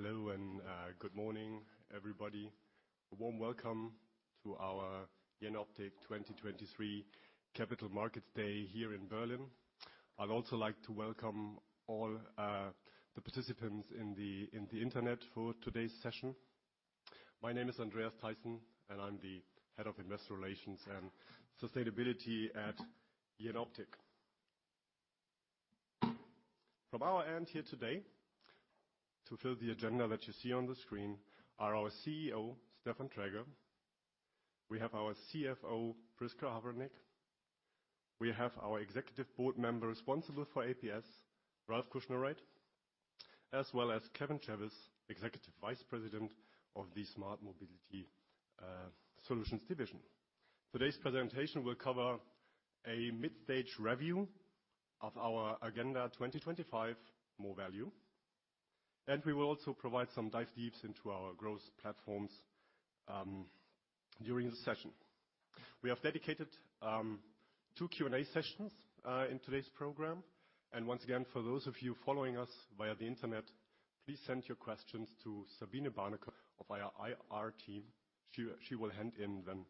Hello and, good morning, everybody. A warm welcome to our Jenoptik 2023 Capital Markets Day here in Berlin. I'd also like to welcome all, the participants on the internet for today's session. My name is Andreas Theisen, and I'm the Head of Investor Relations and Sustainability at Jenoptik. From our end here today, to fill the agenda that you see on the screen, are our CEO, Stefan Traeger. We have our CFO, Prisca Havranek. We have our executive board member responsible for APS, Ralf Kuschnereit, as well as Kevin Chevis, Executive Vice President of the Smart Mobility Solutions Division. Today's presentation will cover a mid-stage review of our Agenda 2025 More Value, and we will also provide some dive deeps into our growth platforms during the session. We have dedicated two Q&A sessions in today's program. Once again, for those of you following us via the internet, please send your questions to Sabine Barnekow of our IR team. She, she will hand in then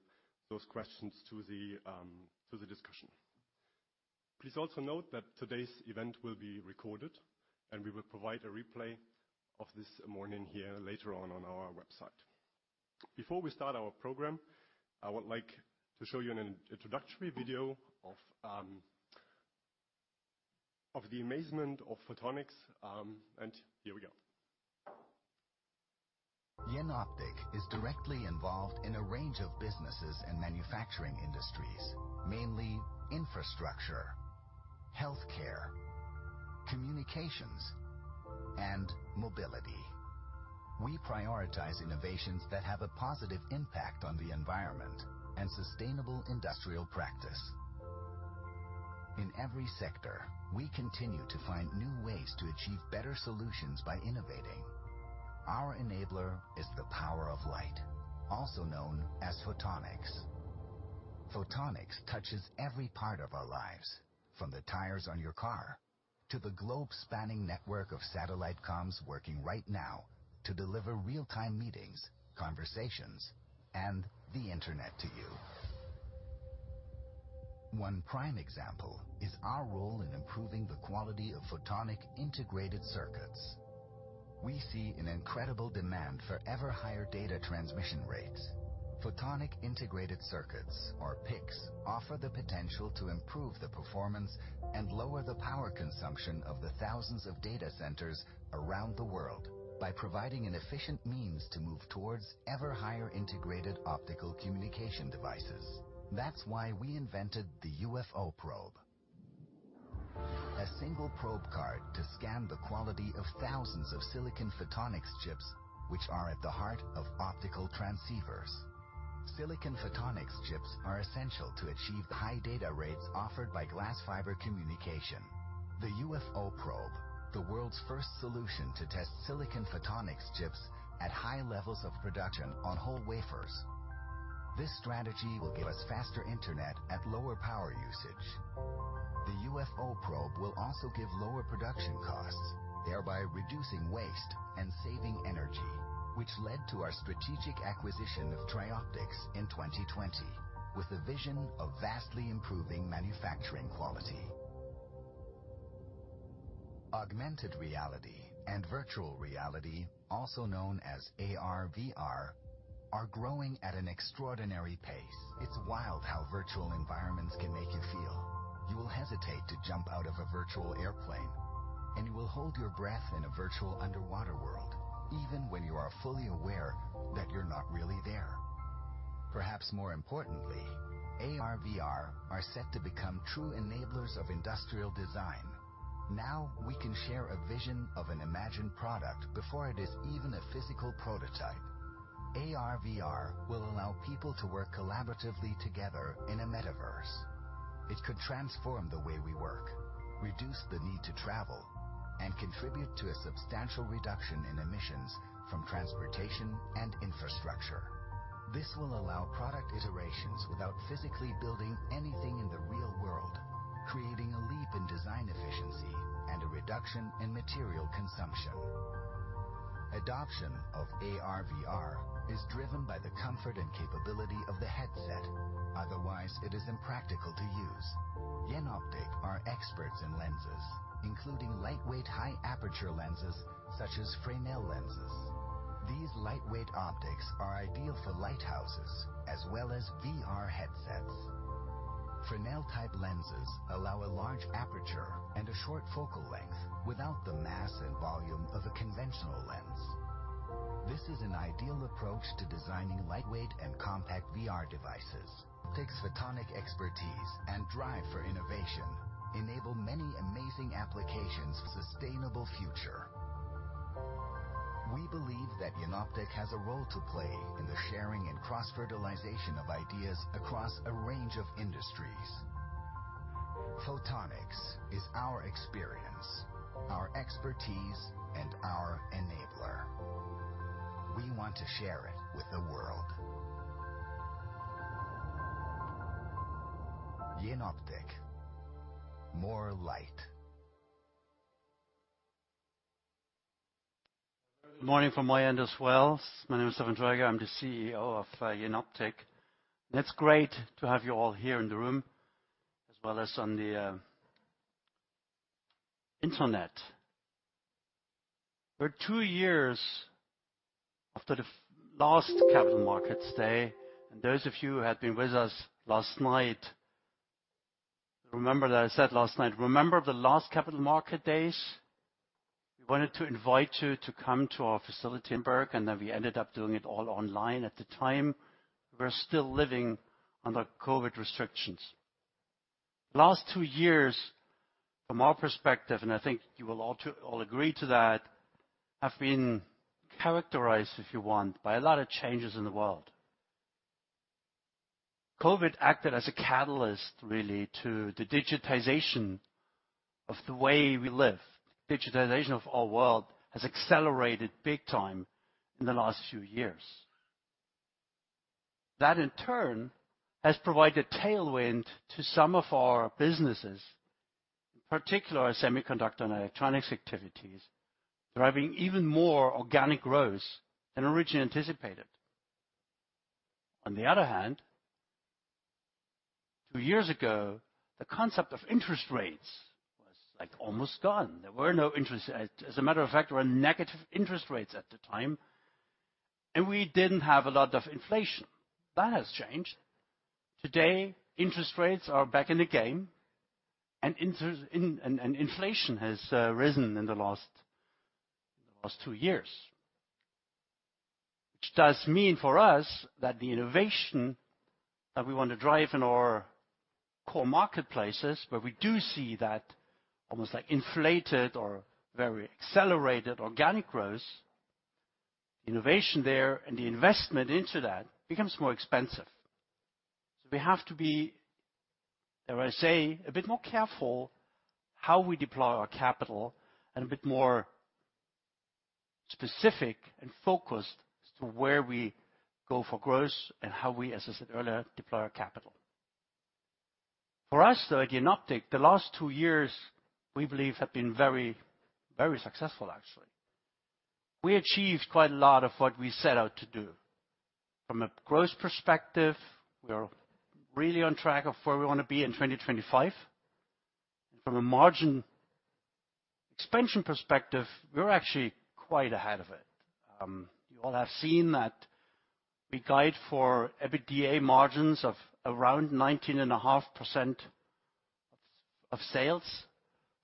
those questions to the discussion. Please also note that today's event will be recorded, and we will provide a replay of this morning here later on our website. Before we start our program, I would like to show you an introductory video of the amazement of photonics, and here we go. Jenoptik is directly involved in a range of businesses and manufacturing industries, mainly infrastructure, healthcare, communications, and mobility. We prioritize innovations that have a positive impact on the environment and sustainable industrial practice. In every sector, we continue to find new ways to achieve better solutions by innovating. Our enabler is the power of light, also known as photonics. Photonics touches every part of our lives, from the tires on your car to the globe-spanning network of satellite comms working right now to deliver real-time meetings, conversations, and the internet to you. One prime example is our role in improving the quality of photonic integrated circuits. We see an incredible demand for ever higher data transmission rates. Photonic integrated circuits, or PICs, offer the potential to improve the performance and lower the power consumption of the thousands of data centers around the world by providing an efficient means to move towards ever higher integrated optical communication devices. That's why we invented the UFO Probe. A single probe card to scan the quality of thousands of silicon photonics chips, which are at the heart of optical transceivers. Silicon photonics chips are essential to achieve high data rates offered by glass fiber communication. The UFO Probe, the world's first solution to test silicon photonics chips at high levels of production on whole wafers. This strategy will give us faster internet at lower power usage. The UFO Probe will also give lower production costs, thereby reducing waste and saving energy, which led to our strategic acquisition of TRIOPTICS in 2020, with the vision of vastly improving manufacturing quality. Augmented reality and virtual reality, also known as AR/VR, are growing at an extraordinary pace. It's wild how virtual environments can make you feel. You will hesitate to jump out of a virtual airplane, and you will hold your breath in a virtual underwater world, even when you are fully aware that you're not really there. Perhaps more importantly, AR/VR are set to become true enablers of industrial design. Now, we can share a vision of an imagined product before it is even a physical prototype. AR/VR will allow people to work collaboratively together in a metaverse. It could transform the way we work, reduce the need to travel, and contribute to a substantial reduction in emissions from transportation and infrastructure. This will allow product iterations without physically building anything in the real world, creating a leap in design efficiency and a reduction in material consumption. Adoption of AR/VR is driven by the comfort and capability of the headset, otherwise, it is impractical to use. Jenoptik are experts in lenses, including lightweight, high-aperture lenses such as Fresnel lenses. These lightweight optics are ideal for lighthouses as well as VR headsets. Fresnel-type lenses allow a large aperture and a short focal length without the mass and volume of a conventional lens. This is an ideal approach to designing lightweight and compact VR devices. Takes photonic expertise and drive for innovation, enable many amazing applications for sustainable future. We believe that Jenoptik has a role to play in the sharing and cross-fertilization of ideas across a range of industries. Photonics is our experience, our expertise-... We want to share it with the world. Jenoptik, more light. Good morning from my end as well. My name is Stefan Traeger, I'm the CEO of Jenoptik, and it's great to have you all here in the room as well as on the internet. We're two years after the last Capital Markets Day, and those of you who had been with us last night, remember that I said last night, "Remember the last Capital Market Days? We wanted to invite you to come to our facility in Berg, and then we ended up doing it all online. At the time, we were still living under COVID restrictions." Last two years, from our perspective, and I think you will all agree to that, have been characterized, if you want, by a lot of changes in the world. COVID acted as a catalyst, really, to the digitization of the way we live. Digitalization of our world has accelerated big time in the last few years. That, in turn, has provided tailwind to some of our businesses, particularly our semiconductor and electronics activities, driving even more organic growth than originally anticipated. On the other hand, two years ago, the concept of interest rates was, like, almost gone. There were no interest rates. As a matter of fact, there were negative interest rates at the time, and we didn't have a lot of inflation. That has changed. Today, interest rates are back in the game, and interest rates and inflation has risen in the last two years. Which does mean, for us, that the innovation that we want to drive in our core marketplaces, where we do see that almost, like, inflated or very accelerated organic growth, innovation there and the investment into that becomes more expensive. So we have to be, dare I say, a bit more careful how we deploy our capital and a bit more specific and focused as to where we go for growth and how we, as I said earlier, deploy our capital. For us, though, at Jenoptik, the last two years, we believe, have been very, very successful, actually. We achieved quite a lot of what we set out to do. From a growth perspective, we are really on track of where we want to be in 2025. From a margin expansion perspective, we're actually quite ahead of it. You all have seen that we guide for EBITDA margins of around 19.5% of sales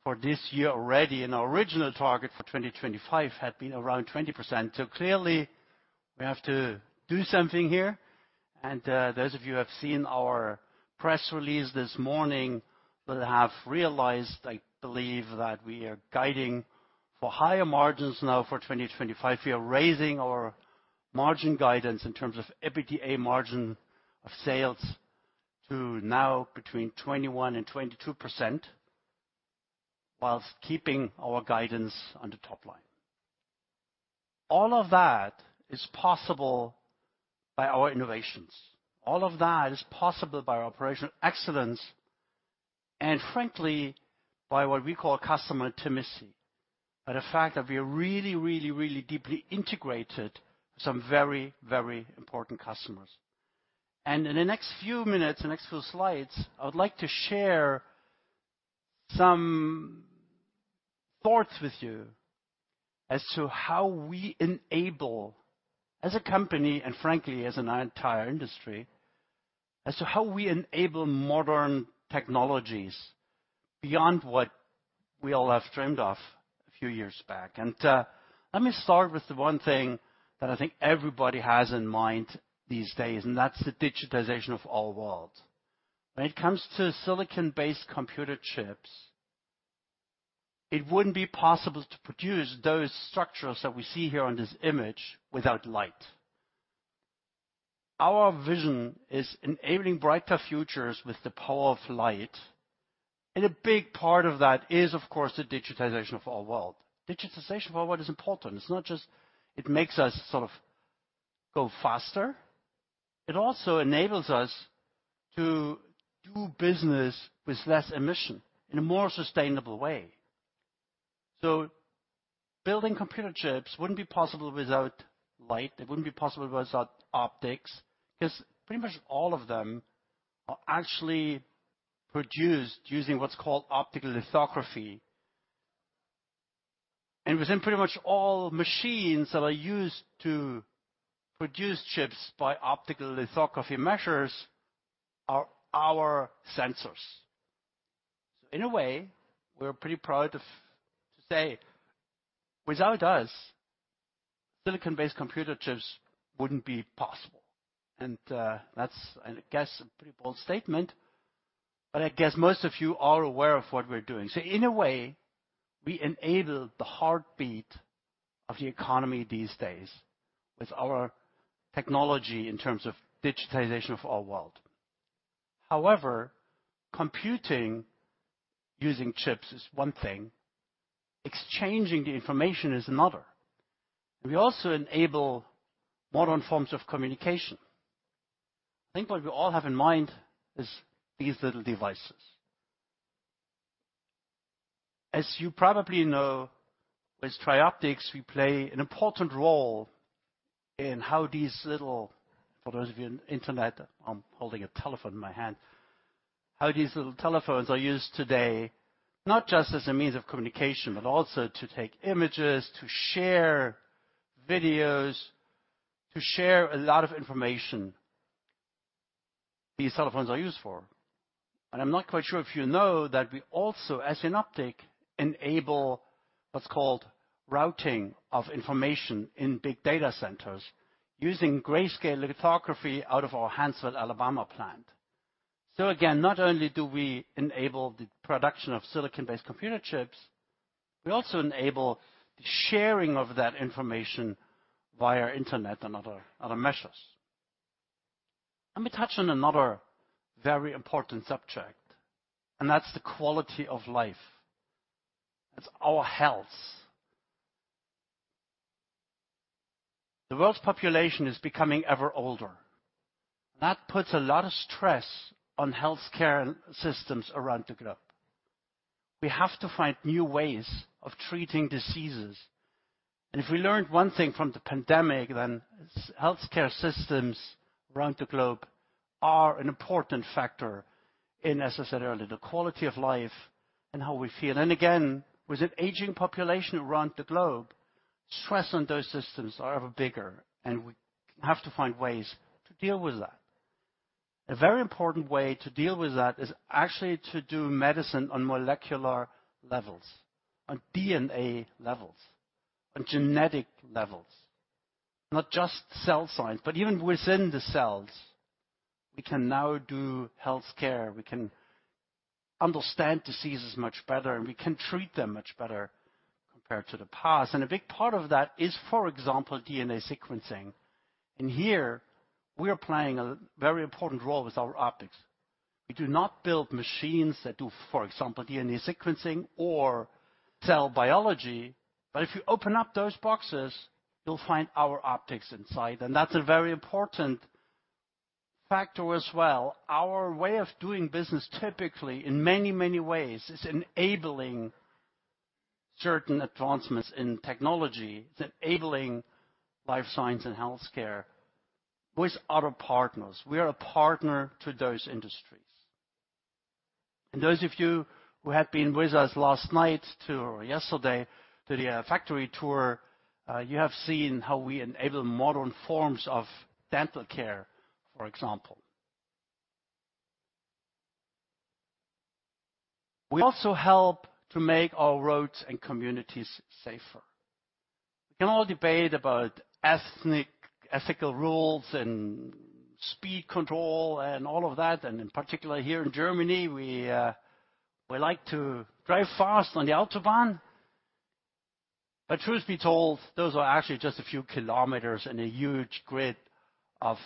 for this year already, and our original target for 2025 had been around 20%. So clearly, we have to do something here, and those of you who have seen our press release this morning will have realized, I believe, that we are guiding for higher margins now for 2025. We are raising our margin guidance in terms of EBITDA margin of sales to now between 21% and 22%, while keeping our guidance on the top line. All of that is possible by our innovations. All of that is possible by our operational excellence, and frankly, by what we call customer intimacy. By the fact that we are really, really, really deeply integrated with some very, very important customers. In the next few minutes, the next few slides, I would like to share some thoughts with you as to how we enable, as a company, and frankly, as an entire industry, as to how we enable modern technologies beyond what we all have dreamed of a few years back. Let me start with the one thing that I think everybody has in mind these days, and that's the digitization of our world. When it comes to silicon-based computer chips, it wouldn't be possible to produce those structures that we see here on this image without light. Our vision is enabling brighter futures with the power of light, and a big part of that is, of course, the digitization of our world. Digitization of our world is important. It's not just... It makes us sort of go faster. It also enables us to do business with less emission in a more sustainable way. So building computer chips wouldn't be possible without light. It wouldn't be possible without optics, 'cause pretty much all of them are actually produced using what's called optical lithography. And within pretty much all machines that are used to produce chips by optical lithography, measures are our sensors. So in a way, we're pretty proud of to say, without us, silicon-based computer chips wouldn't be possible, and that's, I guess, a pretty bold statement, but I guess most of you are aware of what we're doing. So in a way, we enable the heartbeat of the economy these days with our technology in terms of digitization of our world.... However, computing using chips is one thing, exchanging the information is another. We also enable modern forms of communication. I think what we all have in mind is these little devices. As you probably know, with TRIOPTICS, we play an important role in how these little, for those of you on internet, I'm holding a telephone in my hand. How these little telephones are used today, not just as a means of communication, but also to take images, to share videos, to share a lot of information, these telephones are used for. And I'm not quite sure if you know that we also, as Jenoptik, enable what's called routing of information in big data centers, using grayscale lithography out of our Huntsville, Alabama plant. So again, not only do we enable the production of silicon-based computer chips, we also enable the sharing of that information via internet and other, other measures. Let me touch on another very important subject, and that's the quality of life. It's our health. The world's population is becoming ever older, and that puts a lot of stress on healthcare systems around the globe. We have to find new ways of treating diseases, and if we learned one thing from the pandemic, then healthcare systems around the globe are an important factor in, as I said earlier, the quality of life and how we feel. Again, with an aging population around the globe, stress on those systems are ever bigger, and we have to find ways to deal with that. A very important way to deal with that is actually to do medicine on molecular levels, on DNA levels, on genetic levels, not just cell science, but even within the cells. We can now do healthcare. We can understand diseases much better, and we can treat them much better compared to the past. And a big part of that is, for example, DNA sequencing. And here we are playing a very important role with our optics. We do not build machines that do, for example, DNA sequencing or cell biology, but if you open up those boxes, you'll find our optics inside, and that's a very important factor as well. Our way of doing business, typically, in many, many ways, is enabling certain advancements in technology, is enabling life science and healthcare with other partners. We are a partner to those industries. And those of you who have been with us last night to or yesterday, to the factory tour, you have seen how we enable modern forms of dental care, for example. We also help to make our roads and communities safer. We can all debate about ethnic, ethical rules and speed control and all of that, and in particular, here in Germany, we like to drive fast on the Autobahn. But truth be told, those are actually just a few kilometers in a huge grid of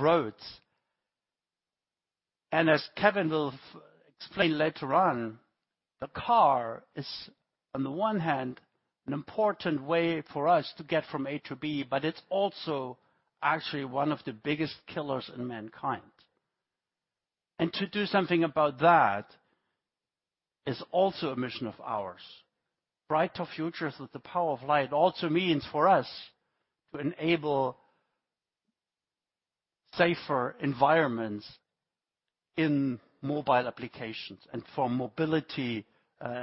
roads. And as Kevin will explain later on, the car is, on the one hand, an important way for us to get from A to B, but it's also actually one of the biggest killers in mankind. And to do something about that is also a mission of ours. Brighter futures with the power of light also means for us to enable safer environments in mobile applications and for mobility systems. So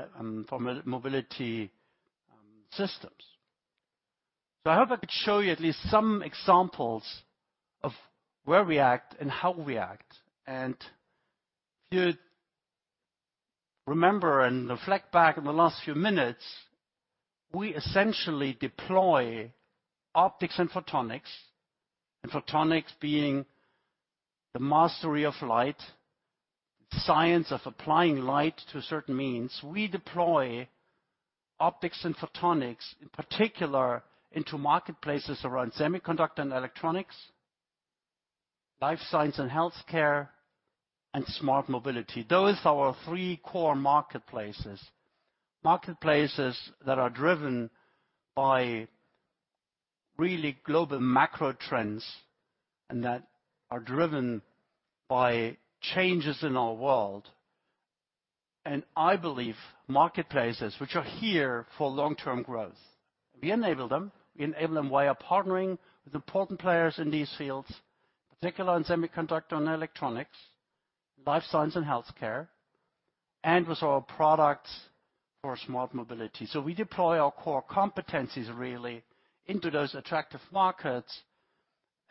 I hope I could show you at least some examples of where we act and how we act. If you remember and reflect back on the last few minutes, we essentially deploy optics and photonics, and photonics being the mastery of light, science of applying light to a certain means. We deploy optics and photonics, in particular, into marketplaces around semiconductor and electronics, life science and healthcare, and smart mobility. Those are our three core marketplaces. Marketplaces that are driven by really global macro trends, and that are driven by changes in our world. I believe marketplaces, which are here for long-term growth, we enable them. We enable them via partnering with important players in these fields, particularly on semiconductor and electronics, life science and healthcare, and with our products for smart mobility. We deploy our core competencies really into those attractive markets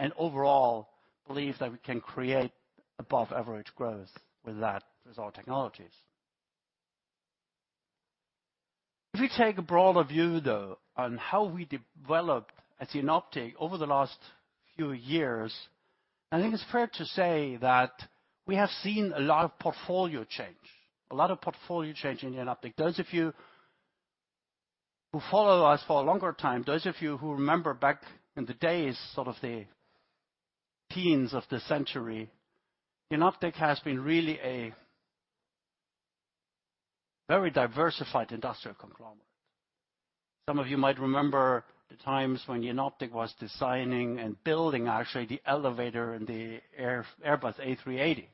and overall believe that we can create above average growth with that, with our technologies. If we take a broader view, though, on how we developed as Jenoptik over the last few years, I think it's fair to say that we have seen a lot of portfolio change, a lot of portfolio change in Jenoptik. Those of you who follow us for a longer time, those of you who remember back in the days, sort of the teens of the century, Jenoptik has been really a very diversified industrial conglomerate. Some of you might remember the times when Jenoptik was designing and building, actually, the elevator in the air, Airbus A380.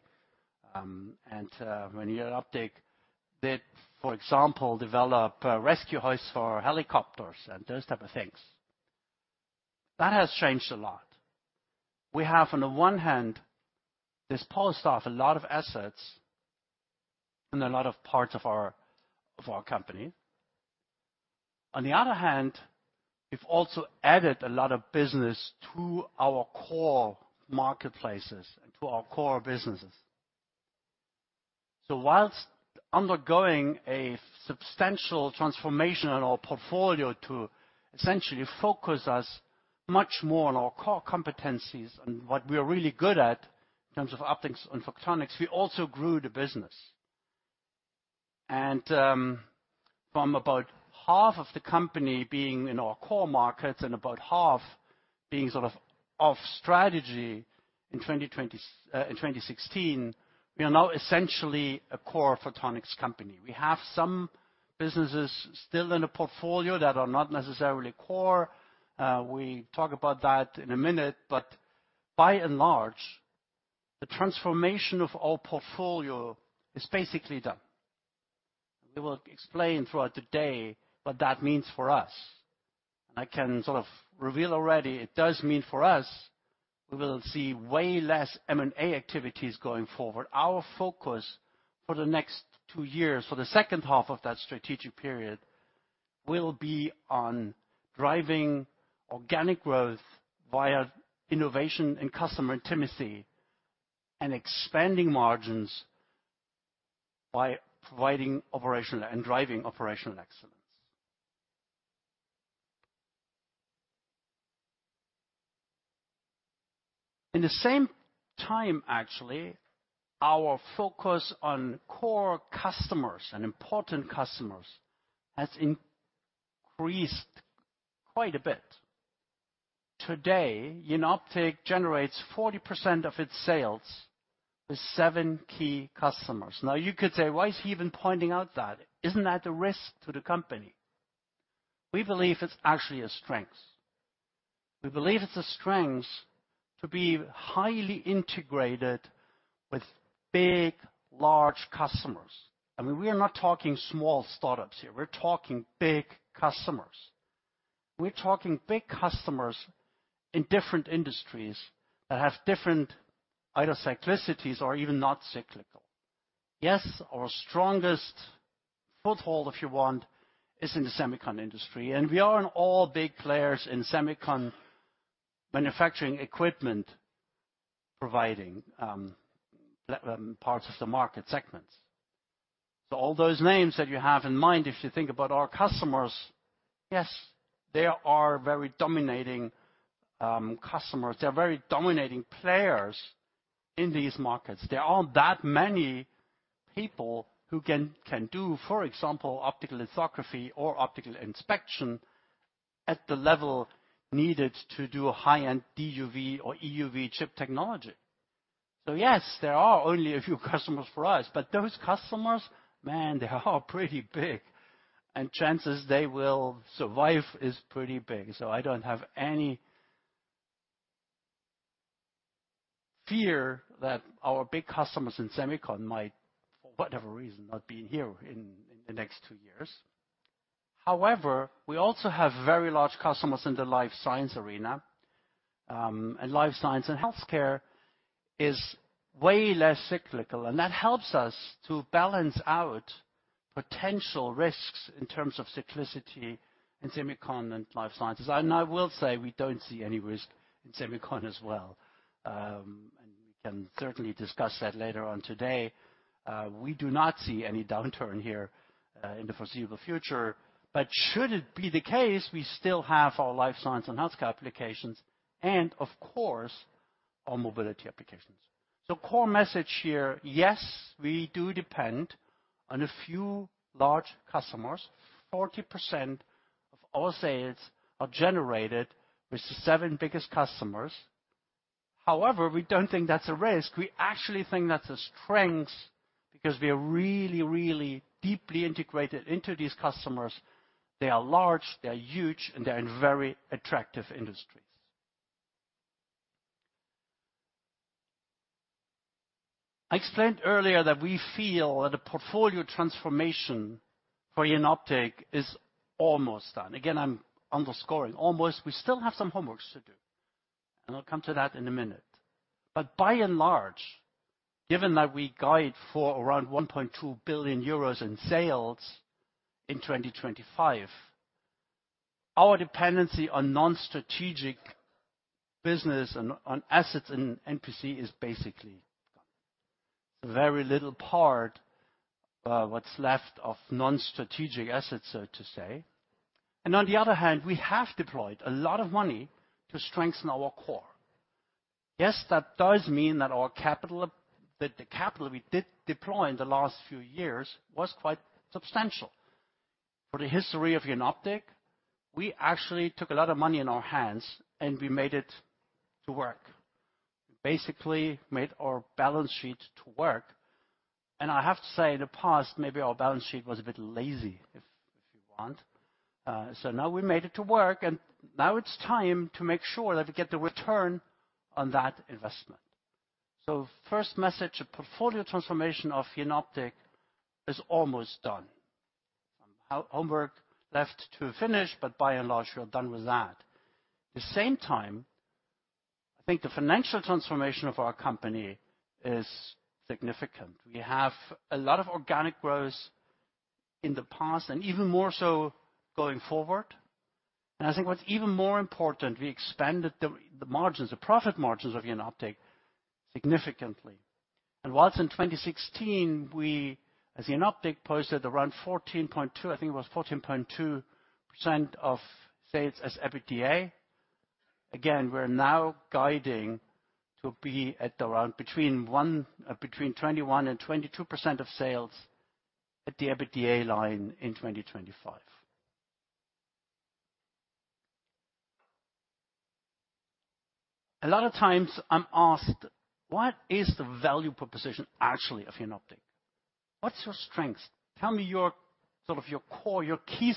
And when Jenoptik did, for example, develop rescue hoists for helicopters and those type of things. That has changed a lot. We have, on the one hand, disposed of a lot of assets in a lot of parts of our, of our company. On the other hand, we've also added a lot of business to our core marketplaces and to our core businesses. While undergoing a substantial transformation in our portfolio to essentially focus us much more on our core competencies, and what we are really good at in terms of optics and photonics, we also grew the business. From about half of the company being in our core markets and about half being sort of off strategy in 2016, we are now essentially a core photonics company. We have some businesses still in the portfolio that are not necessarily core. We talk about that in a minute, but by and large, the transformation of our portfolio is basically done. We will explain throughout the day what that means for us. I can sort of reveal already, it does mean for us, we will see way less M&A activities going forward. Our focus for the next two years, for the second half of that strategic period, will be on driving organic growth via innovation and customer intimacy, and expanding margins by providing operational and driving operational excellence. In the same time, actually, our focus on core customers and important customers has increased quite a bit. Today, Jenoptik generates 40% of its sales with seven key customers. Now, you could say: Why is he even pointing out that? Isn't that a risk to the company? We believe it's actually a strength. We believe it's a strength to be highly integrated with big, large customers. I mean, we are not talking small startups here. We're talking big customers. We're talking big customers in different industries that have different either cyclicities or even not cyclical. Yes, our strongest foothold, if you want, is in the semicon industry, and we are in all big players in semicon manufacturing equipment, providing parts of the market segments. So all those names that you have in mind, if you think about our customers, yes, they are very dominating customers. They are very dominating players in these markets. There aren't that many people who can do, for example, optical lithography or optical inspection at the level needed to do a high-end DUV/EUV chip technology. So yes, there are only a few customers for us, but those customers, man, they are pretty big, and chances they will survive is pretty big. So I don't have any... Fear that our big customers in semicon might, for whatever reason, not be here in the next two years. However, we also have very large customers in the life science arena. Life science and healthcare is way less cyclical, and that helps us to balance out potential risks in terms of cyclicity in semicon and life sciences. I will say we don't see any risk in semicon as well. We can certainly discuss that later on today. We do not see any downturn here in the foreseeable future, but should it be the case, we still have our life science and healthcare applications, and of course, our mobility applications. So core message here, yes, we do depend on a few large customers. 40% of all sales are generated with the seven biggest customers. However, we don't think that's a risk. We actually think that's a strength because we are really, really deeply integrated into these customers. They are large, they are huge, and they are in very attractive industries. I explained earlier that we feel that the portfolio transformation for Jenoptik is almost done. Again, I'm underscoring almost. We still have some homework to do, and I'll come to that in a minute. But by and large, given that we guide for around 1.2 billion euros in sales in 2025, our dependency on non-strategic business and on assets in NPC is basically very little part of what's left of non-strategic assets, so to say. And on the other hand, we have deployed a lot of money to strengthen our core.... Yes, that does mean that our capital, that the capital we did deploy in the last few years was quite substantial. For the history of Jenoptik, we actually took a lot of money in our hands, and we made it to work. Basically, made our balance sheet to work, and I have to say, in the past, maybe our balance sheet was a bit lazy, if you want. So now we made it to work, and now it's time to make sure that we get the return on that investment. So first message, a portfolio transformation of Jenoptik is almost done. Some homework left to finish, but by and large, we are done with that. The same time, I think the financial transformation of our company is significant. We have a lot of organic growth in the past, and even more so going forward. And I think what's even more important, we expanded the margins, the profit margins of Jenoptik significantly. While in 2016, we, as Jenoptik, posted around 14.2, I think it was 14.2% of sales as EBITDA, again, we're now guiding to be at around between 21 and 22% of sales at the EBITDA line in 2025. A lot of times I'm asked, "What is the value proposition, actually, of Jenoptik? What's your strength? Tell me your, sort of, your core, your key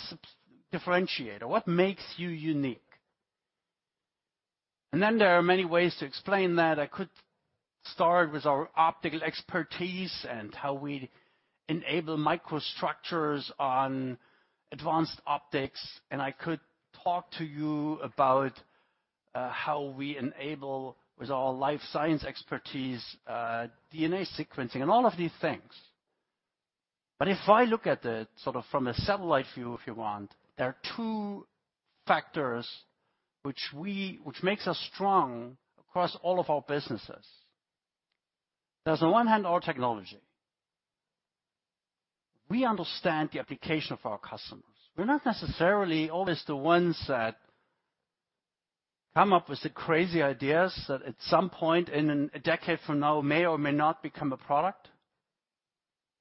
differentiator. What makes you unique?" And then there are many ways to explain that. I could start with our optical expertise and how we enable microstructures on advanced optics, and I could talk to you about how we enable, with our life science expertise, DNA sequencing and all of these things. But if I look at it, sort of, from a satellite view, if you want, there are two factors which makes us strong across all of our businesses. There's, on one hand, our technology. We understand the application of our customers. We're not necessarily always the ones that come up with the crazy ideas that at some point, in a decade from now, may or may not become a product.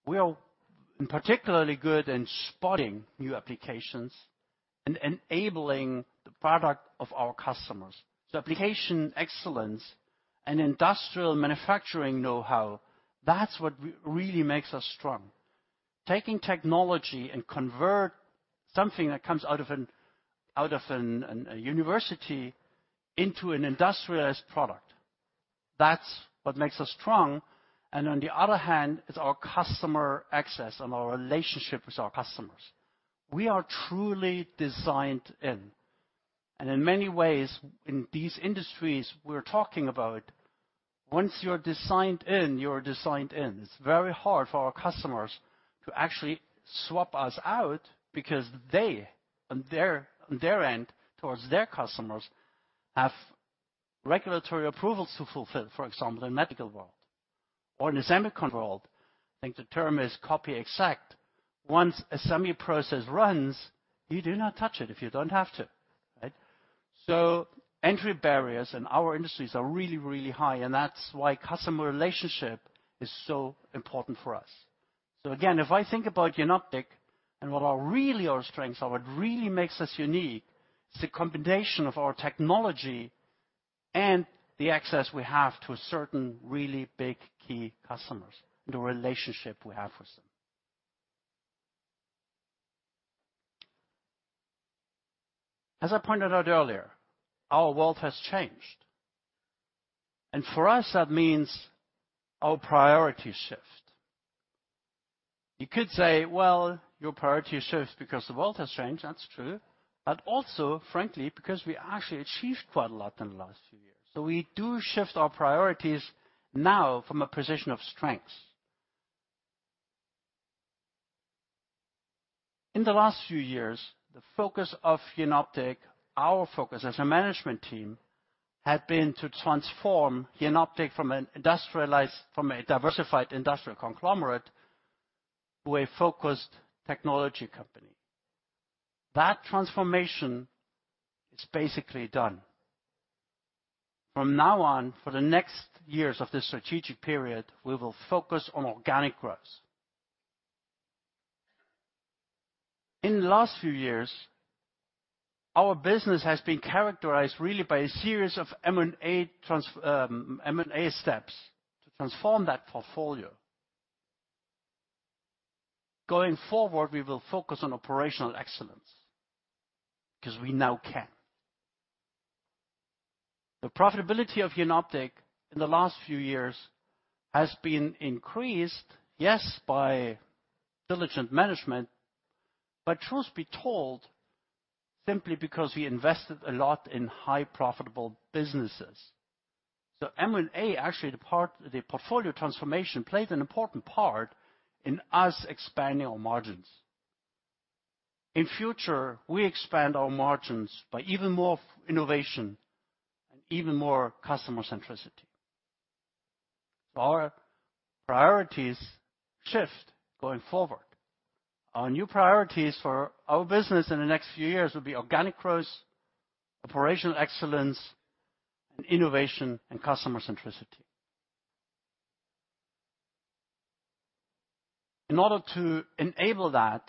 We are particularly good in spotting new applications and enabling the product of our customers. So application excellence and industrial manufacturing know-how, that's what really makes us strong. Taking technology and convert something that comes out of a university into an industrialized product. That's what makes us strong, and on the other hand, it's our customer access and our relationship with our customers. We are truly designed in, and in many ways, in these industries we're talking about, once you're designed in, you're designed in. It's very hard for our customers to actually swap us out because they, on their, on their end, towards their customers, have regulatory approvals to fulfill, for example, in medical world or in the semiconductor world. I think the term is copy exact. Once a semi process runs, you do not touch it if you don't have to, right? So entry barriers in our industries are really, really high, and that's why customer relationship is so important for us. So again, if I think about Jenoptik and what are really our strengths, are what really makes us unique, it's the combination of our technology and the access we have to certain really big, key customers, and the relationship we have with them. As I pointed out earlier, our world has changed, and for us, that means our priorities shift. You could say, "Well, your priority shifts because the world has changed." That's true, but also, frankly, because we actually achieved quite a lot in the last few years. So we do shift our priorities now from a position of strength. In the last few years, the focus of Jenoptik, our focus as a management team, had been to transform Jenoptik from an industrialized... From a diversified industrial conglomerate to a focused technology company. That transformation is basically done. From now on, for the next years of this strategic period, we will focus on organic growth. In the last few years, our business has been characterized really by a series of M&A steps to transform that portfolio. Going forward, we will focus on operational excellence because we now can. The profitability of Jenoptik in the last few years has been increased, yes, by diligent management, but truth be told, simply because we invested a lot in high profitable businesses. So M&A, actually, the part, the portfolio transformation, played an important part in us expanding our margins. In future, we expand our margins by even more innovation and even more customer centricity. So our priorities shift going forward. Our new priorities for our business in the next few years will be organic growth, operational excellence, and innovation and customer centricity. In order to enable that,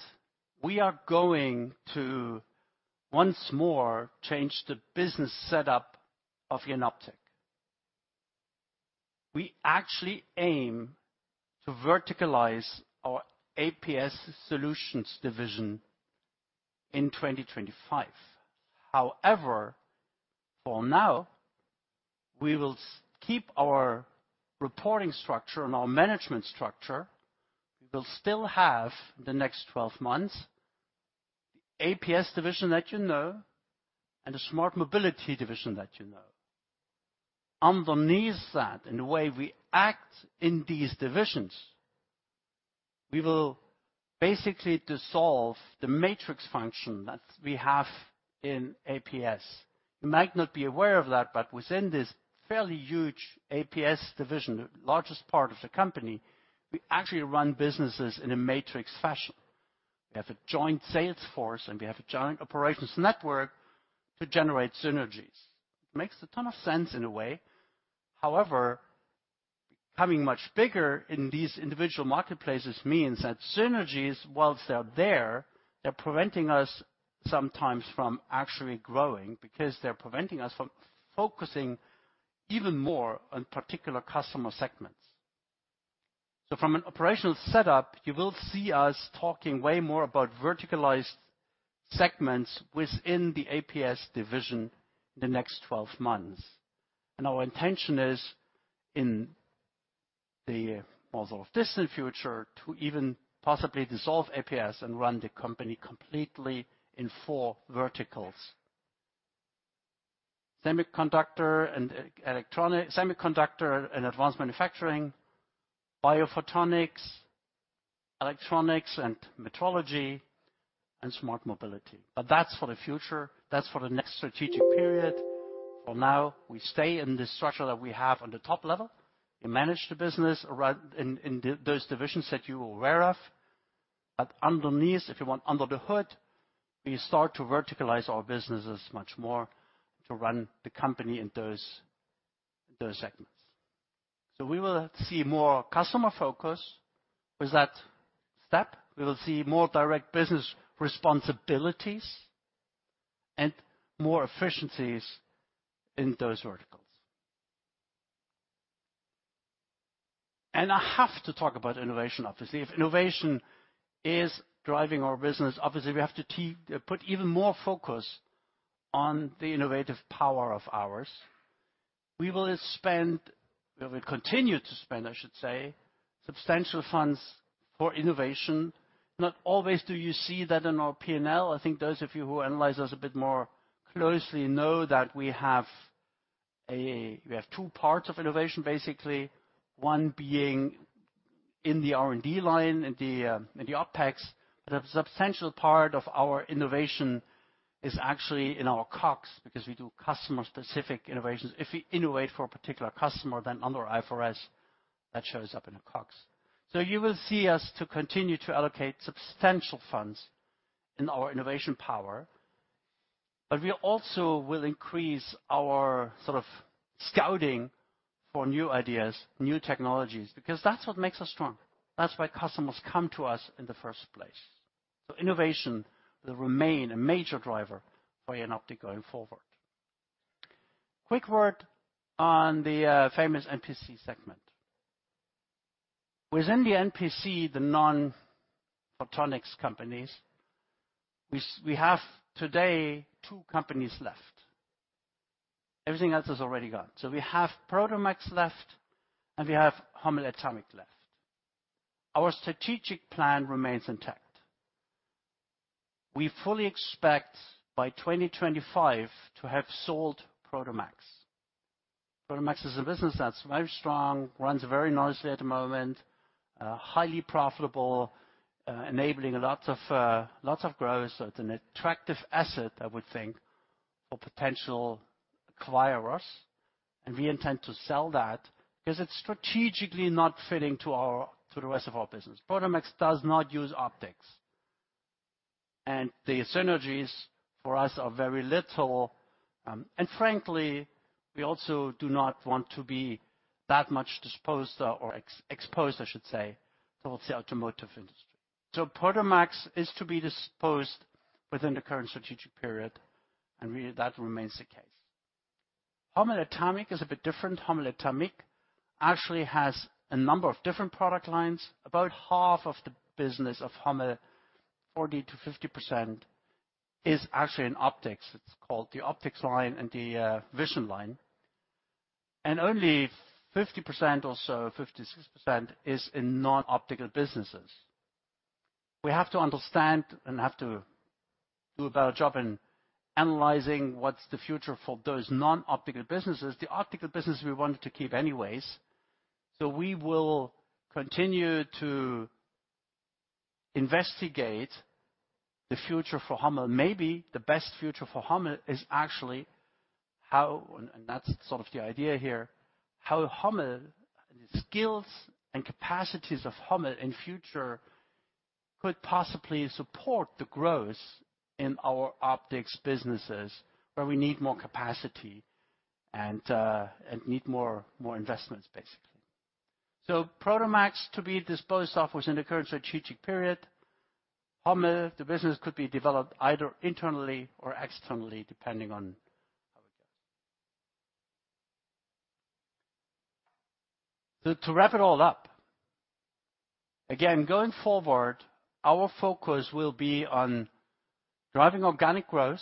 we are going to once more change the business setup of Jenoptik. We actually aim to verticalize our APS solutions division in 2025. However, for now, we will keep our reporting structure and our management structure. We will still have, the next 12 months, the APS division that you know, and the smart mobility division that you know. Underneath that, in the way we act in these divisions, we will basically dissolve the matrix function that we have in APS. You might not be aware of that, but within this fairly huge APS division, the largest part of the company, we actually run businesses in a matrix fashion. We have a joint sales force, and we have a joint operations network to generate synergies. Makes a ton of sense in a way. However, becoming much bigger in these individual marketplaces means that synergies, while they are there, they're preventing us sometimes from actually growing, because they're preventing us from focusing even more on particular customer segments. From an operational setup, you will see us talking way more about verticalized segments within the APS division in the next 12 months. Our intention is, in the more distant future, to even possibly dissolve APS and run the company completely in four verticals: semiconductor and electronic-semiconductor and advanced manufacturing, biophotonics, electronics and metrology, and smart mobility. That's for the future. That's for the next strategic period. For now, we stay in this structure that we have on the top level and manage the business around in those divisions that you are aware of. But underneath, if you want, under the hood, we start to verticalize our businesses much more to run the company in those segments. We will see more customer focus. With that step, we will see more direct business responsibilities and more efficiencies in those verticals. I have to talk about innovation, obviously. If innovation is driving our business, obviously, we have to put even more focus on the innovative power of ours. We will continue to spend, I should say, substantial funds for innovation. Not always do you see that in our P&L. I think those of you who analyze us a bit more closely know that we have a, we have two parts of innovation, basically. One being in the R&D line, in the, in the OpEx, but a substantial part of our innovation is actually in our COGS, because we do customer-specific innovations. If we innovate for a particular customer, then under IFRS, that shows up in the COGS. So you will see us to continue to allocate substantial funds in our innovation power, but we also will increase our sort of scouting for new ideas, new technologies, because that's what makes us strong. That's why customers come to us in the first place. So innovation will remain a major driver for Jenoptik going forward. Quick word on the famous NPC segment. Within the NPC, the non-photonics companies, we have today two companies left. Everything else is already gone. So we have Prodomax left, and we have Hommel left. Our strategic plan remains intact. We fully expect by 2025 to have sold Prodomax. Prodomax is a business that's very strong, runs very nicely at the moment, highly profitable, enabling a lot of lots of growth. So it's an attractive asset, I would think, for potential acquirers, and we intend to sell that because it's strategically not fitting to our, to the rest of our business. Prodomax does not use optics, and the synergies for us are very little. And frankly, we also do not want to be that much disposed or exposed, I should say, towards the automotive industry. So Prodomax is to be disposed within the current strategic period, and really, that remains the case. Hommel is a bit different. Hommel actually has a number of different product lines. About half of the business of Hommel, 40%-50%, is actually in optics. It's called the optics line and the vision line, and only 50% or so, 56% is in non-optical businesses. We have to understand and have to do a better job in analyzing what's the future for those non-optical businesses. The optical business we wanted to keep anyways, so we will continue to investigate the future for Hommel. Maybe the best future for Hommel is actually how, and that's sort of the idea here, how Hommel, skills and capacities of Hommel in future could possibly support the growth in our optics businesses, where we need more capacity and, and need more, more investments, basically. So Prodomax, to be disposed of within the current strategic period. Hommel, the business could be developed either internally or externally, depending on how it goes. So to wrap it all up, again, going forward, our focus will be on driving organic growth,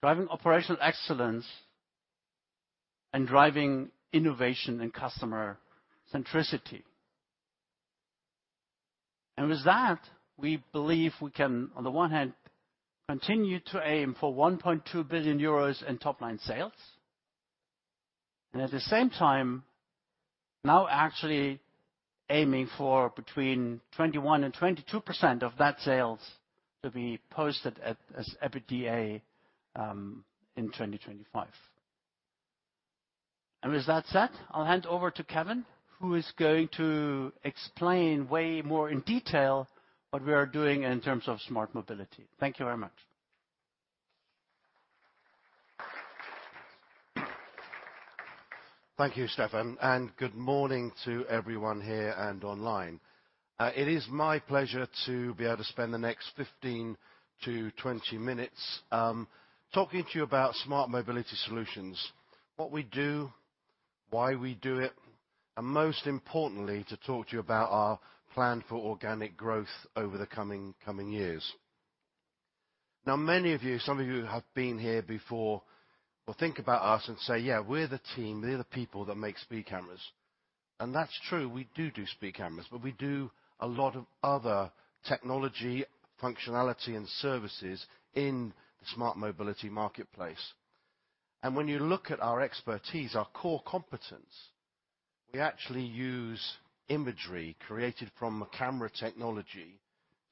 driving operational excellence, and driving innovation and customer centricity. With that, we believe we can, on the one hand, continue to aim for 1.2 billion euros in top-line sales. At the same time, now actually aiming for between 21% and 22% of that sales to be posted at as EBITDA in 2025. With that said, I'll hand over to Kevin, who is going to explain way more in detail what we are doing in terms of smart mobility. Thank you very much. Thank you, Stefan, and good morning to everyone here and online. It is my pleasure to be able to spend the next 15-20 minutes talking to you about smart mobility solutions, what we do, why we do it, and most importantly, to talk to you about our plan for organic growth over the coming years. Now, many of you, some of you who have been here before, will think about us and say, "Yeah, we're the team, they're the people that make speed cameras." That's true, we do do speed cameras, but we do a lot of other technology, functionality, and services in the smart mobility marketplace. When you look at our expertise, our core competence, we actually use imagery created from a camera technology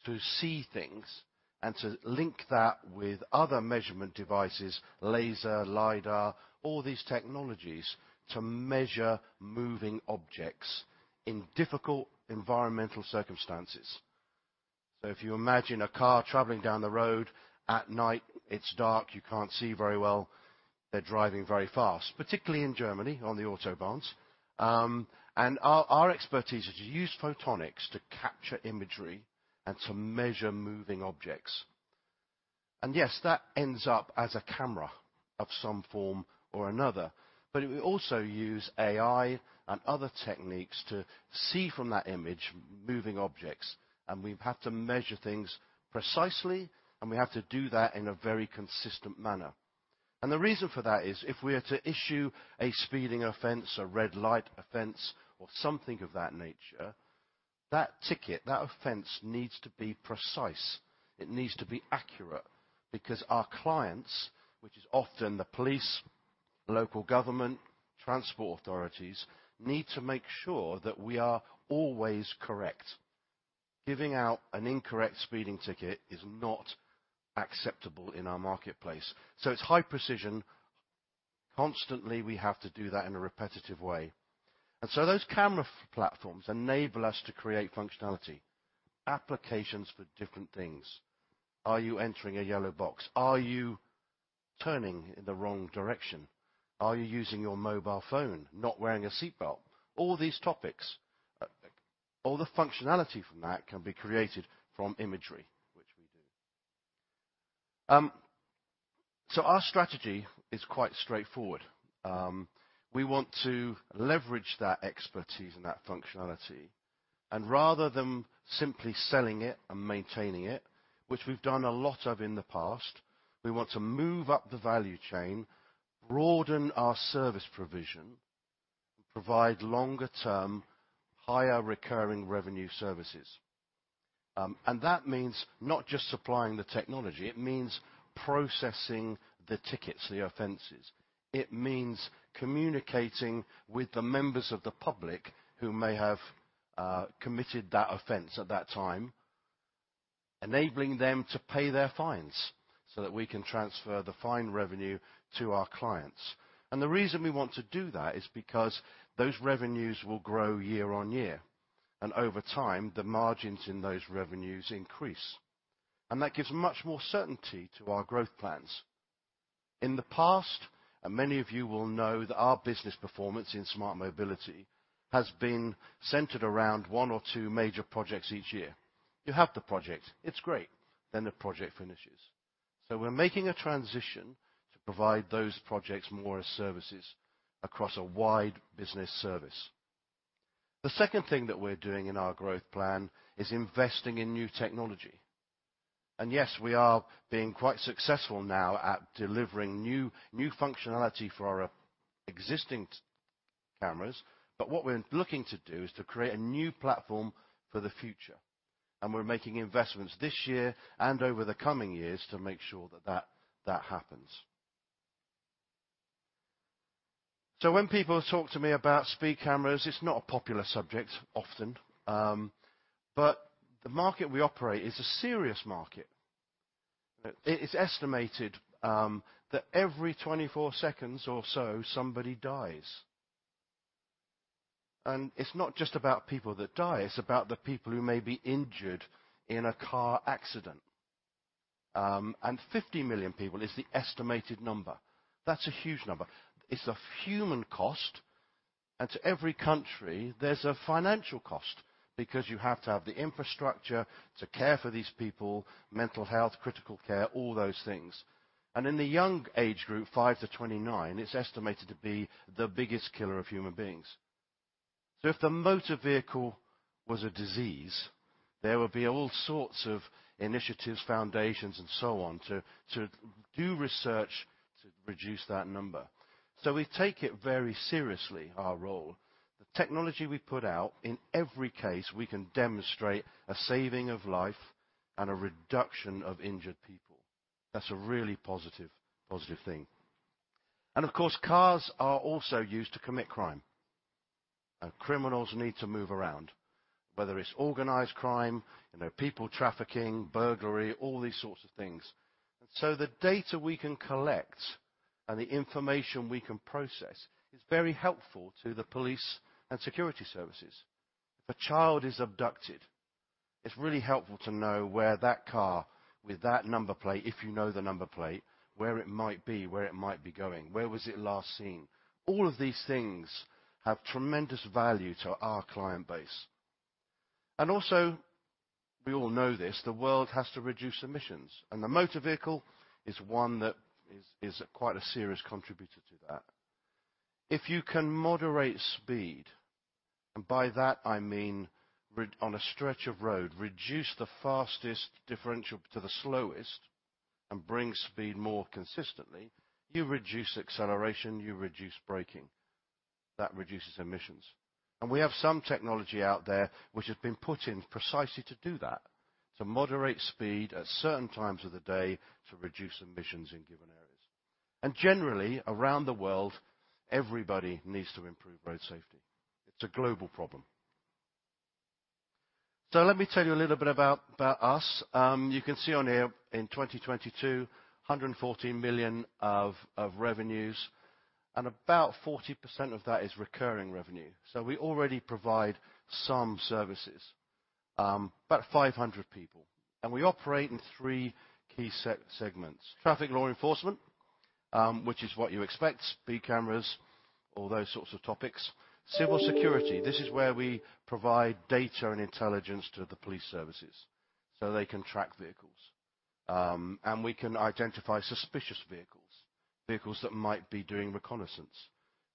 to see things and to link that with other measurement devices, laser, Lidar, all these technologies, to measure moving objects in difficult environmental circumstances. So if you imagine a car traveling down the road at night, it's dark, you can't see very well, they're driving very fast, particularly in Germany, on the Autobahns. And our expertise is to use photonics to capture imagery and to measure moving objects. And yes, that ends up as a camera of some form or another, but we also use AI and other techniques to see from that image, moving objects. And we've had to measure things precisely, and we have to do that in a very consistent manner. The reason for that is if we are to issue a speeding offense, a red light offense, or something of that nature, that ticket, that offense, needs to be precise. It needs to be accurate, because our clients, which is often the police, local government, transport authorities, need to make sure that we are always correct. Giving out an incorrect speeding ticket is not acceptable in our marketplace. So it's high precision. Constantly, we have to do that in a repetitive way. And so those camera platforms enable us to create functionality, applications for different things. Are you entering a yellow box? Are you turning in the wrong direction? Are you using your mobile phone, not wearing a seatbelt? All these topics, all the functionality from that can be created from imagery, which we do. So our strategy is quite straightforward. We want to leverage that expertise and that functionality, and rather than simply selling it and maintaining it, which we've done a lot of in the past, we want to move up the value chain, broaden our service provision, provide longer-term, higher recurring revenue services. And that means not just supplying the technology, it means processing the tickets, the offenses. It means communicating with the members of the public who may have committed that offense at that time, enabling them to pay their fines so that we can transfer the fine revenue to our clients. And the reason we want to do that is because those revenues will grow year on year, and over time, the margins in those revenues increase. And that gives much more certainty to our growth plans. In the past, and many of you will know that our business performance in smart mobility has been centered around one or two major projects each year. You have the project, it's great, then the project finishes. So we're making a transition to provide those projects more as services across a wide business service. The second thing that we're doing in our growth plan is investing in new technology. And yes, we are being quite successful now at delivering new, new functionality for our existing cameras, but what we're looking to do is to create a new platform for the future, and we're making investments this year and over the coming years to make sure that that, that happens. So when people talk to me about speed cameras, it's not a popular subject, often, but the market we operate is a serious market. It's estimated that every 24 seconds or so somebody dies. It's not just about people that die, it's about the people who may be injured in a car accident. 50 million people is the estimated number. That's a huge number. It's a human cost, and to every country, there's a financial cost because you have to have the infrastructure to care for these people, mental health, critical care, all those things. In the young age group, 5 to 29, it's estimated to be the biggest killer of human beings. If the motor vehicle was a disease, there would be all sorts of initiatives, foundations, and so on to do research to reduce that number. We take it very seriously, our role. The technology we put out, in every case, we can demonstrate a saving of life and a reduction of injured people. That's a really positive, positive thing. And of course, cars are also used to commit crime. And criminals need to move around, whether it's organized crime, you know, people trafficking, burglary, all these sorts of things. So the data we can collect and the information we can process is very helpful to the police and security services. If a child is abducted, it's really helpful to know where that car with that number plate, if you know the number plate, where it might be, where it might be going, where was it last seen? All of these things have tremendous value to our client base. And also, we all know this, the world has to reduce emissions, and the motor vehicle is one that is quite a serious contributor to that. If you can moderate speed, and by that I mean on a stretch of road, reduce the fastest differential to the slowest and bring speed more consistently, you reduce acceleration, you reduce braking. That reduces emissions. And we have some technology out there which has been put in precisely to do that, to moderate speed at certain times of the day, to reduce emissions in given areas. And generally, around the world, everybody needs to improve road safety. It's a global problem. So let me tell you a little bit about us. You can see on here in 2022, 114 million of revenues, and about 40% of that is recurring revenue. So we already provide some services. About 500 people, and we operate in three key segments. Traffic law enforcement, which is what you expect, speed cameras, all those sorts of topics. Civil security, this is where we provide data and intelligence to the police services so they can track vehicles. And we can identify suspicious vehicles, vehicles that might be doing reconnaissance,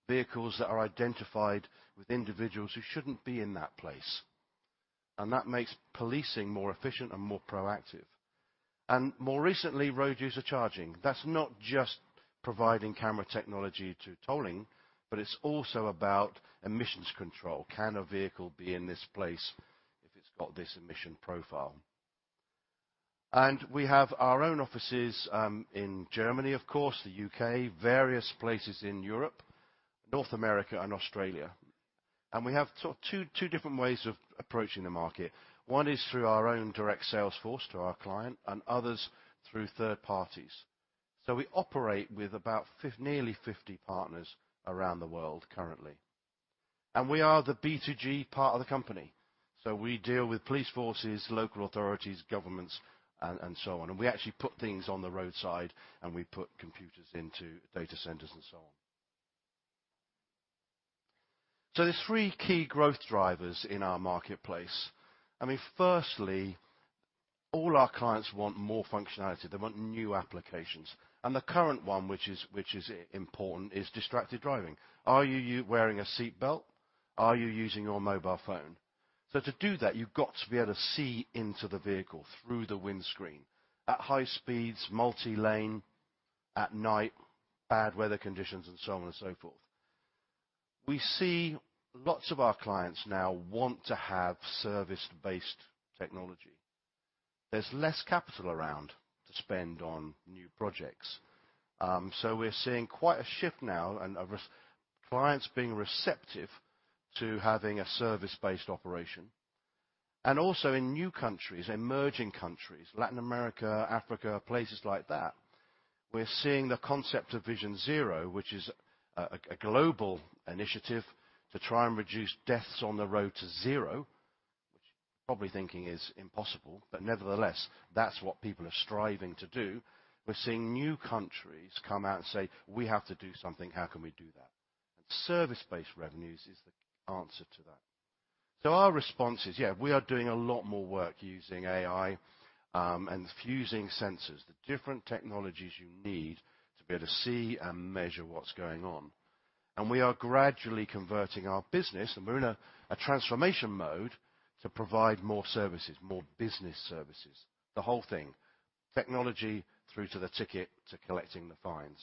vehicles that are identified with individuals who shouldn't be in that place. And that makes policing more efficient and more proactive. And more recently, road user charging. That's not just providing camera technology to tolling, but it's also about emissions control. Can a vehicle be in this place if it's got this emission profile? And we have our own offices in Germany, of course, the U.K., various places in Europe, North America, and Australia. We have sort of two different ways of approaching the market. One is through our own direct sales force to our client and others through third parties. We operate with nearly 50 partners around the world currently. We are the B2G part of the company, so we deal with police forces, local authorities, governments, and so on. We actually put things on the roadside, and we put computers into data centers and so on. There's three key growth drivers in our marketplace. I mean, firstly, all our clients want more functionality. They want new applications, and the current one, which is important, is distracted driving. Are you wearing a seatbelt? Are you using your mobile phone? So to do that, you've got to be able to see into the vehicle through the windscreen at high speeds, multi-lane, at night, bad weather conditions, and so on and so forth. We see lots of our clients now want to have service-based technology. There's less capital around to spend on new projects, so we're seeing quite a shift now and clients being receptive to having a service-based operation. And also in new countries, emerging countries, Latin America, Africa, places like that, we're seeing the concept of Vision Zero, which is a global initiative to try and reduce deaths on the road to zero, which you're probably thinking is impossible, but nevertheless, that's what people are striving to do. We're seeing new countries come out and say: "We have to do something. How can we do that?" And service-based revenues is the answer to that. So our response is, yeah, we are doing a lot more work using AI, and fusing sensors, the different technologies you need to be able to see and measure what's going on. And we are gradually converting our business, and we're in a transformation mode, to provide more services, more business services, the whole thing. Technology through to the ticket, to collecting the fines.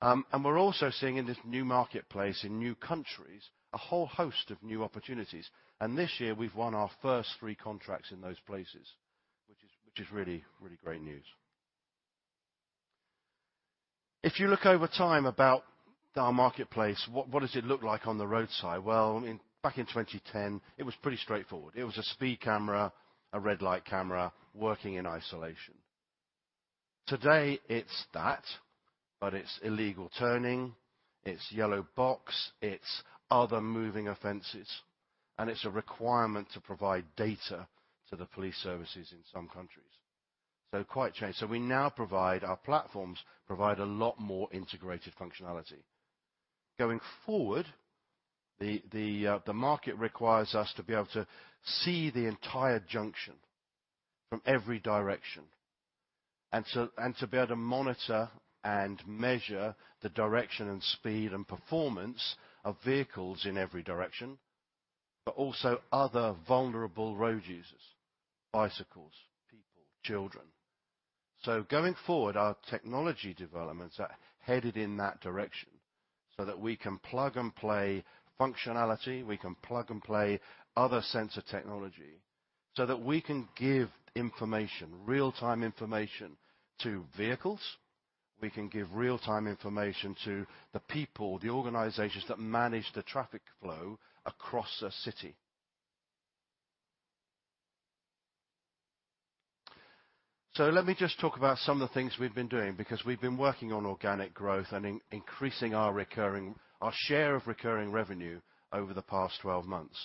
And we're also seeing in this new marketplace, in new countries, a whole host of new opportunities, and this year we've won our first three contracts in those places... which is really, really great news. If you look over time about our marketplace, what does it look like on the roadside? Well, I mean, back in 2010, it was pretty straightforward. It was a speed camera, a red light camera, working in isolation. Today, it's that, but it's illegal turning, it's yellow box, it's other moving offenses, and it's a requirement to provide data to the police services in some countries. So quite a change. So we now provide our platforms, provide a lot more integrated functionality. Going forward, the market requires us to be able to see the entire junction from every direction, and to be able to monitor and measure the direction and speed and performance of vehicles in every direction, but also other vulnerable road users, bicycles, people, children. So going forward, our technology developments are headed in that direction, so that we can plug and play functionality, we can plug and play other sensor technology, so that we can give information, real-time information, to vehicles. We can give real-time information to the people, the organizations that manage the traffic flow across a city. So let me just talk about some of the things we've been doing, because we've been working on organic growth and increasing our share of recurring revenue over the past 12 months.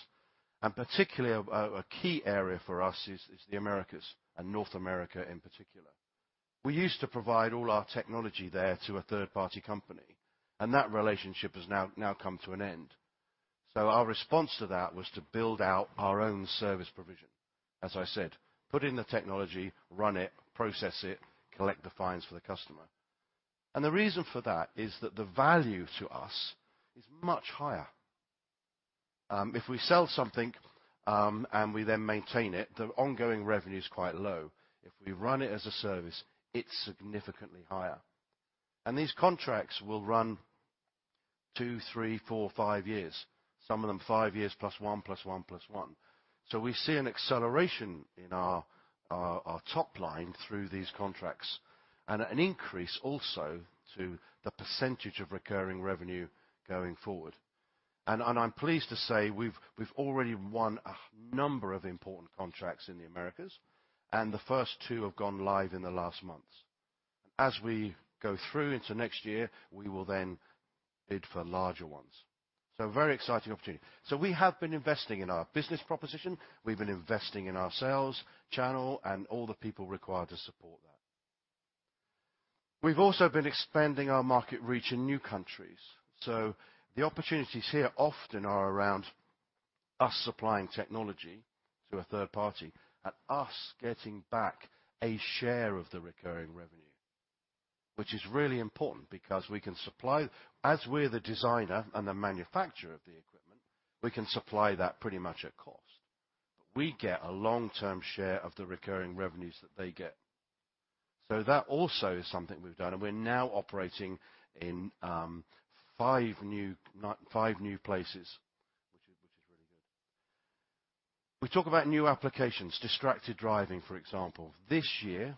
And particularly, a key area for us is the Americas, and North America in particular. We used to provide all our technology there to a third-party company, and that relationship has now come to an end. So our response to that was to build out our own service provision. As I said, put in the technology, run it, process it, collect the fines for the customer. And the reason for that is that the value to us is much higher. If we sell something, and we then maintain it, the ongoing revenue is quite low. If we run it as a service, it's significantly higher. These contracts will run 2, 3, 4, 5 years, some of them 5 years, +1, +1, +1. We see an acceleration in our top line through these contracts, and an increase also to the percentage of recurring revenue going forward. I'm pleased to say, we've already won a number of important contracts in the Americas, and the first 2 have gone live in the last months. As we go through into next year, we will then bid for larger ones. Very exciting opportunity. We have been investing in our business proposition, we've been investing in our sales channel, and all the people required to support that. We've also been expanding our market reach in new countries. So the opportunities here often are around us supplying technology to a third party, and us getting back a share of the recurring revenue, which is really important because we can supply. As we're the designer and the manufacturer of the equipment, we can supply that pretty much at cost. We get a long-term share of the recurring revenues that they get. So that also is something we've done, and we're now operating in 5 new places, which is really good. We talk about new applications, distracted driving, for example. This year,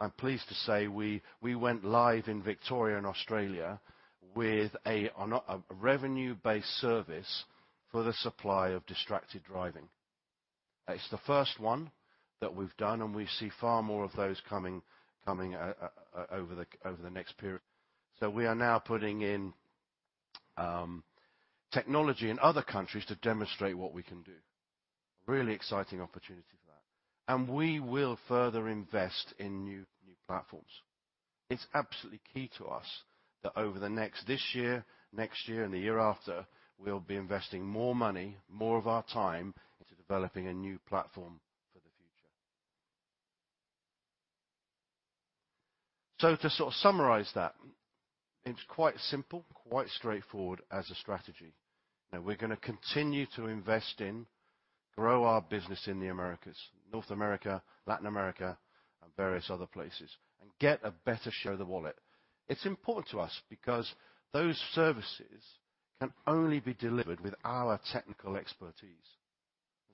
I'm pleased to say we went live in Victoria in Australia with a revenue-based service for the supply of distracted driving. It's the first one that we've done, and we see far more of those coming over the next period. So we are now putting in technology in other countries to demonstrate what we can do. Really exciting opportunity for that. And we will further invest in new platforms. It's absolutely key to us that over the next this year, next year, and the year after, we'll be investing more money, more of our time, into developing a new platform for the future. So to sort of summarize that, it's quite simple, quite straightforward as a strategy. Now we're gonna continue to invest in, grow our business in the Americas, North America, Latin America, and various other places, and get a better share of the wallet. It's important to us because those services can only be delivered with our technical expertise.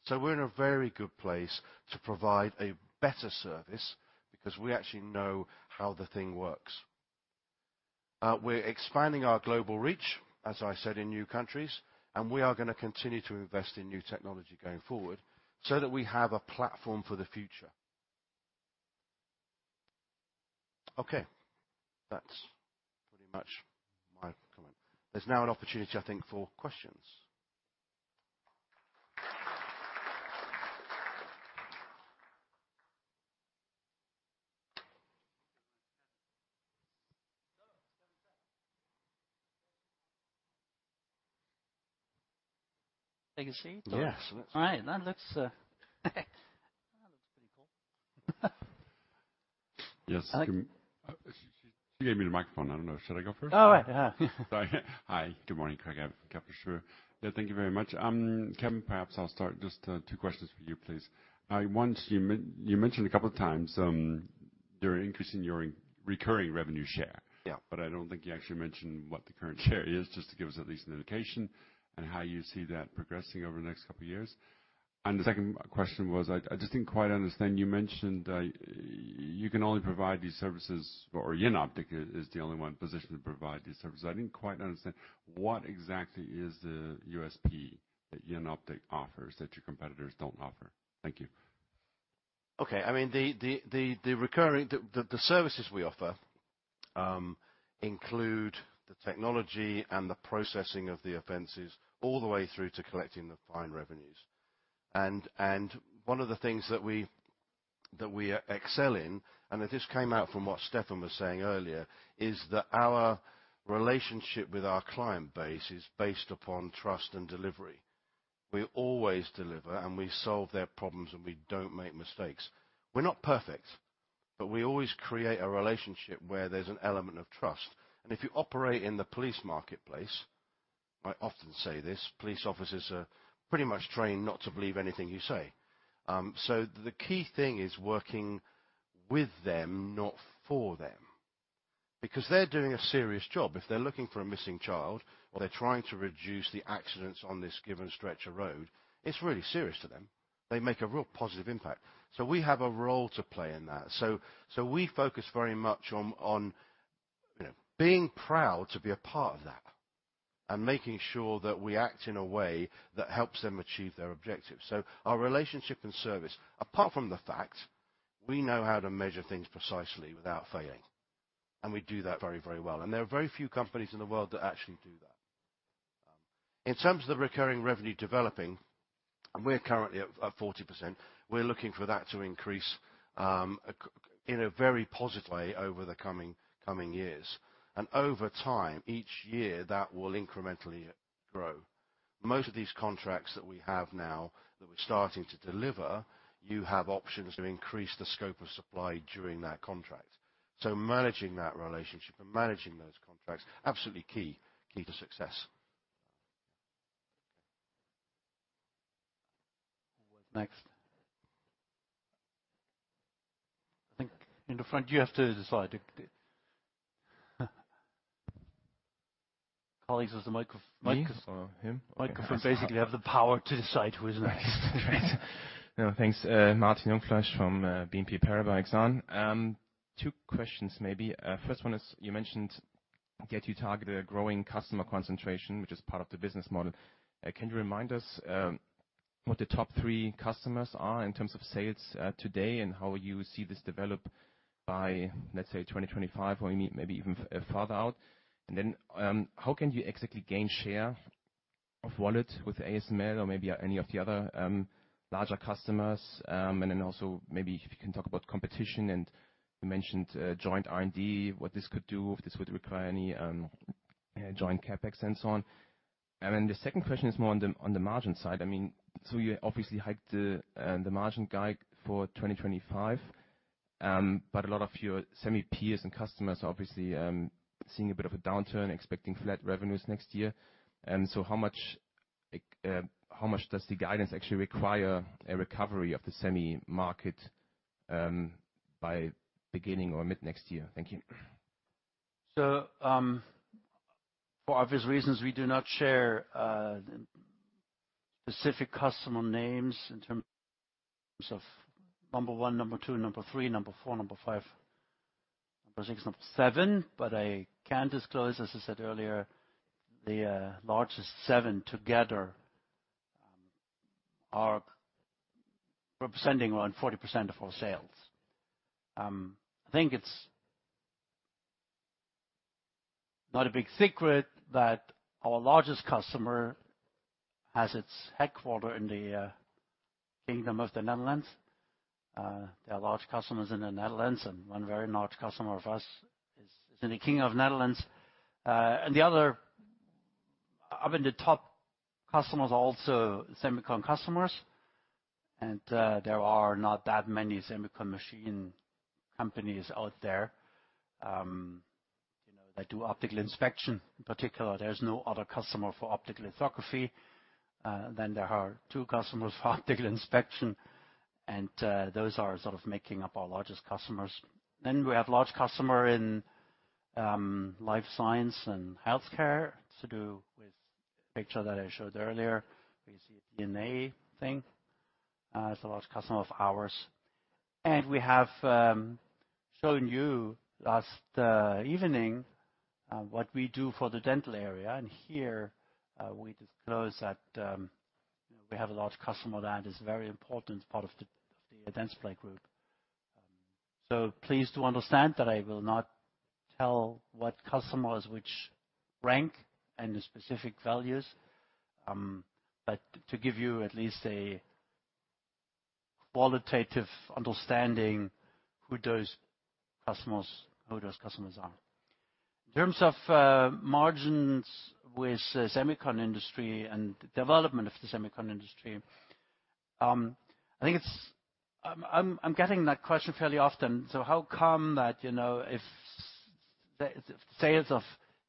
So we're in a very good place to provide a better service because we actually know how the thing works. We're expanding our global reach, as I said, in new countries, and we are gonna continue to invest in new technology going forward so that we have a platform for the future. Okay, that's pretty much my comment. There's now an opportunity, I think, for questions. Take a seat? Yes. All right. That looks, that looks pretty cool. Yes. She, she gave me the microphone. I don't know. Should I go first? Oh, right. Sorry. Hi, good morning. [Craig Coben]. Yeah, thank you very much. Kevin, perhaps I'll start. Just, two questions for you, please. One, you mentioned a couple of times, they're increasing your recurring revenue share. Yeah. But I don't think you actually mentioned what the current share is, just to give us at least an indication, and how you see that progressing over the next couple of years. And the second question was, I just didn't quite understand. You mentioned that you can only provide these services, or Jenoptik is the only one positioned to provide these services. I didn't quite understand, what exactly is the USP that Jenoptik offers that your competitors don't offer? Thank you. Okay. I mean, the recurring services we offer include the technology and the processing of the offenses all the way through to collecting the fine revenues. And one of the things that we excel in, and this came out from what Stefan was saying earlier, is that our relationship with our client base is based upon trust and delivery. We always deliver, and we solve their problems, and we don't make mistakes. We're not perfect, but we always create a relationship where there's an element of trust. And if you operate in the police marketplace, I often say this, police officers are pretty much trained not to believe anything you say. So the key thing is working with them, not for them, because they're doing a serious job. If they're looking for a missing child, or they're trying to reduce the accidents on this given stretch of road, it's really serious to them. They make a real positive impact, so we have a role to play in that. So we focus very much on, you know, being proud to be a part of that, and making sure that we act in a way that helps them achieve their objectives. So our relationship and service, apart from the fact, we know how to measure things precisely without failing, and we do that very, very well, and there are very few companies in the world that actually do that. In terms of the recurring revenue developing, and we're currently at 40%, we're looking for that to increase in a very positive way over the coming years. Over time, each year, that will incrementally grow. Most of these contracts that we have now, that we're starting to deliver, you have options to increase the scope of supply during that contract. So, managing that relationship and managing those contracts, absolutely key, key to success. Next. I think in the front, you have to decide. Colleagues, does the microphone- Me or him? Microphone basically have the power to decide who is next. Right. No, thanks. Martin Jungfleisch from BNP Paribas Exane. Two questions, maybe. First one is, you mentioned that you target a growing customer concentration, which is part of the business model. Can you remind us, what the top three customers are in terms of sales, today, and how you see this develop by, let's say, 2025, or maybe even farther out? And then, how can you exactly gain share of wallet with ASML or maybe any of the other larger customers? And then also maybe if you can talk about competition, and you mentioned joint R&D, what this could do, if this would require any joint CapEx and so on. And then the second question is more on the margin side. I mean, so you obviously hiked the margin guide for 2025, but a lot of your semi peers and customers are obviously seeing a bit of a downturn, expecting flat revenues next year. And so how much does the guidance actually require a recovery of the semi market by beginning or mid-next year? Thank you. For obvious reasons, we do not share specific customer names in terms of number 1, number 2, number 3, number 4, number 5, number 6, number 7. But I can disclose, as I said earlier, the largest 7 together are representing around 40% of our sales. I think it's not a big secret that our largest customer has its headquarters in the Kingdom of the Netherlands. There are large customers in the Netherlands, and one very large customer of us is in the Kingdom of the Netherlands. And the other up in the top customers are also semicon customers, and there are not that many semicon machine companies out there, you know, that do optical inspection. In particular, there's no other customer for optical lithography. Then there are two customers for optical inspection, and those are sort of making up our largest customers. Then we have large customer in life science and healthcare to do with the picture that I showed earlier. We see a DNA thing; it's a large customer of ours. And we have shown you last evening what we do for the dental area, and here we disclose that we have a large customer that is very important part of the dental group. So please do understand that I will not tell what customers, which rank and the specific values, but to give you at least a qualitative understanding who those customers, who those customers are. In terms of margins with the semicon industry and development of the semicon industry, I think I'm getting that question fairly often. So how come that, you know, the sales of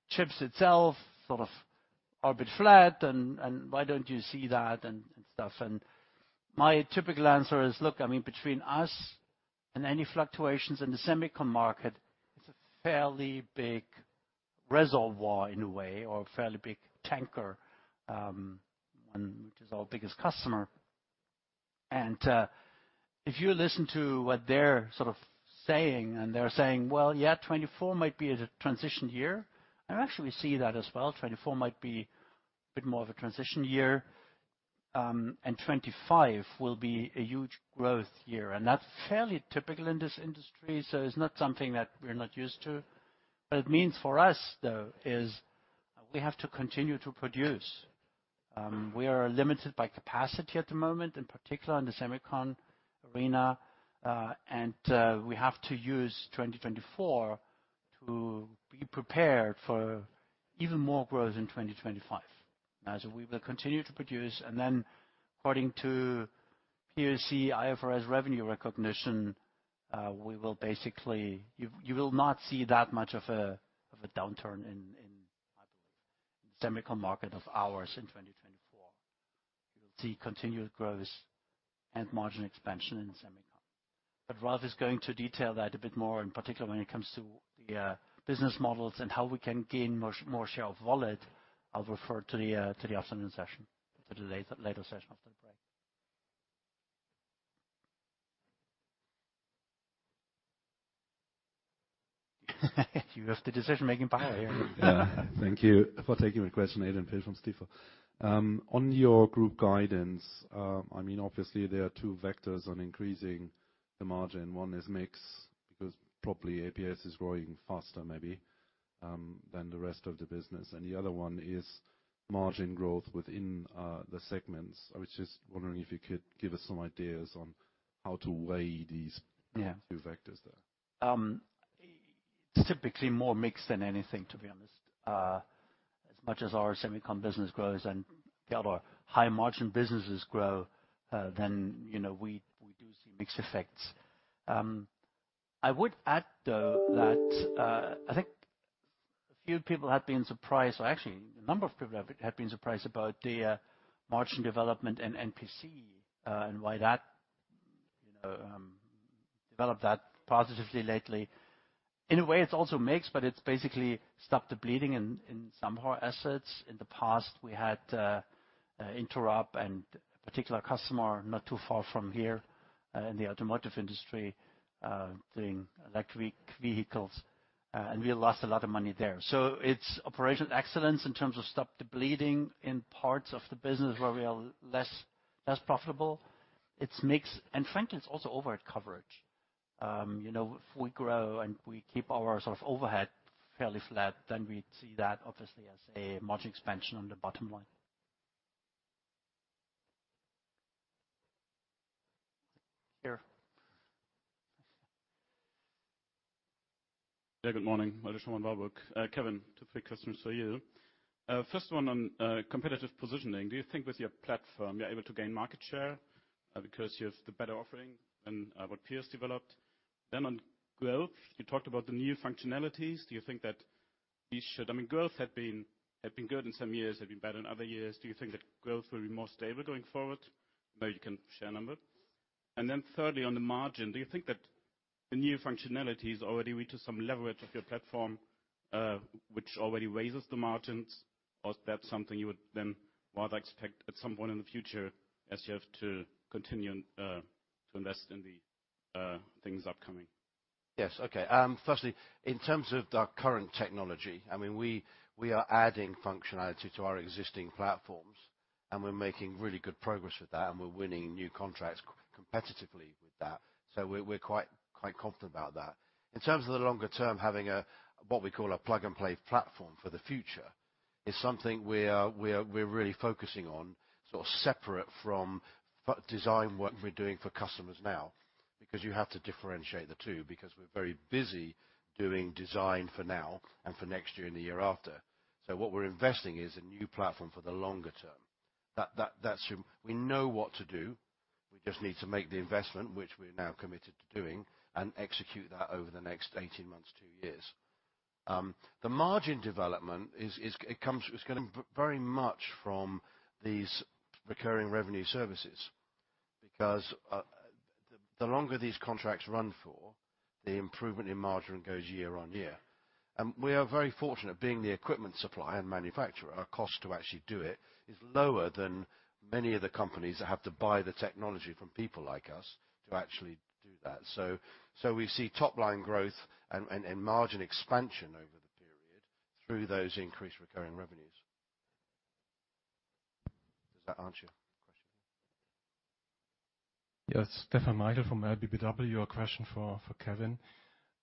chips itself sort of are a bit flat, and why don't you see that, and stuff? And my typical answer is, look, I mean, between us and any fluctuations in the semicon market, it's a fairly big reservoir in a way, or a fairly big tanker, and which is our biggest customer. And if you listen to what they're sort of saying, and they're saying, "Well, yeah, 2024 might be a transition year." And actually, we see that as well. 2024 might be a bit more of a transition year, and 2025 will be a huge growth year, and that's fairly typical in this industry, so it's not something that we're not used to. What it means for us, though, is we have to continue to produce. We are limited by capacity at the moment, in particular in the semicon arena, and we have to use 2024 to be prepared for even more growth in 2025. As we will continue to produce, and then according to POC, IFRS revenue recognition, we will basically... You will not see that much of a, of a downturn in, in, I believe, the semicon market of ours in 2024. You'll see continued growth and margin expansion in the semicon. But Ralf is going to detail that a bit more, in particular, when it comes to the business models and how we can gain more, more share of wallet. I'll refer to the to the afternoon session, to the later, later session after the break. You have the decision-making power here. Yeah. Thank you for taking the question, Adrian Pehl from Stifel. On your group guidance, I mean, obviously, there are two vectors on increasing the margin. One is mix, because probably APS is growing faster maybe than the rest of the business, and the other one is margin growth within the segments. I was just wondering if you could give us some ideas on how to weigh these- Yeah two vectors there. Typically more mix than anything, to be honest. As much as our semicon business grows and the other high-margin businesses grow, then, you know, we do see mix effects. I would add, though, that I think a few people have been surprised, or actually, a number of people have been surprised about the margin development in NPC, and why that developed that positively lately. In a way, it's also mix, but it's basically stopped the bleeding in some of our assets. In the past, we had Interob and a particular customer not too far from here, in the automotive industry, doing electric vehicles, and we lost a lot of money there. So it's operational excellence in terms of stop the bleeding in parts of the business where we are less profitable. It's mix, and frankly, it's also overhead coverage. You know, if we grow and we keep our sort of overhead fairly flat, then we see that obviously as a margin expansion on the bottom line. Here. Yeah, good morning. [Roger Sher waburg]. Kevin, two quick questions for you. First one on competitive positioning. Do you think with your platform, you're able to gain market share because you have the better offering than what peers developed? Then on growth, you talked about the new functionalities. Do you think that these should... I mean, growth had been good in some years, had been bad in other years. Do you think that growth will be more stable going forward? Maybe you can share a number. And then thirdly, on the margin, do you think that the new functionalities already reach some leverage of your platform which already raises the margins, or is that something you would then rather expect at some point in the future as you have to continue to invest in the things upcoming? Yes. Okay, firstly, in terms of our current technology, I mean, we are adding functionality to our existing platforms, and we're making really good progress with that, and we're winning new contracts competitively with that. So we're quite confident about that. In terms of the longer term, having what we call a plug-and-play platform for the future is something we're really focusing on, sort of separate from design work we're doing for customers now. Because you have to differentiate the two, because we're very busy doing design for now and for next year and the year after. So what we're investing is a new platform for the longer term. That's... We know what to do. We just need to make the investment, which we're now committed to doing, and execute that over the next 18 months, 2 years. The margin development is. It's coming very much from these recurring revenue services, because the longer these contracts run for, the improvement in margin goes year on year. And we are very fortunate, being the equipment supplier and manufacturer, our cost to actually do it is lower than many of the companies that have to buy the technology from people like us to actually do that. So we see top-line growth and margin expansion over the period through those increased recurring revenues. Does that answer your question? Yes. [Stefan Rethmeir] from LBBW. A question for Kevin.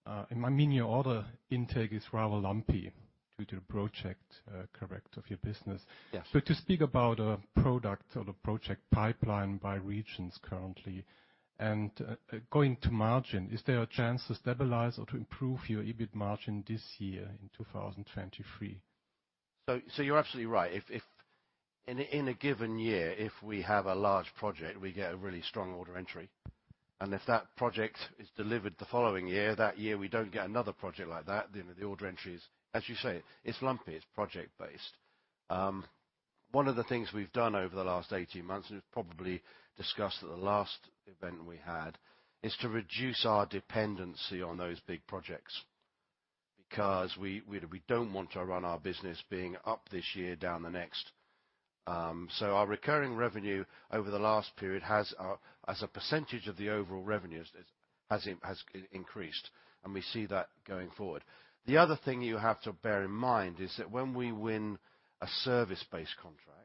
I mean, your order intake is rather lumpy due to your project, correct, of your business? Yes. So, to speak about a product or the project pipeline by regions currently, and going to margin, is there a chance to stabilize or to improve your EBIT margin this year, in 2023?... So, you're absolutely right. If in a given year, if we have a large project, we get a really strong order entry. And if that project is delivered the following year, that year, we don't get another project like that, then the order entry is, as you say, it's lumpy, it's project-based. One of the things we've done over the last 18 months, and we've probably discussed at the last event we had, is to reduce our dependency on those big projects, because we don't want to run our business being up this year, down the next. So our recurring revenue over the last period has, as a percentage of the overall revenues, has increased, and we see that going forward. The other thing you have to bear in mind is that when we win a service-based contract,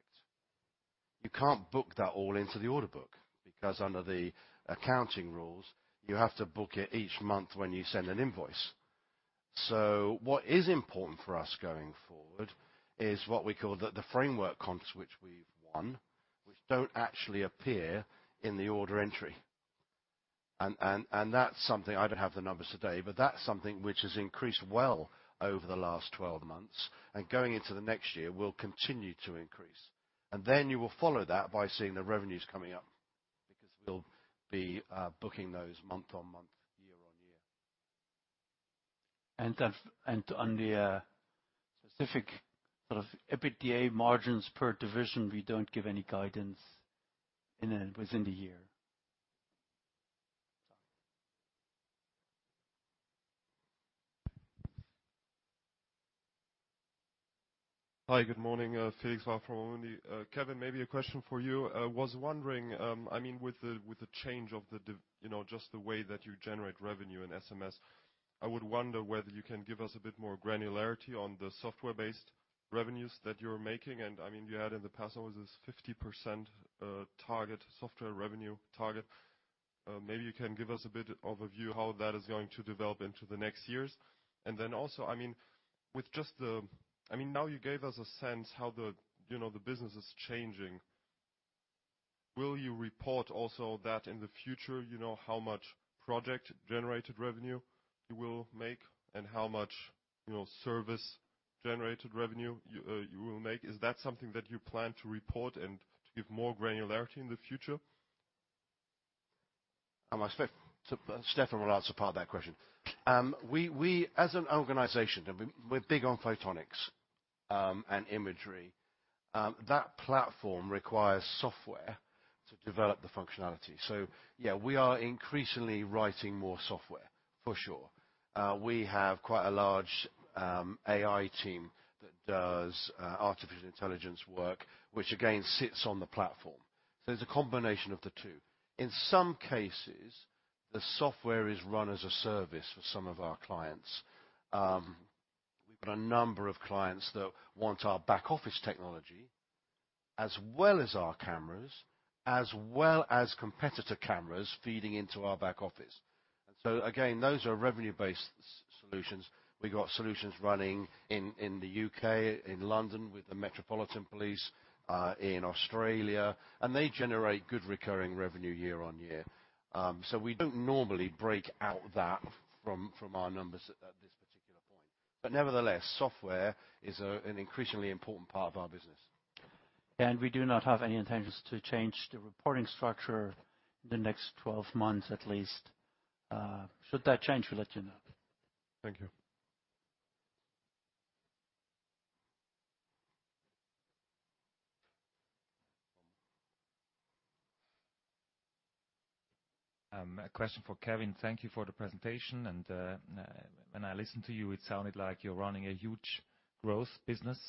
you can't book that all into the order book, because under the accounting rules, you have to book it each month when you send an invoice. So what is important for us going forward is what we call the framework contracts, which we've won, which don't actually appear in the order entry. And that's something. I don't have the numbers today, but that's something which has increased well over the last 12 months, and going into the next year, will continue to increase. And then you will follow that by seeing the revenues coming up, because we'll be booking those month on month, year on year. And on the specific sort of EBITDA margins per division, we don't give any guidance in it within the year. Hi, good morning, [Felix Wafromundi]. Kevin, maybe a question for you. I was wondering, I mean, with the change of the you know, just the way that you generate revenue in SMS, I would wonder whether you can give us a bit more granularity on the software-based revenues that you're making. And I mean, you had in the past, always, this 50% target, software revenue target. Maybe you can give us a bit of a view how that is going to develop into the next years. And then also, I mean, with just the... I mean, now you gave us a sense how the, you know, the business is changing. Will you report also that in the future, you know, how much project-generated revenue you will make, and how much, you know, service-generated revenue you will make? Is that something that you plan to report and to give more granularity in the future? I expect Stefan will answer part of that question. We, as an organization, we're big on photonics, and imagery. That platform requires software to develop the functionality. So yeah, we are increasingly writing more software, for sure. We have quite a large AI team that does artificial intelligence work, which again, sits on the platform. So there's a combination of the two. In some cases, the software is run as a service for some of our clients. We've got a number of clients that want our back office technology, as well as our cameras, as well as competitor cameras feeding into our back office. So again, those are revenue-based solutions. We've got solutions running in the UK, in London, with the Metropolitan Police, in Australia, and they generate good recurring revenue year on year. We don't normally break out that from our numbers at this particular point. But nevertheless, software is an increasingly important part of our business. We do not have any intentions to change the reporting structure in the next 12 months, at least. Should that change, we'll let you know. Thank you. A question for Kevin. Thank you for the presentation, and when I listened to you, it sounded like you're running a huge growth business,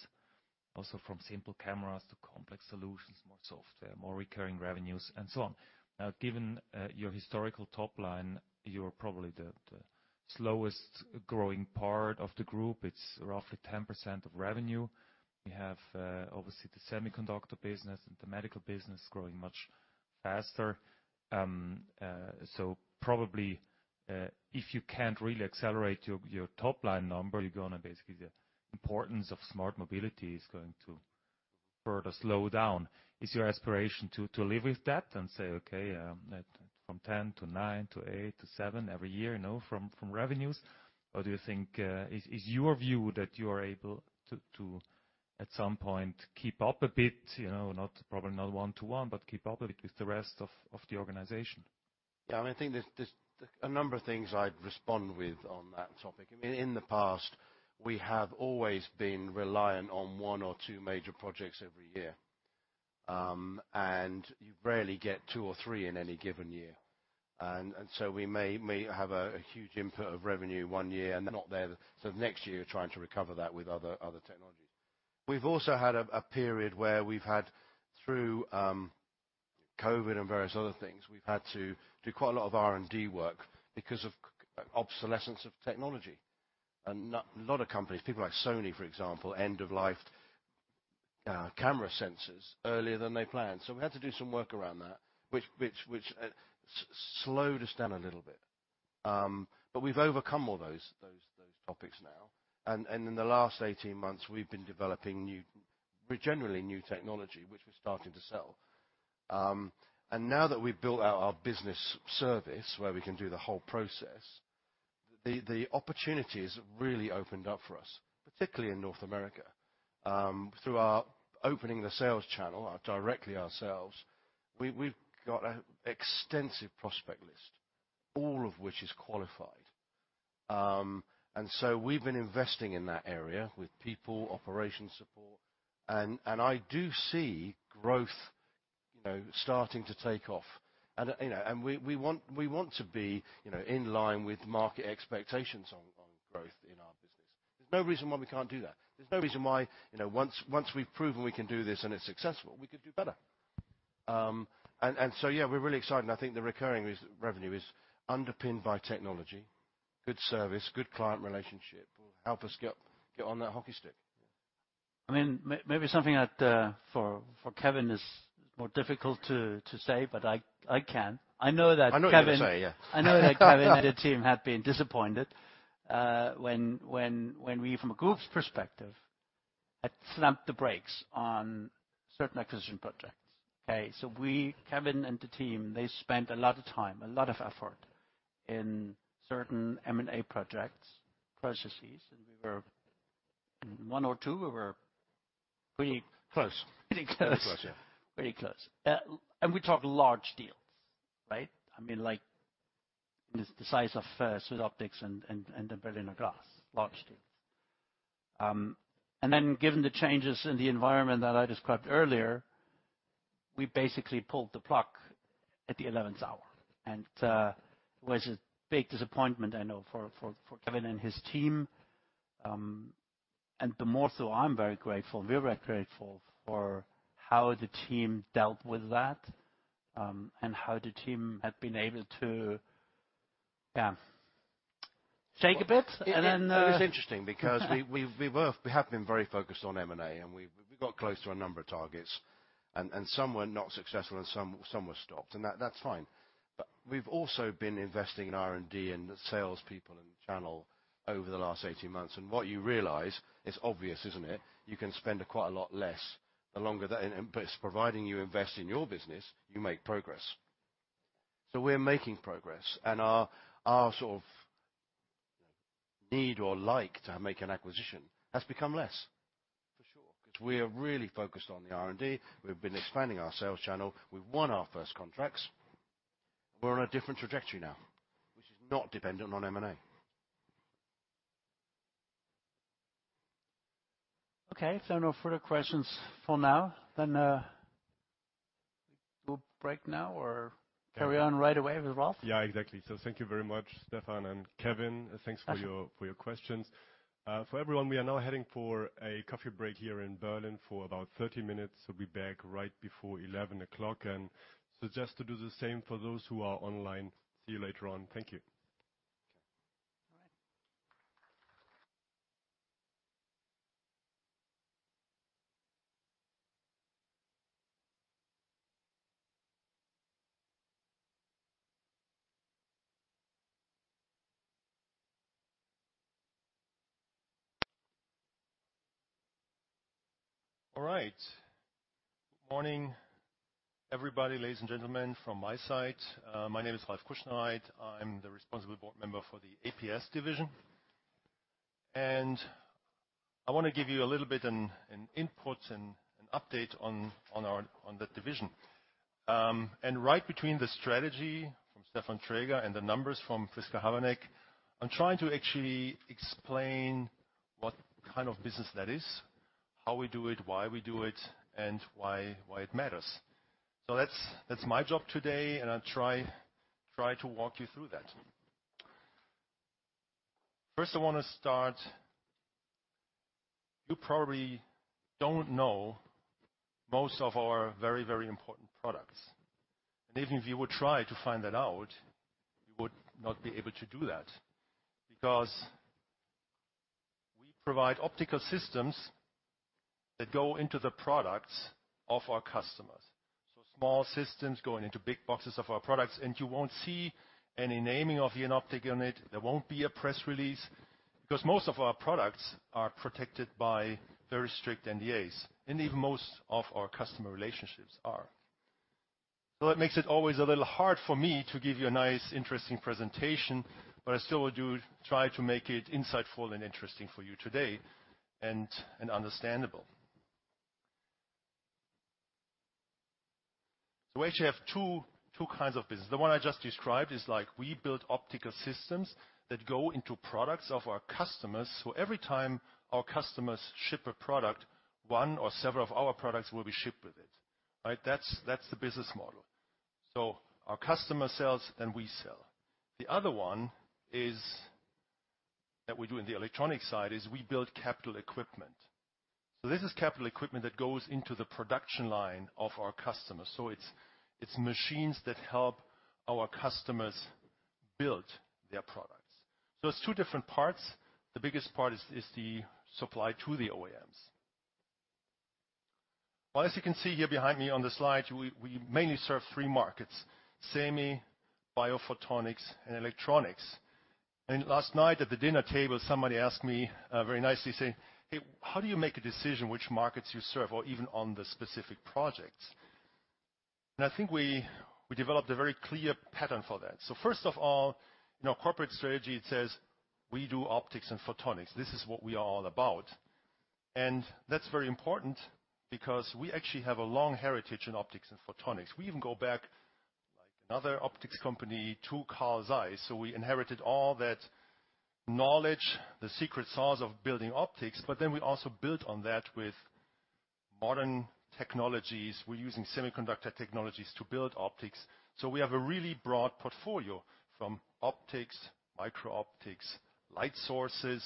also from simple cameras to complex solutions, more software, more recurring revenues, and so on. Now, given your historical top line, you're probably the slowest growing part of the group. It's roughly 10% of revenue. You have, obviously, the semiconductor business and the medical business growing much faster. So probably, if you can't really accelerate your top line number, you're gonna basically, the importance of smart mobility is going to further slow down. Is your aspiration to live with that and say: Okay, yeah, from 10 to 9, to 8, to 7 every year, you know, from revenues? Or do you think... Is your view that you are able to at some point keep up a bit? You know, probably not one to one, but keep up a bit with the rest of the organization. Yeah, and I think there's a number of things I'd respond with on that topic. I mean, in the past, we have always been reliant on one or two major projects every year. And you rarely get two or three in any given year. And so we may have a huge input of revenue one year, and they're not there, so the next year, you're trying to recover that with other technologies. We've also had a period where we've had, through COVID and various other things, we've had to do quite a lot of R&D work because of obsolescence of technology. A lot of companies, people like Sony, for example, end of life camera sensors earlier than they planned. So we had to do some work around that, which slowed us down a little bit. But we've overcome all those topics now. And in the last 18 months, we've been developing new, but generally new technology, which we're starting to sell. And now that we've built out our business service, where we can do the whole process, the opportunities have really opened up for us, particularly in North America. Through our opening the sales channel directly ourselves, we've got an extensive prospect list, all of which is qualified. And so we've been investing in that area with people, operation support, and I do see growth, you know, starting to take off. And, you know, we want to be, you know, in line with market expectations on growth in our business. There's no reason why we can't do that. There's no reason why, you know, once we've proven we can do this and it's successful, we could do better. And so yeah, we're really excited, and I think the recurring revenue is underpinned by technology, good service, good client relationship, will help us get on that hockey stick. I mean, maybe something that for Kevin is more difficult to say, but I can. I know that Kevin- I know what you're going to say, yeah. I know that Kevin and the team have been disappointed when we, from a group's perspective, had slammed the brakes on certain acquisition projects. Okay? So we, Kevin and the team, they spent a lot of time, a lot of effort in certain M&A projects, processes, and we were, in one or two, we were pretty- Close. Pretty close. Close, yeah. Very close. And we talk large deals, right? I mean, like, the size of SwissOptic and the Berliner Glas, large deals. And then given the changes in the environment that I described earlier, we basically pulled the plug at the eleventh hour, and it was a big disappointment, I know, for Kevin and his team. And the more so I'm very grateful, we're very grateful for how the team dealt with that, and how the team had been able to, yeah, shake a bit, and then. It's interesting because we have been very focused on M&A, and we got close to a number of targets, and some were not successful, and some were stopped, and that's fine. But we've also been investing in R&D and salespeople and channel over the last 18 months, and what you realize, it's obvious, isn't it? You can spend quite a lot less the longer that... But providing you invest in your business, you make progress. So we're making progress, and our sort of need or like to make an acquisition has become less, for sure. 'Cause we are really focused on the R&D. We've been expanding our sales channel. We've won our first contracts. We're on a different trajectory now, which is not dependent on M&A. Okay, so no further questions for now. Then, we'll break now or carry on right away with Ralf? Yeah, exactly. Thank you very much, Stefan and Kevin. Thanks for your- Uh... for your questions. For everyone, we are now heading for a coffee break here in Berlin for about 30 minutes, so be back right before 11 o'clock, and suggest to do the same for those who are online. See you later on. Thank you. Okay. All right. All right. Good morning, everybody, ladies and gentlemen, from my side. My name is Ralf Kuschnereit. I'm the responsible board member for the APS division. I want to give you a little bit an input and an update on our that division. Right between the strategy from Stefan Traeger and the numbers from Prisca Havranek, I'm trying to actually explain what kind of business that is, how we do it, why we do it, and why it matters. So that's my job today, and I'll try to walk you through that. First, I want to start... You probably don't know most of our very, very important products. Even if you would try to find that out, you would not be able to do that because we provide optical systems that go into the products of our customers. So small systems going into big boxes of our products, and you won't see any naming of the optic unit. There won't be a press release, because most of our products are protected by very strict NDAs, and even most of our customer relationships are. So that makes it always a little hard for me to give you a nice, interesting presentation, but I still would do, try to make it insightful and interesting for you today, and, and understandable. So we actually have two, two kinds of business. The one I just described is like, we build optical systems that go into products of our customers. So every time our customers ship a product, one or several of our products will be shipped with it, right? That's, that's the business model. So our customer sells, then we sell. The other one is that we do in the electronics side is we build capital equipment. So this is capital equipment that goes into the production line of our customers. So it's machines that help our customers build their products. So it's two different parts. The biggest part is the supply to the OEMs. Well, as you can see here behind me on the slide, we mainly serve three markets: semi, Biophotonics, and Electronics. And last night at the dinner table, somebody asked me very nicely, saying: "Hey, how do you make a decision which markets you serve or even on the specific projects?" And I think we developed a very clear pattern for that. So first of all, in our corporate strategy, it says we do optics and photonics. This is what we are all about. And that's very important because we actually have a long heritage in optics and photonics. We even go back, like another optics company, to Carl Zeiss. So we inherited all that knowledge, the secret sauce of building optics, but then we also built on that with modern technologies. We're using semiconductor technologies to build optics. So we have a really broad portfolio from optics, micro optics, light sources,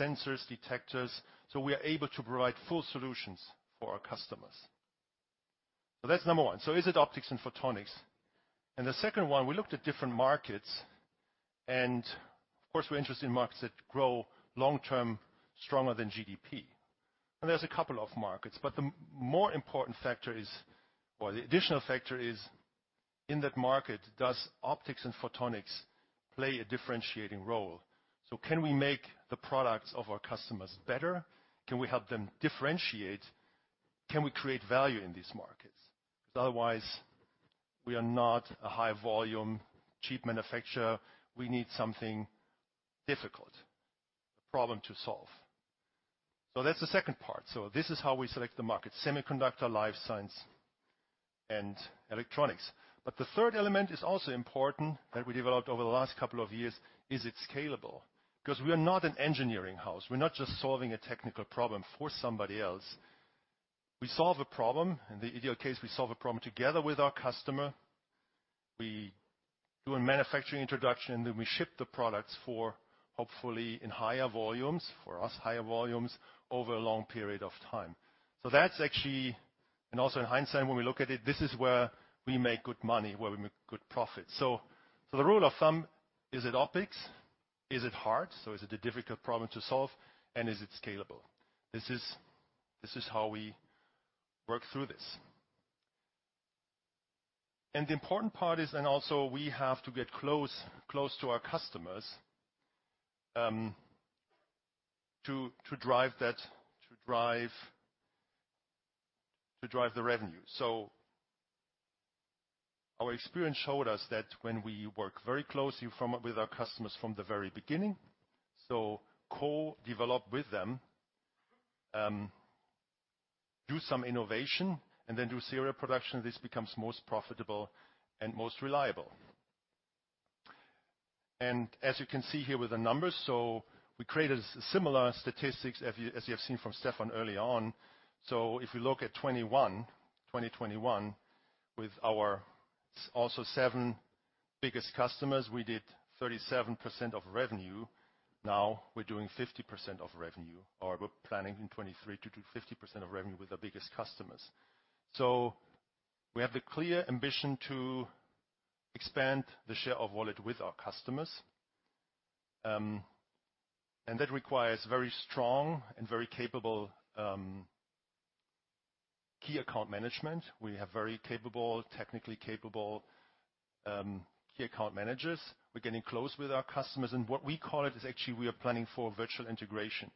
sensors, detectors, so we are able to provide full solutions for our customers. So that's number one. So is it optics and photonics? And the second one, we looked at different markets, and of course, we're interested in markets that grow long-term, stronger than GDP. And there's a couple of markets, but the more important factor is, or the additional factor is, in that market, does optics and photonics play a differentiating role? Can we make the products of our customers better? Can we help them differentiate? Can we create value in these markets? Because otherwise, we are not a high volume, cheap manufacturer. We need something difficult, a problem to solve. That's the second part. This is how we select the market: semiconductor, life science, and electronics. But the third element is also important, that we developed over the last couple of years: Is it scalable? Because we are not an engineering house. We're not just solving a technical problem for somebody else. We solve a problem. In the ideal case, we solve a problem together with our customer. We do a manufacturing introduction, then we ship the products for, hopefully, in higher volumes, for us, higher volumes over a long period of time. So that's actually, and also in hindsight, when we look at it, this is where we make good money, where we make good profit. So, so the rule of thumb: Is it optics? Is it hard? So is it a difficult problem to solve, and is it scalable? This is, this is how we work through this. And the important part is, and also we have to get close, close to our customers, to, to drive that, to drive, to drive the revenue. So our experience showed us that when we work very closely with our customers from the very beginning, so co-develop with them, do some innovation and then do serial production, this becomes most profitable and most reliable. And as you can see here with the numbers, so we created similar statistics as you, as you have seen from Stefan early on. If we look at 2021, with our top seven biggest customers, we did 37% of revenue. Now we're doing 50% of revenue, or we're planning in 2023 to do 50% of revenue with our biggest customers. We have the clear ambition to expand the share of wallet with our customers, and that requires very strong and very capable key account management. We have very capable, technically capable key account managers. We're getting close with our customers, and what we call it is actually, we are planning for virtual integration.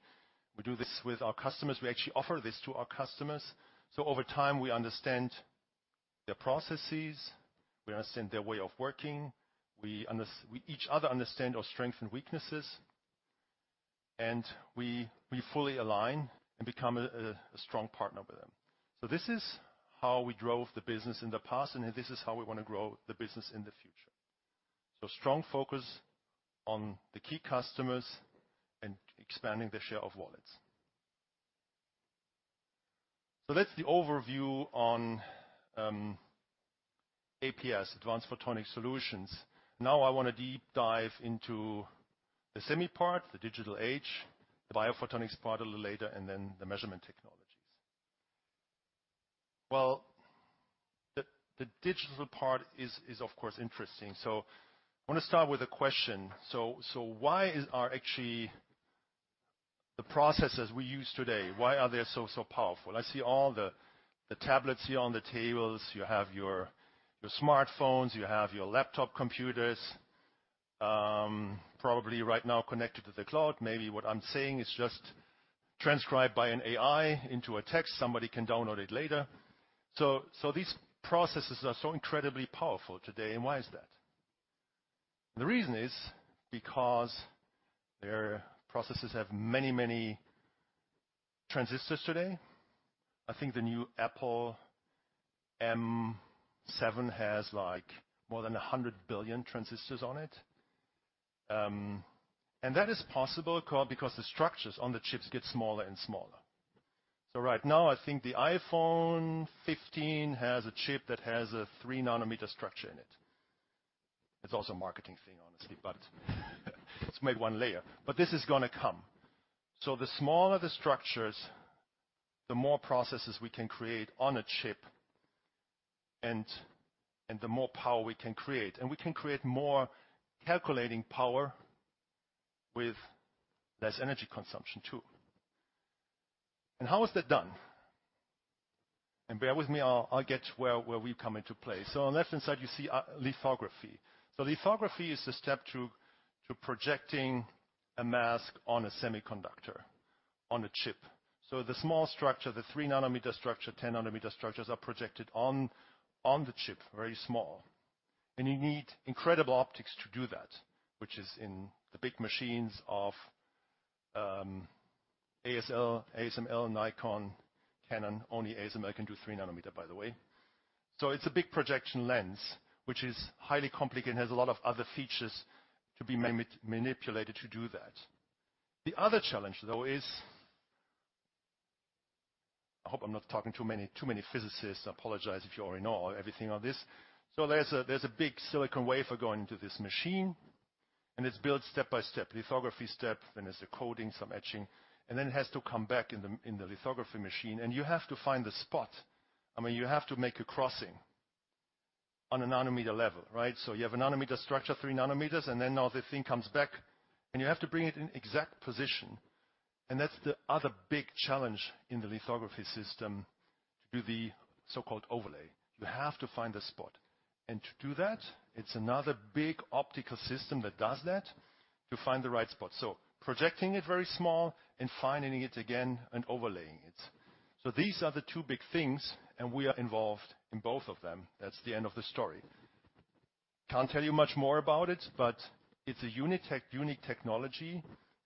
We do this with our customers. We actually offer this to our customers. So over time, we understand their processes, we understand their way of working, we understand each other's strengths and weaknesses, and we fully align and become a strong partner with them. So this is how we drove the business in the past, and this is how we want to grow the business in the future. So strong focus on the key customers and expanding their share of wallets. So that's the overview on APS, Advanced Photonic Solutions. Now I want to deep dive into the semi part, the digital age, the biophotonics part a little later, and then the measurement technologies. Well, the digital part is of course interesting. So I want to start with a question. So, actually the processes we use today, why are they so powerful? I see all the tablets here on the tables. You have your smartphones, you have your laptop computers, probably right now connected to the cloud. Maybe what I'm saying is just transcribed by an AI into a text. Somebody can download it later. So these processes are so incredibly powerful today, and why is that? The reason is because their processes have many, many transistors today. I think the new Apple M7 has, like, more than 100 billion transistors on it. And that is possible because the structures on the chips get smaller and smaller. So right now, I think the iPhone 15 has a chip that has a 3 nanometer structure in it. It's also a marketing thing, honestly, but it's made one layer. But this is going to come. So the smaller the structures, the more processes we can create on a chip and the more power we can create, and we can create more calculating power with less energy consumption, too. And how is that done? And bear with me, I'll get to where we come into play. So on the left-hand side, you see, lithography. So lithography is the step to projecting a mask on a semiconductor... on a chip. So the small structure, the 3-nanometer structure, 10-nanometer structures, are projected on the chip, very small. And you need incredible optics to do that, which is in the big machines of ASL, ASML, Nikon, Canon. Only ASML can do 3 nanometer, by the way. So it's a big projection lens, which is highly complicated and has a lot of other features to be manipulated to do that. The other challenge, though, is... I hope I'm not talking to too many physicists. I apologize if you already know everything on this. So there's a big silicon wafer going into this machine, and it's built step by step, lithography step, then there's a coating, some etching, and then it has to come back in the, in the lithography machine, and you have to find the spot. I mean, you have to make a crossing on a nanometer level, right? So you have a nanometer structure, three nanometers, and then now the thing comes back, and you have to bring it in exact position. And that's the other big challenge in the lithography system, to do the so-called overlay. You have to find the spot. And to do that, it's another big optical system that does that, to find the right spot. So projecting it very small and finding it again and overlaying it. So these are the two big things, and we are involved in both of them. That's the end of the story. Can't tell you much more about it, but it's a unique tech- unique technology,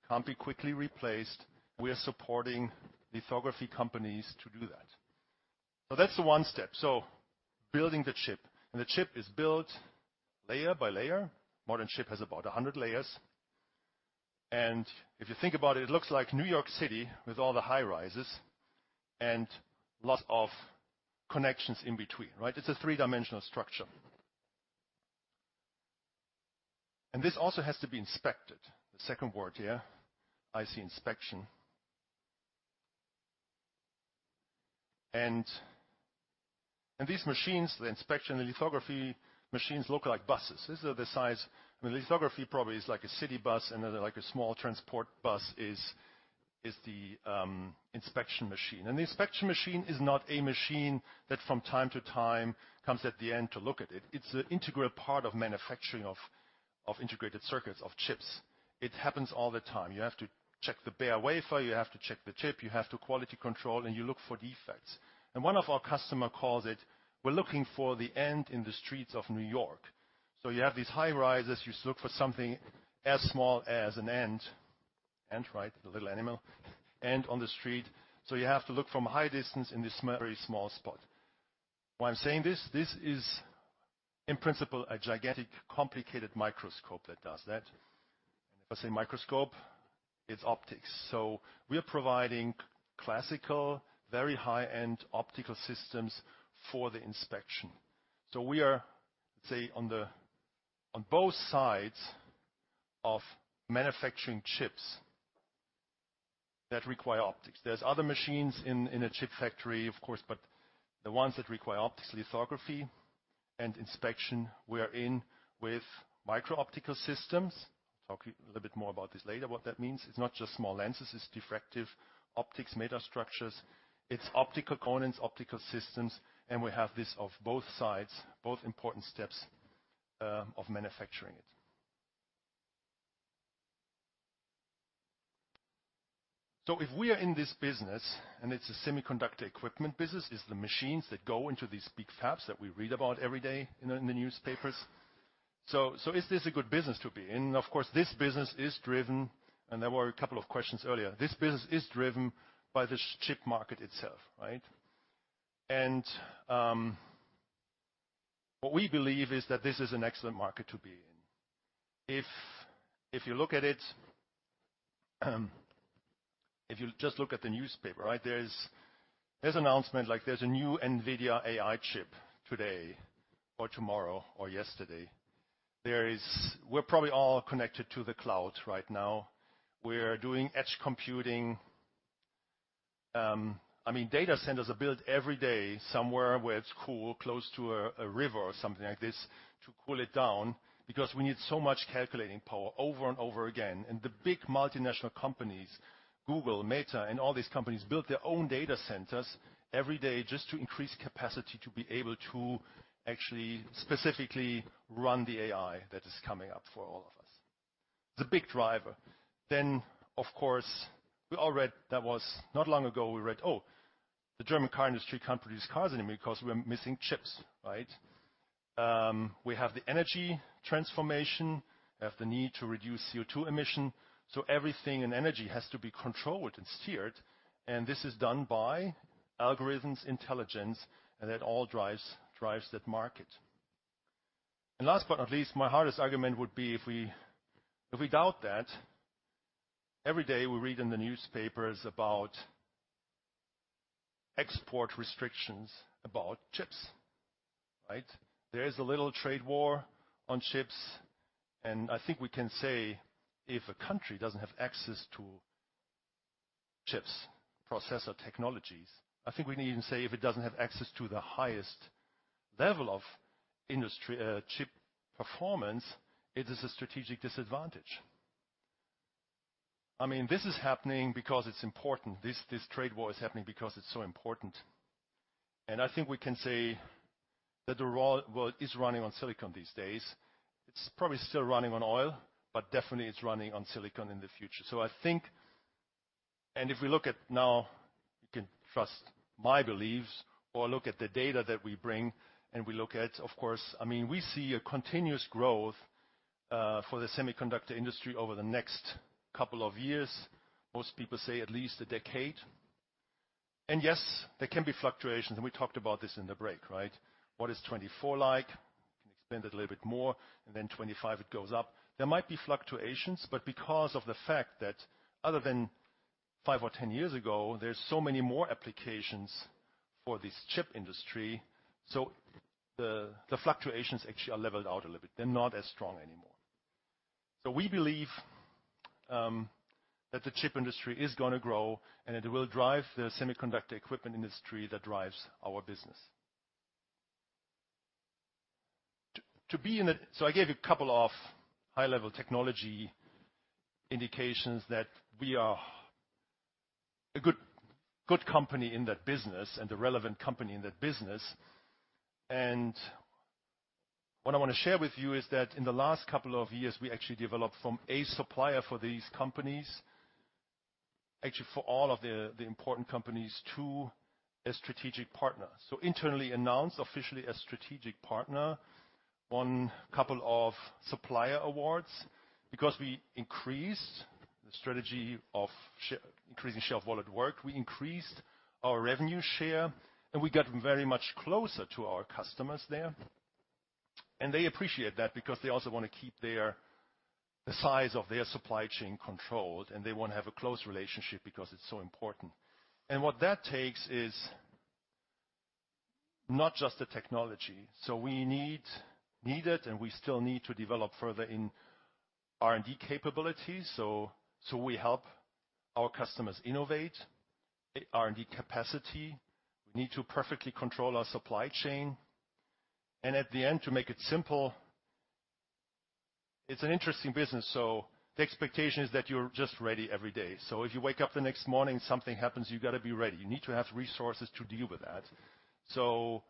can't be quickly replaced. We are supporting lithography companies to do that. So that's the one step. So building the chip, and the chip is built layer by layer. Modern chip has about 100 layers, and if you think about it, it looks like New York City with all the high rises and lots of connections in between, right? It's a three-dimensional structure. And this also has to be inspected. The second word here, I see inspection. And these machines, the inspection, the lithography machines look like buses. These are the size. The lithography probably is like a city bus, and then, like, a small transport bus is the inspection machine. And the inspection machine is not a machine that from time to time comes at the end to look at it. It's an integral part of manufacturing of integrated circuits, of chips. It happens all the time. You have to check the bare wafer, you have to check the chip, you have to quality control, and you look for defects. And one of our customer calls it, "We're looking for the ant in the streets of New York." So you have these high rises. You just look for something as small as an ant. Ant, right? The little animal, ant on the street. So you have to look from a high distance in this very small spot. Why I'm saying this? This is, in principle, a gigantic, complicated microscope that does that. If I say microscope, it's optics. So we are providing classical, very high-end optical systems for the inspection. So we are, say, on both sides of manufacturing chips that require optics. There's other machines in a chip factory, of course, but the ones that require optics, lithography and inspection, we are in with micro optical systems. Talk a little bit more about this later, what that means. It's not just small lenses, it's diffractive optics, meta structures, it's optical components, optical systems, and we have this of both sides, both important steps of manufacturing it. So if we are in this business, and it's a semiconductor equipment business, it's the machines that go into these big fabs that we read about every day in the newspapers. So, so is this a good business to be in? Of course, this business is driven, and there were a couple of questions earlier. This business is driven by the chip market itself, right? And what we believe is that this is an excellent market to be in. If you look at it, if you just look at the newspaper, right, there's an announcement like there's a new NVIDIA AI chip today or tomorrow or yesterday. We're probably all connected to the cloud right now. We're doing edge computing. I mean, data centers are built every day somewhere where it's cool, close to a river or something like this, to cool it down, because we need so much calculating power over and over again. And the big multinational companies, Google, Meta, and all these companies, build their own data centers every day just to increase capacity, to be able to actually specifically run the AI that is coming up for all of us. The big driver. Then, of course, we all read that was not long ago, we read, "Oh, the German car industry can't produce cars anymore because we're missing chips," right? We have the energy transformation, we have the need to reduce CO2 emission, so everything in energy has to be controlled and steered, and this is done by algorithms, intelligence, and that all drives that market. Last but not least, my hardest argument would be if we doubt that, every day, we read in the newspapers about export restrictions, about chips, right? There is a little trade war on chips, and I think we can say if a country doesn't have access to chips, processor technologies, I think we can even say if it doesn't have access to the highest level of industry, chip performance, it is a strategic disadvantage. I mean, this is happening because it's important. This, this trade war is happening because it's so important. And I think we can say that the real world is running on silicon these days. It's probably still running on oil, but definitely it's running on silicon in the future. So I think, and if we look at now, you can trust my beliefs or look at the data that we bring, and we look at, of course—I mean, we see a continuous growth for the semiconductor industry over the next couple of years. Most people say at least a decade. And yes, there can be fluctuations, and we talked about this in the break, right? What is 2024 like? You can expand it a little bit more, and then 2025, it goes up. There might be fluctuations, but because of the fact that other than 5 or 10 years ago, there's so many more applications for this chip industry, so the fluctuations actually are leveled out a little bit. They're not as strong anymore. So we believe that the chip industry is gonna grow, and it will drive the semiconductor equipment industry that drives our business. So I gave you a couple of high-level technology indications that we are a good, good company in that business and a relevant company in that business. And what I want to share with you is that in the last couple of years, we actually developed from a supplier for these companies, actually, for all of the important companies, to a strategic partner. So internally announced, officially a strategic partner, won couple of supplier awards because we increased the strategy of increasing share of wallet work. We increased our revenue share, and we got very much closer to our customers there, and they appreciate that because they also want to keep their, the size of their supply chain controlled, and they want to have a close relationship because it's so important. And what that takes is not just the technology. So we need, needed, and we still need to develop further in R&D capabilities, so we help our customers innovate. R&D capacity, we need to perfectly control our supply chain, and at the end, to make it simple, it's an interesting business, so the expectation is that you're just ready every day. So if you wake up the next morning, something happens, you got to be ready. You need to have resources to deal with that. So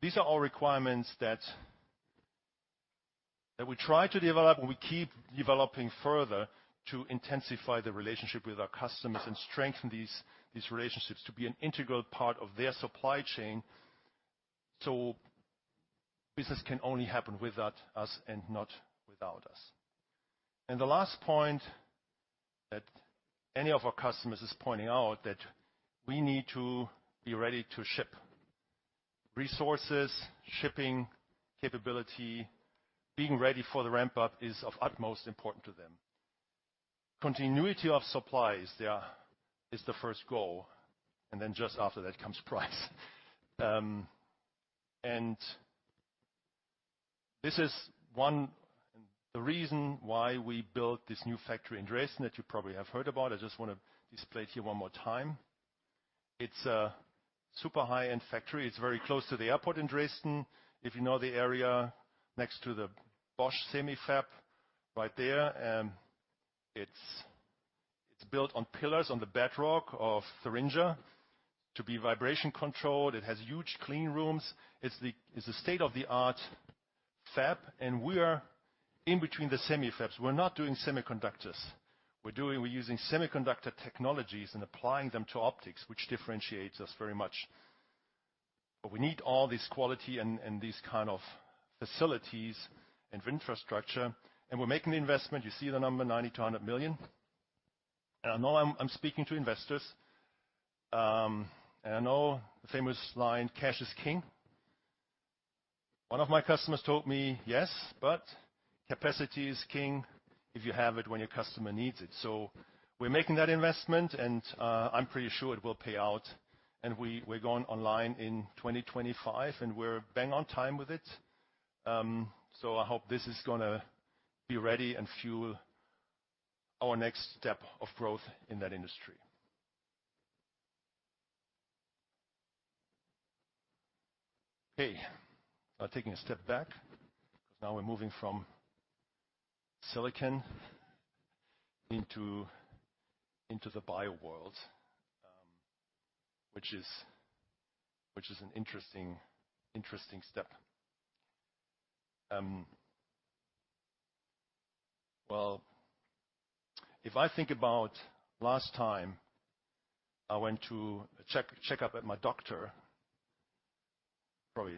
these are all requirements that we try to develop, and we keep developing further to intensify the relationship with our customers and strengthen these relationships to be an integral part of their supply chain. So business can only happen with us and not without us. And the last point that any of our customers is pointing out, that we need to be ready to ship. Resources, shipping, capability, being ready for the ramp-up is of utmost important to them. Continuity of supply is their first goal, and then just after that comes price. And this is one the reason why we built this new factory in Dresden, that you probably have heard about. I just want to display it here one more time. It's a super high-end factory. It's very close to the airport in Dresden. If you know the area next to the Bosch semi fab, right there, it's built on pillars on the bedrock of Thuringia to be vibration-controlled. It has huge clean rooms. It's a state-of-the-art fab, and we are in between the semi fabs. We're not doing semiconductors. We're using semiconductor technologies and applying them to optics, which differentiates us very much. But we need all this quality and these kind of facilities and infrastructure, and we're making the investment. You see the number, 90-100 million. I know I'm speaking to investors, and I know the famous line, "Cash is king." One of my customers told me, "Yes, but capacity is king if you have it when your customer needs it." So we're making that investment, and I'm pretty sure it will pay out. And we're going online in 2025, and we're bang on time with it. So I hope this is gonna be ready and fuel our next step of growth in that industry. Okay, now taking a step back, now we're moving from silicon into the bio world, which is an interesting step. Well, if I think about last time I went to a checkup at my doctor, probably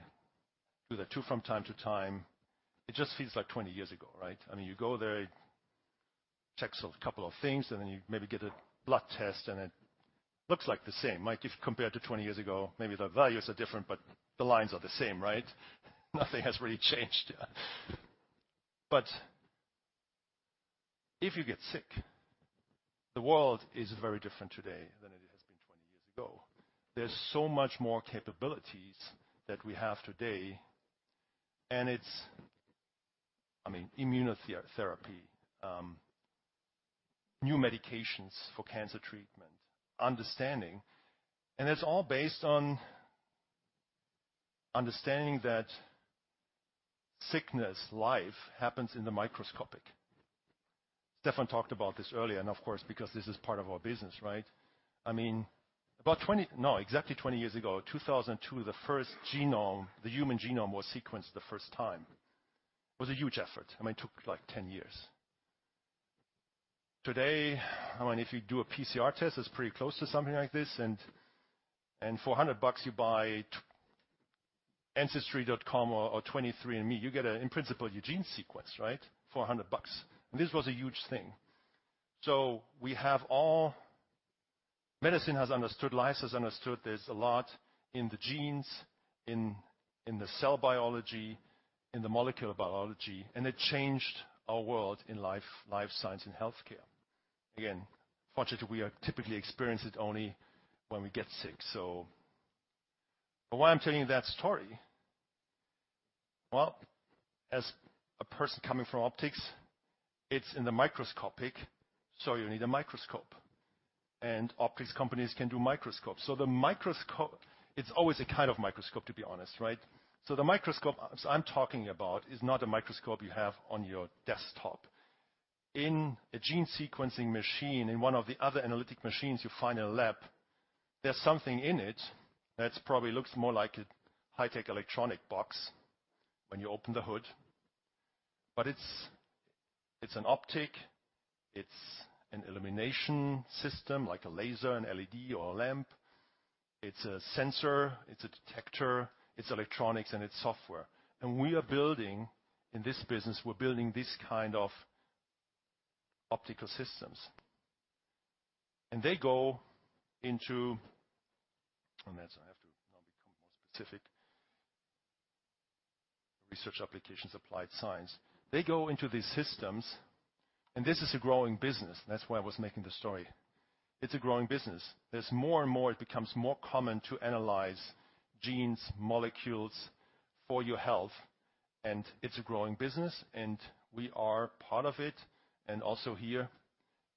do that too, from time to time, it just feels like 20 years ago, right? I mean, you go there, checks a couple of things, and then you maybe get a blood test, and it looks like the same, like if compared to 20 years ago, maybe the values are different, but the lines are the same, right? Nothing has really changed. But if you get sick, the world is very different today than it has been 20 years ago. There's so much more capabilities that we have today, and it's... I mean, immunotherapy, new medications for cancer treatment, understanding, and it's all based on understanding that sickness life happens in the microscopic. Stefan talked about this earlier, and of course, because this is part of our business, right? I mean, about 20, no, exactly 20 years ago, 2002, the first genome, the human genome, was sequenced the first time. It was a huge effort. I mean, it took like 10 years. Today, I mean, if you do a PCR test, it's pretty close to something like this, and for $100 bucks, you buy ancestry.com or 23andMe, you get, in principle, your gene sequence, right? For $100. This was a huge thing. We have all, medicine has understood, life has understood there's a lot in the genes, in the cell biology, in the molecular biology, and it changed our world in life science and healthcare. Again, unfortunately, we are typically experience it only when we get sick, so... Why I'm telling you that story? Well, as a person coming from optics, it's in the microscopic, so you need a microscope, and optics companies can do microscopes. So the microscope, it's always a kind of microscope, to be honest, right? So the microscope I'm talking about is not a microscope you have on your desktop. In a gene sequencing machine, in one of the other analytic machines you find in a lab, there's something in it that's probably looks more like a high-tech electronic box when you open the hood, but it's, it's an optic, it's an illumination system, like a laser, an LED, or a lamp, it's a sensor, it's a detector, it's electronics, and it's software. And we are building, in this business, we're building this kind of optical systems. And they go into... And that's I have to now become more specific. Research applications, applied science. They go into these systems, and this is a growing business. That's why I was making the story. It's a growing business. There's more and more; it becomes more common to analyze genes, molecules for your health, and it's a growing business, and we are part of it, and also here,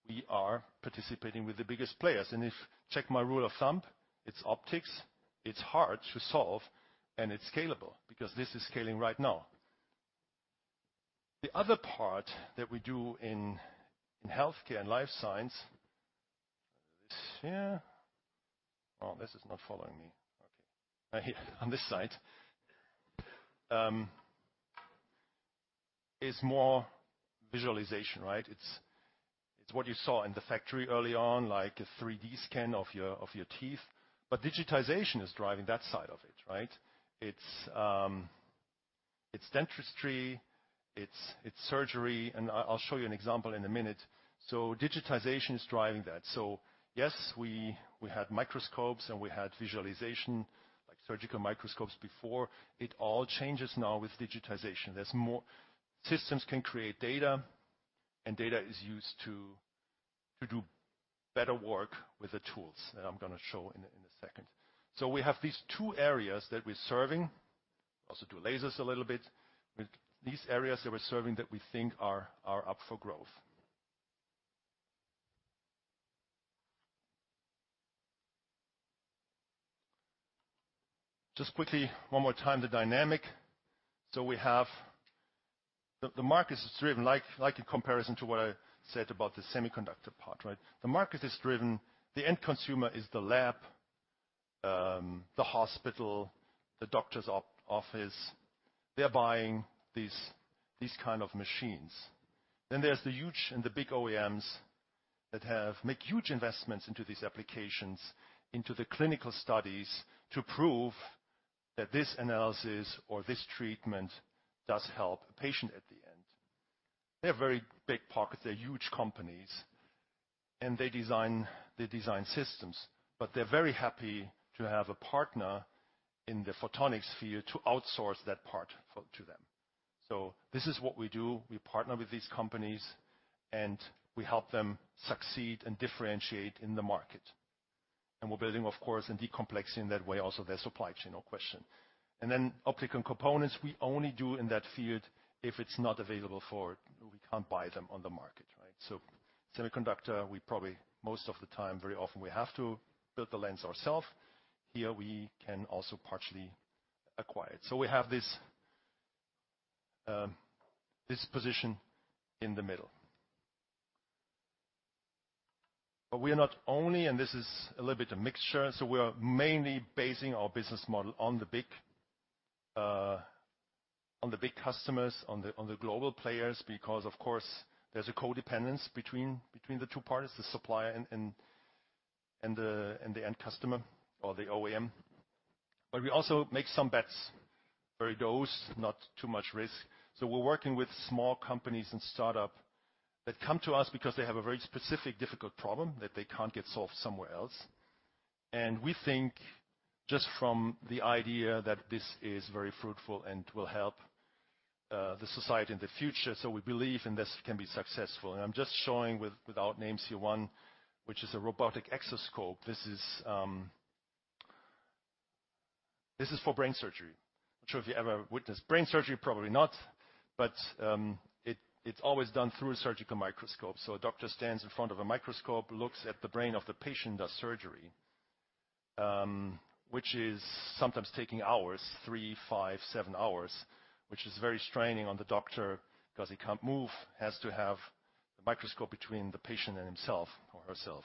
we are participating with the biggest players. And if check my rule of thumb, it's optics; it's hard to solve, and it's scalable because this is scaling right now. The other part that we do in healthcare and life science, yeah. Oh, this is not following me. Okay. On this side, is more visualization, right? It's what you saw in the factory early on, like a 3D scan of your teeth, but digitization is driving that side of it, right? It's dentistry, it's surgery, and I'll show you an example in a minute. So digitization is driving that. So yes, we had microscopes, and we had visualization, like surgical microscopes before. It all changes now with digitization. There's more. Systems can create data, and data is used to do better work with the tools, and I'm gonna show in a second. So we have these two areas that we're serving, also do lasers a little bit. With these areas that we're serving that we think are up for growth. Just quickly, one more time, the dynamic. So we have. The market is driven, like in comparison to what I said about the semiconductor part, right? The market is driven, the end consumer is the lab, the hospital, the doctor's office. They're buying these kind of machines. Then there's the huge and the big OEMs that have made huge investments into these applications, into the clinical studies to prove that this analysis or this treatment does help a patient at the end. They have very big pockets, they're huge companies, and they design, they design systems, but they're very happy to have a partner in the photonics sphere to outsource that part to them. So this is what we do. We partner with these companies, and we help them succeed and differentiate in the market. And we're building, of course, and decomplexing in that way also their supply chain, no question. And then optical components, we only do in that field if it's not available for - we can't buy them on the market, right? So semiconductor, we probably, most of the time, very often, we have to build the lenses ourselves. Here, we can also partially acquire it. So we have this, this position in the middle. But we are not only, and this is a little bit of mixture, so we are mainly basing our business model on the big, on the big customers, on the, on the global players, because, of course, there's a codependence between, between the two parties, the supplier and, and, and the, and the end customer or the OEM. But we also make some bets, very dosed, not too much risk. So we're working with small companies and startup that come to us because they have a very specific, difficult problem that they can't get solved somewhere else. And we think just from the idea that this is very fruitful and will help, the society in the future, so we believe and this can be successful. I'm just showing without names here, one, which is a robotic exoscope. This is for brain surgery. Not sure if you ever witnessed brain surgery, probably not, but it, it's always done through a surgical microscope. So a doctor stands in front of a microscope, looks at the brain of the patient, does surgery, which is sometimes taking hours, 3, 5, 7 hours, which is very straining on the doctor because he can't move, has to have a microscope between the patient and himself or herself.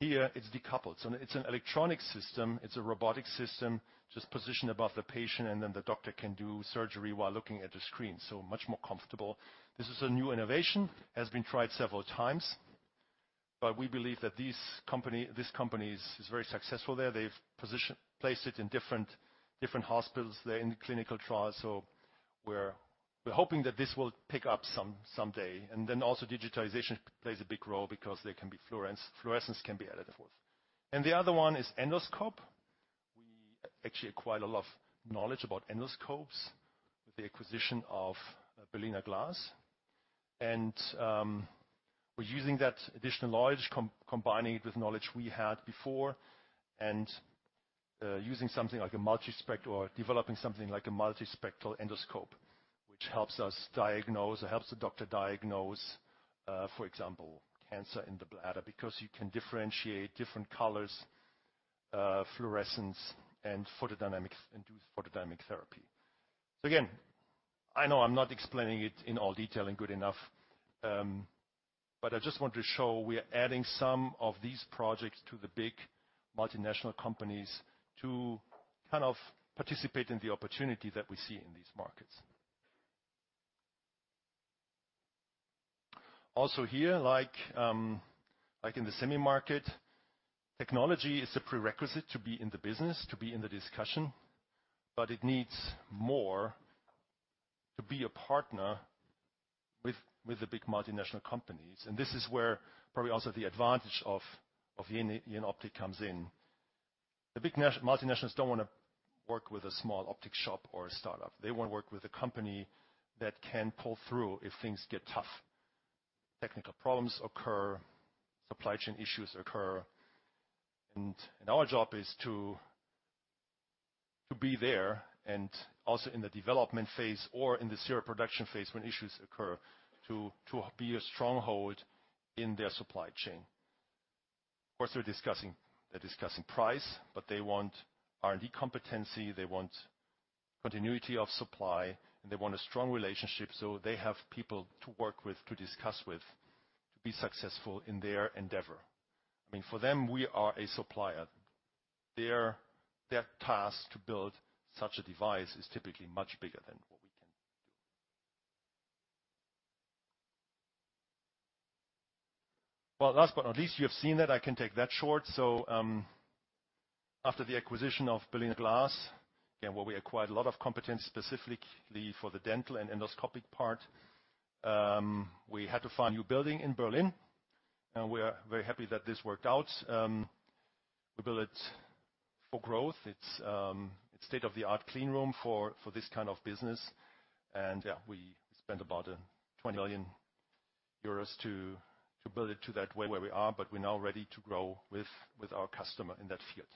Here, it's decoupled, so it's an electronic system. It's a robotic system, just positioned above the patient, and then the doctor can do surgery while looking at the screen, so much more comfortable. This is a new innovation, has been tried several times, but we believe that this company is very successful there. They've placed it in different hospitals. They're in clinical trials, so we're hoping that this will pick up someday. And then also digitization plays a big role because fluorescence can be added, of course. And the other one is endoscope. We actually acquired a lot of knowledge about endoscopes, with the acquisition of Berliner Glas, and we're using that additional knowledge, combining it with knowledge we had before, and using something like a multispectral or developing something like a multispectral endoscope, which helps us diagnose, or helps the doctor diagnose, for example, cancer in the bladder, because you can differentiate different colors, fluorescence, and photodynamic, induced photodynamic therapy. So again, I know I'm not explaining it in all detail and good enough, but I just want to show we are adding some of these projects to the big multinational companies to kind of participate in the opportunity that we see in these markets. Also here, like, like in the semi market, technology is a prerequisite to be in the business, to be in the discussion, but it needs more to be a partner with, with the big multinational companies. And this is where probably also the advantage of, of Jenoptik comes in. The big multinationals don't want to work with a small optics shop or a startup. They want to work with a company that can pull through if things get tough, technical problems occur, supply chain issues occur, and our job is to be there and also in the development phase or in the serial production phase, when issues occur, to be a stronghold in their supply chain. Of course, they're discussing price, but they want R&D competency, they want continuity of supply, and they want a strong relationship, so they have people to work with, to discuss with, to be successful in their endeavor. I mean, for them, we are a supplier. Their task to build such a device is typically much bigger than what we can do. Well, last but not least, you have seen that. I can take that short. So, after the acquisition of Berliner Glas, again, where we acquired a lot of competence, specifically for the dental and endoscopic part, we had to find a new building in Berlin, and we are very happy that this worked out. We built it for growth. It's a state-of-the-art clean room for this kind of business. And, yeah, we spent about 20 million euros to build it that way where we are, but we're now ready to grow with our customer in that field.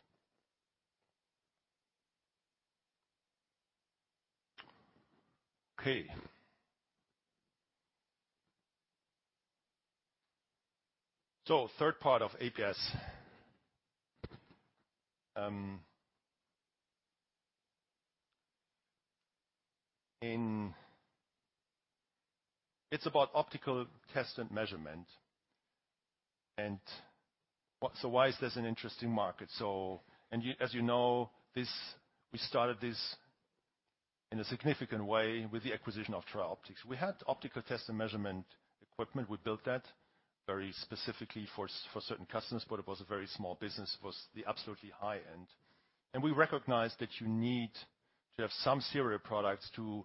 Okay. So third part of APS. It's about optical test and measurement. And so why is this an interesting market? As you know, we started this in a significant way with the acquisition of Trioptics. We had optical test and measurement equipment. We built that very specifically for certain customers, but it was a very small business. It was the absolutely high end. We recognized that you need to have some serial products to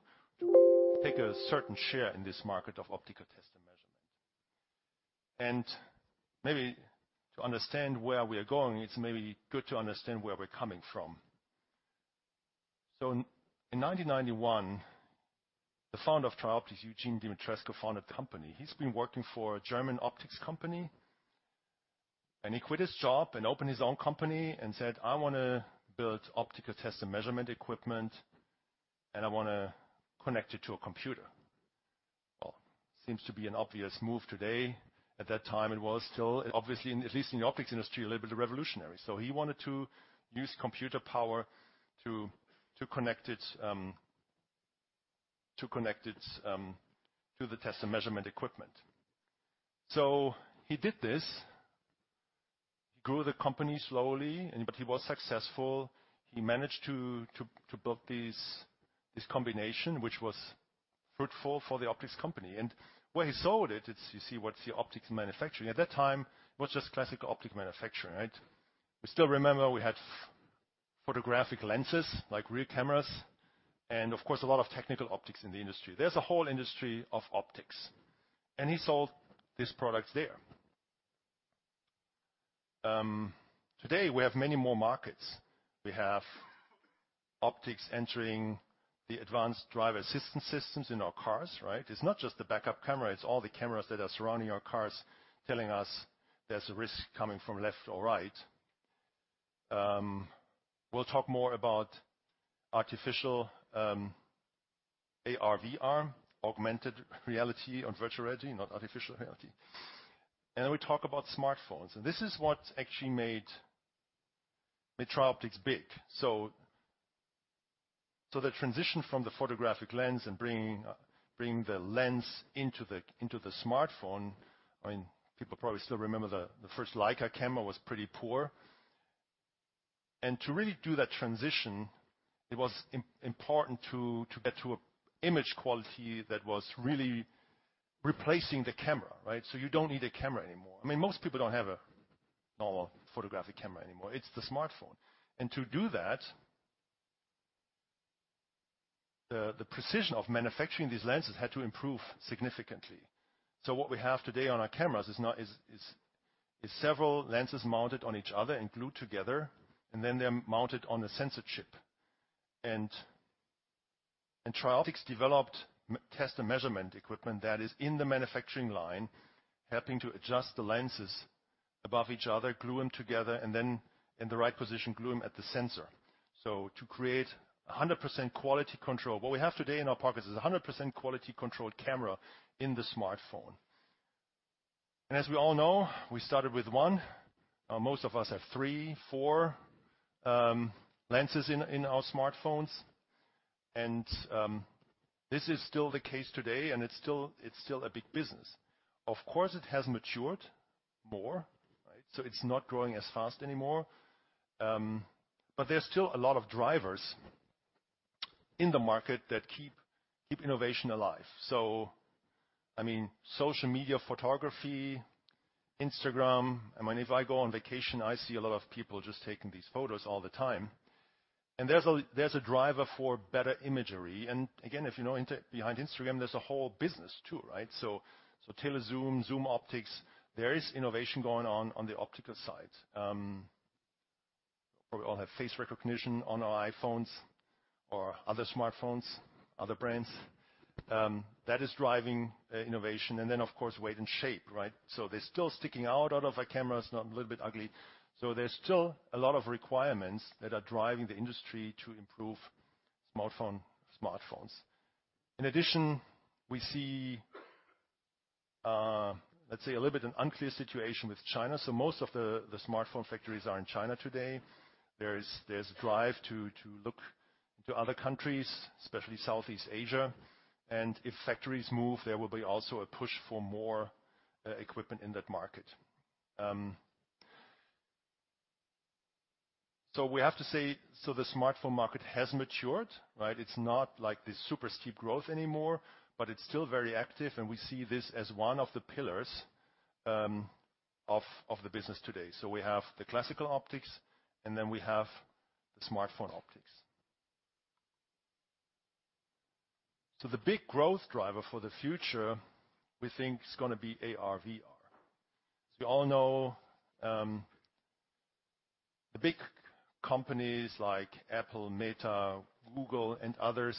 take a certain share in this market of optical test and measurement. Maybe to understand where we are going, it's maybe good to understand where we're coming from. In 1991, the founder of TRIOPTICS, Eugen Dumitrescu, founded the company. He's been working for a German optics company, and he quit his job and opened his own company and said, "I want to build optical test and measurement equipment, and I want to connect it to a computer." Well, seems to be an obvious move today. At that time, it was still, obviously, at least in the optics industry, a little bit revolutionary. So he wanted to use computer power to connect it to the test and measurement equipment. So he did this, grew the company slowly, and but he was successful. He managed to build this combination, which was fruitful for the optics company. And where he sold it, it's you see, what's the optics manufacturing. At that time, it was just classic optics manufacturing, right? We still remember we had photographic lenses, like real cameras, and of course, a lot of technical optics in the industry. There's a whole industry of optics, and he sold these products there. Today, we have many more markets. We have optics entering the advanced driver assistance systems in our cars, right? It's not just the backup camera, it's all the cameras that are surrounding our cars, telling us there's a risk coming from left or right. We'll talk more about artificial, AR/VR, augmented reality and virtual reality, not artificial reality. And then we talk about smartphones, and this is what actually made TRIOPTICS big. So the transition from the photographic lens and bringing the lens into the smartphone, I mean, people probably still remember the first Leica camera was pretty poor. And to really do that transition, it was important to get to image quality that was really replacing the camera, right? So you don't need a camera anymore. I mean, most people don't have a normal photographic camera anymore. It's the smartphone. And to do that, the precision of manufacturing these lenses had to improve significantly. So what we have today on our cameras is several lenses mounted on each other and glued together, and then they're mounted on a sensor chip. TRIOPTICS developed test and measurement equipment that is in the manufacturing line, helping to adjust the lenses above each other, glue them together, and then in the right position, glue them at the sensor. So to create 100% quality control. What we have today in our pockets is a 100% quality controlled camera in the smartphone. And as we all know, we started with one, now most of us have three, four lenses in our smartphones. And this is still the case today, and it's still a big business. Of course, it has matured more, right? So it's not growing as fast anymore, but there's still a lot of drivers in the market that keep innovation alive. So I mean, social media, photography, Instagram. I mean, if I go on vacation, I see a lot of people just taking these photos all the time. And there's a driver for better imagery. And again, if you know Internet behind Instagram, there's a whole business, too, right? So telezoom, zoom optics, there is innovation going on, on the optical side. We all have face recognition on our iPhones or other smartphones, other brands, that is driving innovation, and then, of course, weight and shape, right? So they're still sticking out of our cameras, not a little bit ugly. So there's still a lot of requirements that are driving the industry to improve smartphones. In addition, we see, let's say, a little bit an unclear situation with China. So most of the smartphone factories are in China today. There is, there's a drive to look to other countries, especially Southeast Asia, and if factories move, there will be also a push for more equipment in that market. So we have to say, so the smartphone market has matured, right? It's not like this super steep growth anymore, but it's still very active, and we see this as one of the pillars of the business today. So we have the classical optics, and then we have the smartphone optics. So the big growth driver for the future, we think, is gonna be ARVR. We all know the big companies like Apple, Meta, Google, and others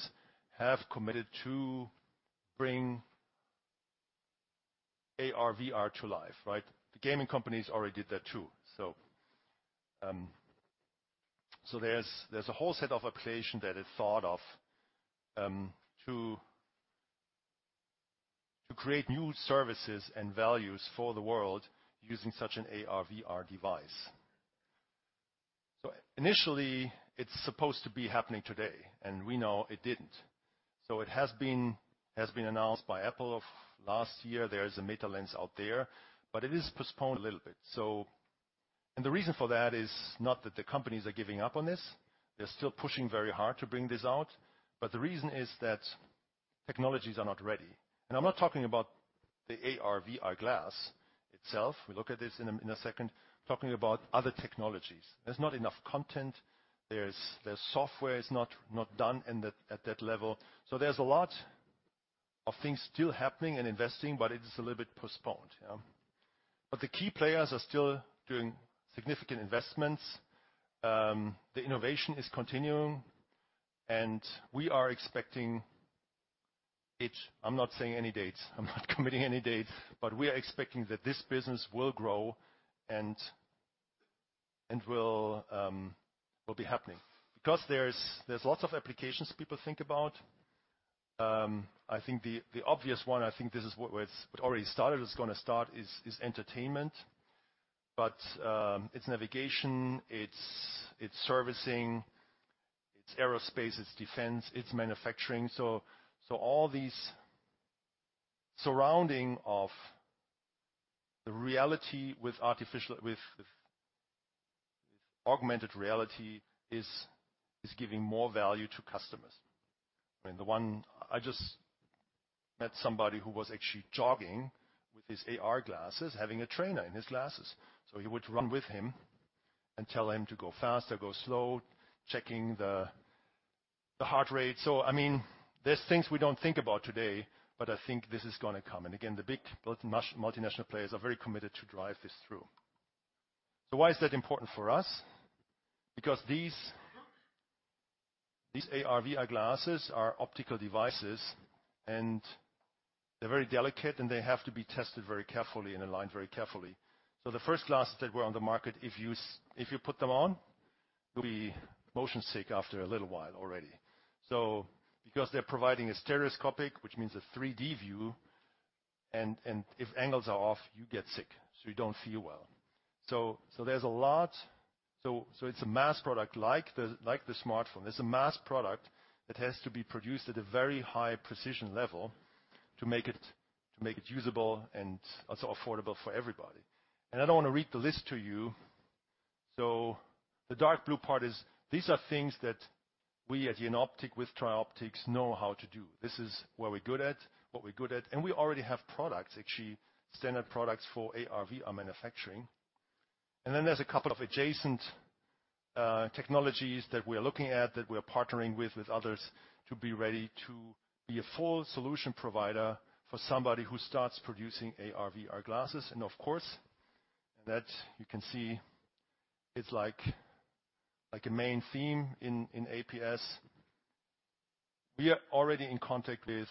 have committed to bring ARVR to life, right? The gaming companies already did that, too. So, there's a whole set of applications that is thought of to create new services and values for the world using such an ARVR device. So initially, it's supposed to be happening today, and we know it didn't. So it has been announced by Apple of last year. There is a Meta lens out there, but it is postponed a little bit. So, and the reason for that is not that the companies are giving up on this. They're still pushing very hard to bring this out, but the reason is that technologies are not ready. And I'm not talking about the ARVR glass itself. We'll look at this in a second. I'm talking about other technologies. There's not enough content, the software is not done at that level. So there's a lot of things still happening and investing, but it is a little bit postponed, yeah. But the key players are still doing significant investments, the innovation is continuing, and we are expecting it. I'm not saying any dates, I'm not committing any dates, but we are expecting that this business will grow and will be happening. Because there's lots of applications people think about. I think the obvious one, I think this is what was already started, is gonna start, is entertainment, but it's navigation, it's servicing, it's aerospace, it's defense, it's manufacturing. So all these surrounding of the reality with augmented reality is giving more value to customers. I mean, the one... I just met somebody who was actually jogging with his AR glasses, having a trainer in his glasses. So he would run with him and tell him to go faster, go slow, checking the heart rate. So I mean, there's things we don't think about today, but I think this is gonna come. And again, the big multinational players are very committed to drive this through. So why is that important for us? Because these AR/VR glasses are optical devices, and they're very delicate, and they have to be tested very carefully and aligned very carefully. So the first glasses that were on the market, if you put them on, you'll be motion sick after a little while already. So because they're providing a stereoscopic, which means a 3D view, and if angles are off, you get sick, so you don't feel well. So there's a lot. So it's a mass product like the smartphone. It's a mass product that has to be produced at a very high precision level to make it, to make it usable and also affordable for everybody. And I don't want to read the list to you. So the dark blue part is, these are things that we at Jenoptik, with TRIOPTICS, know how to do. This is where we're good at, what we're good at, and we already have products, actually, standard products for AR/VR manufacturing. And then there's a couple of adjacent technologies that we are looking at, that we are partnering with, with others, to be ready to be a full solution provider for somebody who starts producing AR/VR glasses. And of course, that you can see, it's like, like a main theme in, in APS. We are already in contact with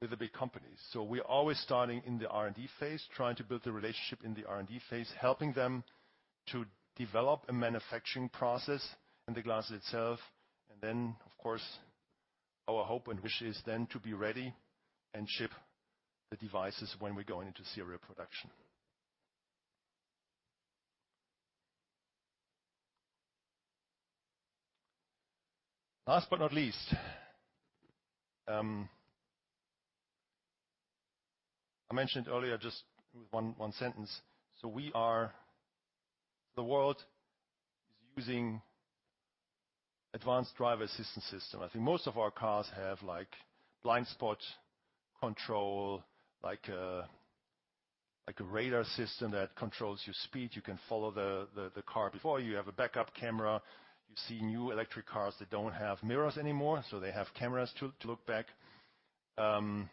the big companies, so we're always starting in the R&D phase, trying to build a relationship in the R&D phase, helping them to develop a manufacturing process and the glasses itself. And then, of course, our hope and wish is then to be ready and ship the devices when we're going into serial production. Last but not least, I mentioned earlier, just one sentence. So the world is using advanced driver assistance system. I think most of our cars have, like, blind spot control, like a radar system that controls your speed. You can follow the car before you. You have a backup camera. You see new electric cars that don't have mirrors anymore, so they have cameras to look back. So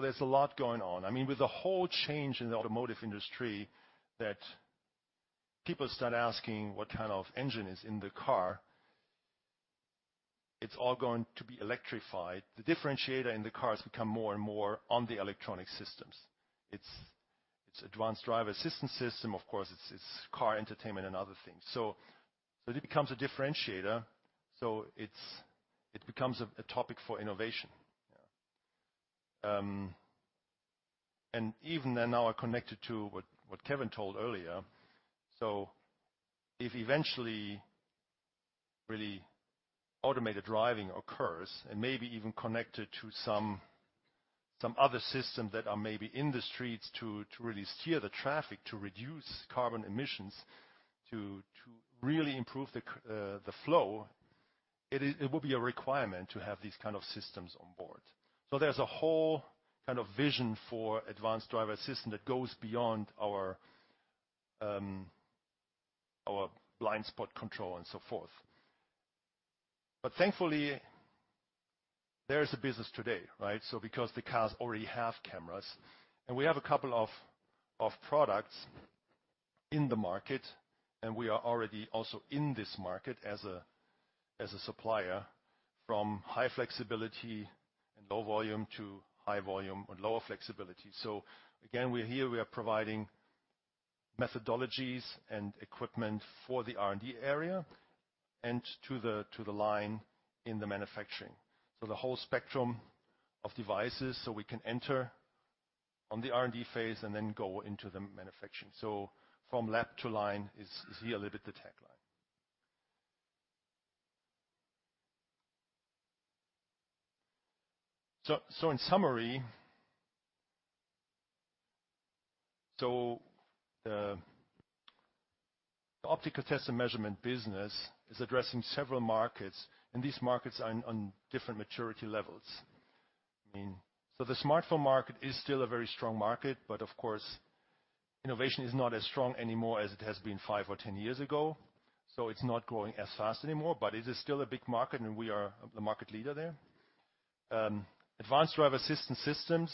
there's a lot going on. I mean, with the whole change in the automotive industry, that people start asking what kind of engine is in the car, it's all going to be electrified. The differentiator in the car has become more and more on the electronic systems. It's advanced driver assistance system, of course, it's car entertainment and other things. So it becomes a differentiator, so it becomes a topic for innovation. And even then, I connect it to what Kevin told earlier. So if eventually, really automated driving occurs, and maybe even connected to some other system that are maybe in the streets to really steer the traffic, to reduce carbon emissions, to really improve the flow, it will be a requirement to have these kind of systems on board. So there's a whole kind of vision for advanced driver assistance that goes beyond our blind spot control and so forth. But thankfully, there is a business today, right? So because the cars already have cameras, and we have a couple of products in the market, and we are already also in this market as a supplier, from high flexibility and low volume to high volume and lower flexibility. So again, we're here, we are providing methodologies and equipment for the R&D area and to the line in the manufacturing. So the whole spectrum of devices, so we can enter on the R&D phase and then go into the manufacturing. So from lab to line is here a little bit the tagline. So in summary... So the optical test and measurement business is addressing several markets, and these markets are on different maturity levels. I mean, so the smartphone market is still a very strong market, but of course, innovation is not as strong anymore as it has been five or 10 years ago, so it's not growing as fast anymore, but it is still a big market, and we are the market leader there. Advanced driver assistance systems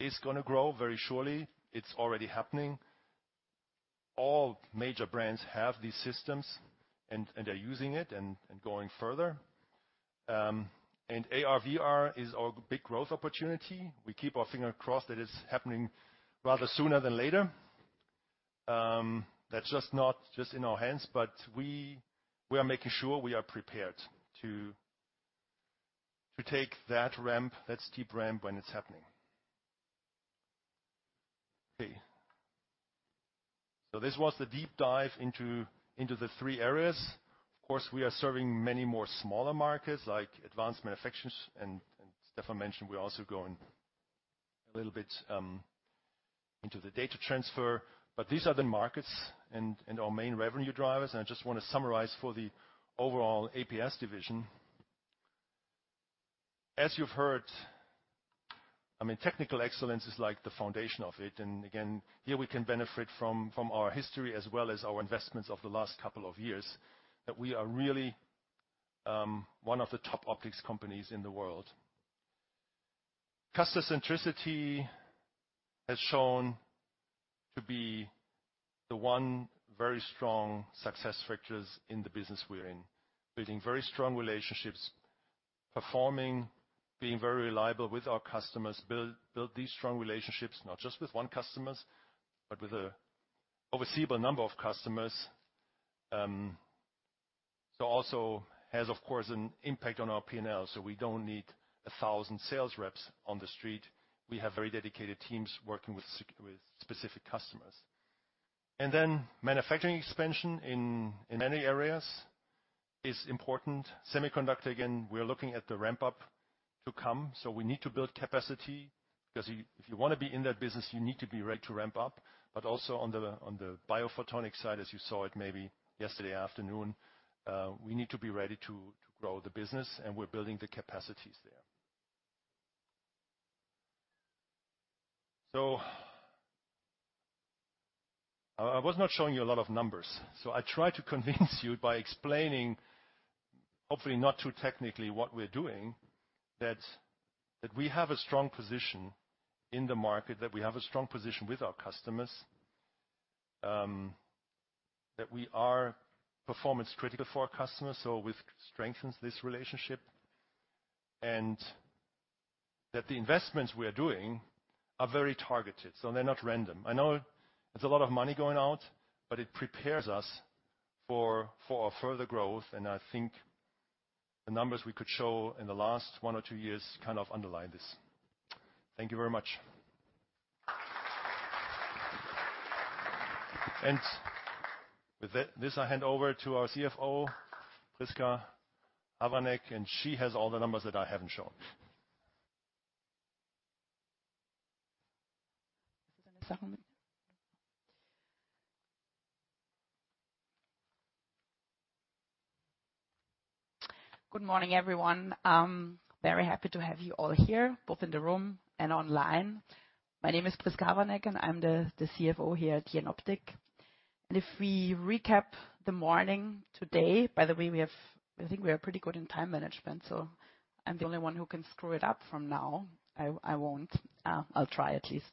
is going to grow very surely. It's already happening. All major brands have these systems, and, and they're using it and, and going further. And AR/VR is our big growth opportunity. We keep our finger crossed that it's happening rather sooner than later. That's just not just in our hands, but we, we are making sure we are prepared to, to take that ramp, that steep ramp, when it's happening. Okay. So this was the deep dive into the three areas. Of course, we are serving many more smaller markets, like advanced manufacturing, and Stefan mentioned we're also going a little bit into the data transfer. But these are the markets and our main revenue drivers. And I just want to summarize for the overall APS division. As you've heard, I mean, technical excellence is like the foundation of it. And again, here we can benefit from our history as well as our investments over the last couple of years, that we are really one of the top optics companies in the world. Customer centricity has shown to be the one very strong success factors in the business we're in. Building very strong relationships, performing, being very reliable with our customers, build, build these strong relationships, not just with one customers, but with a foreseeable number of customers. So also has, of course, an impact on our P&L, so we don't need a thousand sales reps on the street. We have very dedicated teams working with specific customers. And then manufacturing expansion in many areas is important. Semiconductor, again, we are looking at the ramp-up to come, so we need to build capacity, because if you, if you want to be in that business, you need to be ready to ramp up. But also on the Biophotonics side, as you saw it maybe yesterday afternoon, we need to be ready to grow the business, and we're building the capacities there. So I was not showing you a lot of numbers, so I try to convince you by explaining, hopefully not too technically, what we're doing, that we have a strong position in the market, that we have a strong position with our customers. That we are performance critical for our customers, so which strengthens this relationship, and that the investments we are doing are very targeted, so they're not random. I know it's a lot of money going out, but it prepares us for our further growth, and I think the numbers we could show in the last one or two years kind of underline this. Thank you very much. With this, I hand over to our CFO, Prisca Havranek, and she has all the numbers that I haven't shown. Good morning, everyone. I'm very happy to have you all here, both in the room and online. My name is Prisca Havranek, and I'm the CFO here at Jenoptik. And if we recap the morning today... By the way, we have—I think we are pretty good in time management, so I'm the only one who can screw it up from now. I won't. I'll try, at least.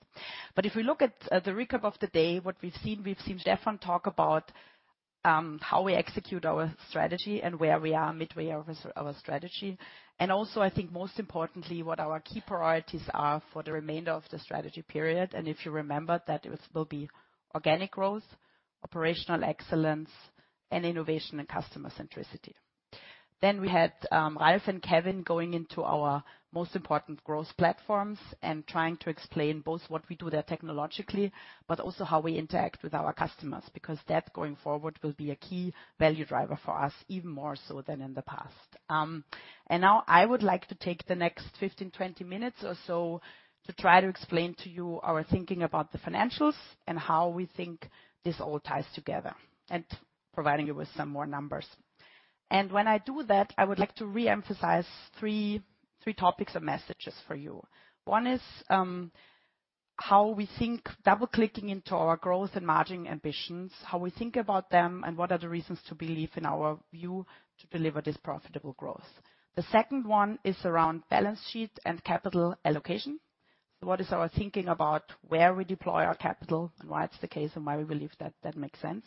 But if we look at the recap of the day, what we've seen, we've seen Stefan talk about how we execute our strategy and where we are midway our strategy. And also, I think, most importantly, what our key priorities are for the remainder of the strategy period. And if you remember that it was, will be organic growth, operational excellence, and innovation and customer centricity. Then we had Ralf and Kevin going into our most important growth platforms and trying to explain both what we do there technologically, but also how we interact with our customers, because that, going forward, will be a key value driver for us, even more so than in the past. And now I would like to take the next 15, 20 minutes or so to try to explain to you our thinking about the financials and how we think this all ties together, and providing you with some more numbers. And when I do that, I would like to re-emphasize three, three topics or messages for you. One is, how we think, double-clicking into our growth and margin ambitions, how we think about them, and what are the reasons to believe in our view to deliver this profitable growth. The second one is around balance sheet and capital allocation. So what is our thinking about where we deploy our capital, and why it's the case, and why we believe that, that makes sense.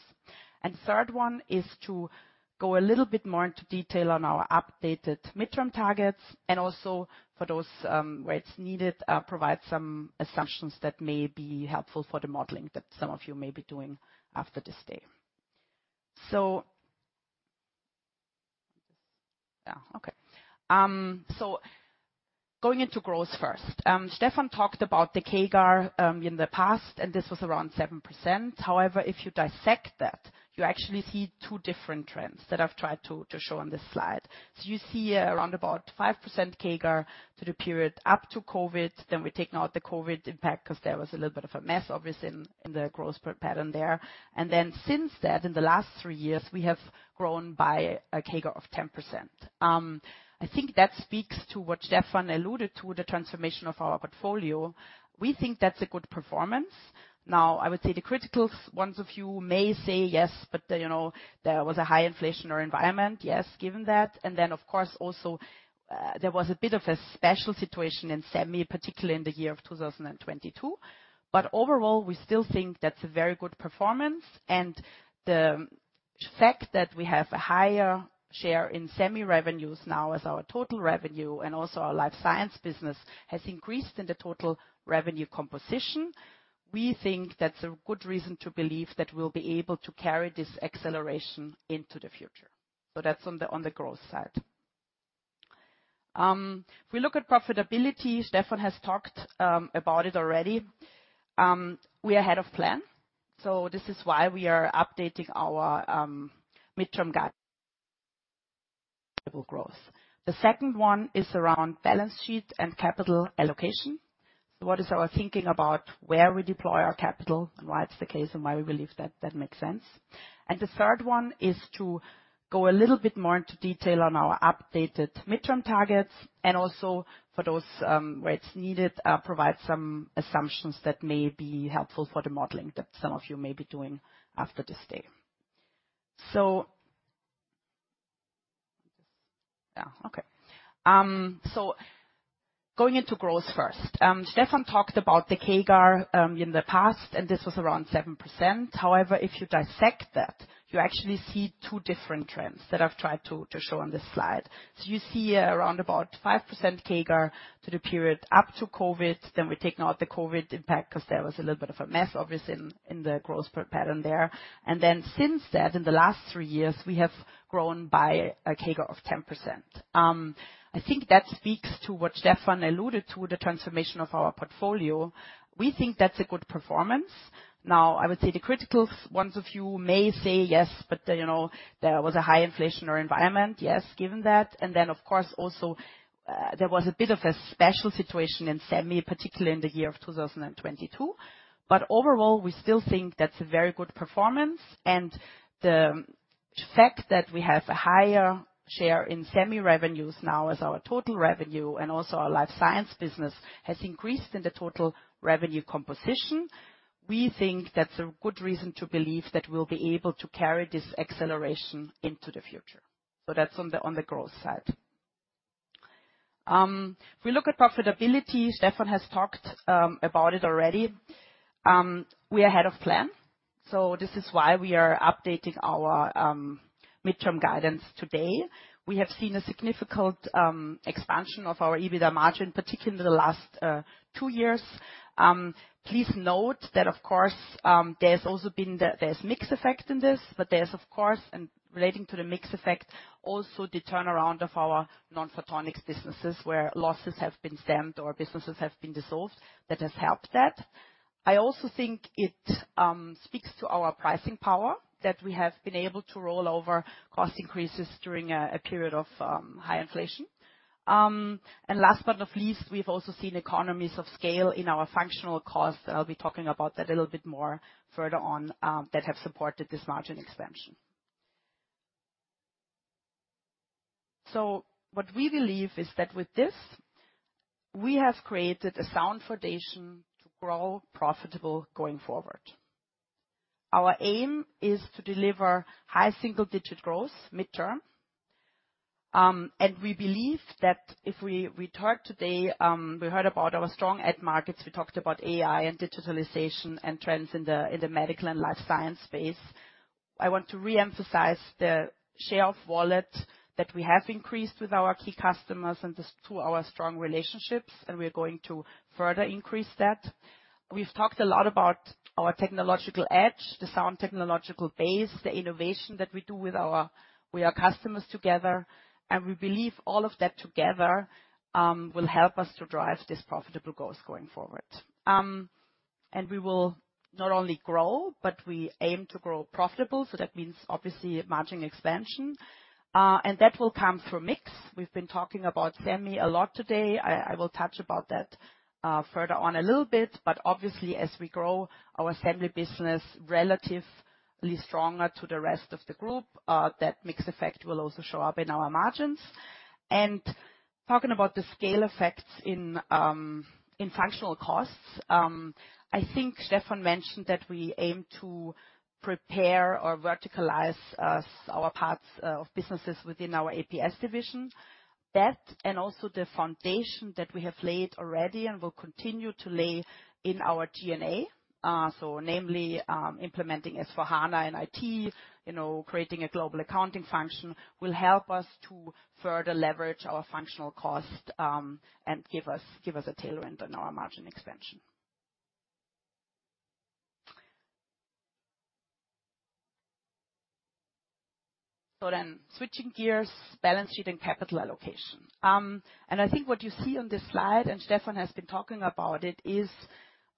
And third one is to go a little bit more into detail on our updated midterm targets, and also for those, where it's needed, provide some assumptions that may be helpful for the modeling that some of you may be doing after this day. So going into growth first. Stefan talked about the CAGR, in the past, and this was around 7%. However, if you dissect that, you actually see two different trends that I've tried to, to show on this slide. So you see around about 5% CAGR through the period up to COVID. Then we take out the COVID impact, because there was a little bit of a mess, obviously, in the growth per pattern there. And then since that, in the last three years, we have grown by a CAGR of 10%. I think that speaks to what Stefan alluded to, the transformation of our portfolio. We think that's a good performance. We think that's a good reason to believe that we'll be able to carry this acceleration into the future. So that's on the growth side. If we look at profitability, Stefan has talked about it already. We are ahead of plan, so this is why we are updating our midterm guidance today. We have seen a significant expansion of our EBITDA margin, particularly in the last two years. Please note that, of course, there's also been the mix effect in this, but there's, of course, and relating to the mix effect, also the turnaround of our non-photonics businesses, where losses have been stemmed or businesses have been dissolved. That has helped that. I also think it speaks to our pricing power, that we have been able to roll over cost increases during a period of high inflation. Last but not least, we've also seen economies of scale in our functional costs, and I'll be talking about that a little bit more further on, that have supported this margin expansion. So what we believe is that with this, we have created a sound foundation to grow profitable going forward. Our aim is to deliver high single-digit growth mid-term, and we believe that if we talked today, we heard about our strong end markets, we talked about AI and digitalization and trends in the medical and life science space. I want to reemphasize the share of wallet that we have increased with our key customers, and this through our strong relationships, and we are going to further increase that. We've talked a lot about our technological edge, the sound technological base, the innovation that we do with our customers together, and we believe all of that together will help us to drive this profitable growth going forward. And we will not only grow, but we aim to grow profitable, so that means obviously margin expansion, and that will come through mix. We've been talking about Semi a lot today. I will touch about that further on a little bit, but obviously, as we grow our assembly business relatively stronger to the rest of the group, that mix effect will also show up in our margins. And talking about the scale effects in functional costs, I think Stefan mentioned that we aim to prepare or verticalize our parts of businesses within our APS division. That, and also the foundation that we have laid already and will continue to lay in our G&A. So namely, implementing S/4HANA in IT, you know, creating a global accounting function will help us to further leverage our functional cost, and give us, give us a tailwind on our margin expansion. So then switching gears, balance sheet and capital allocation. And I think what you see on this slide, and Stefan has been talking about it, is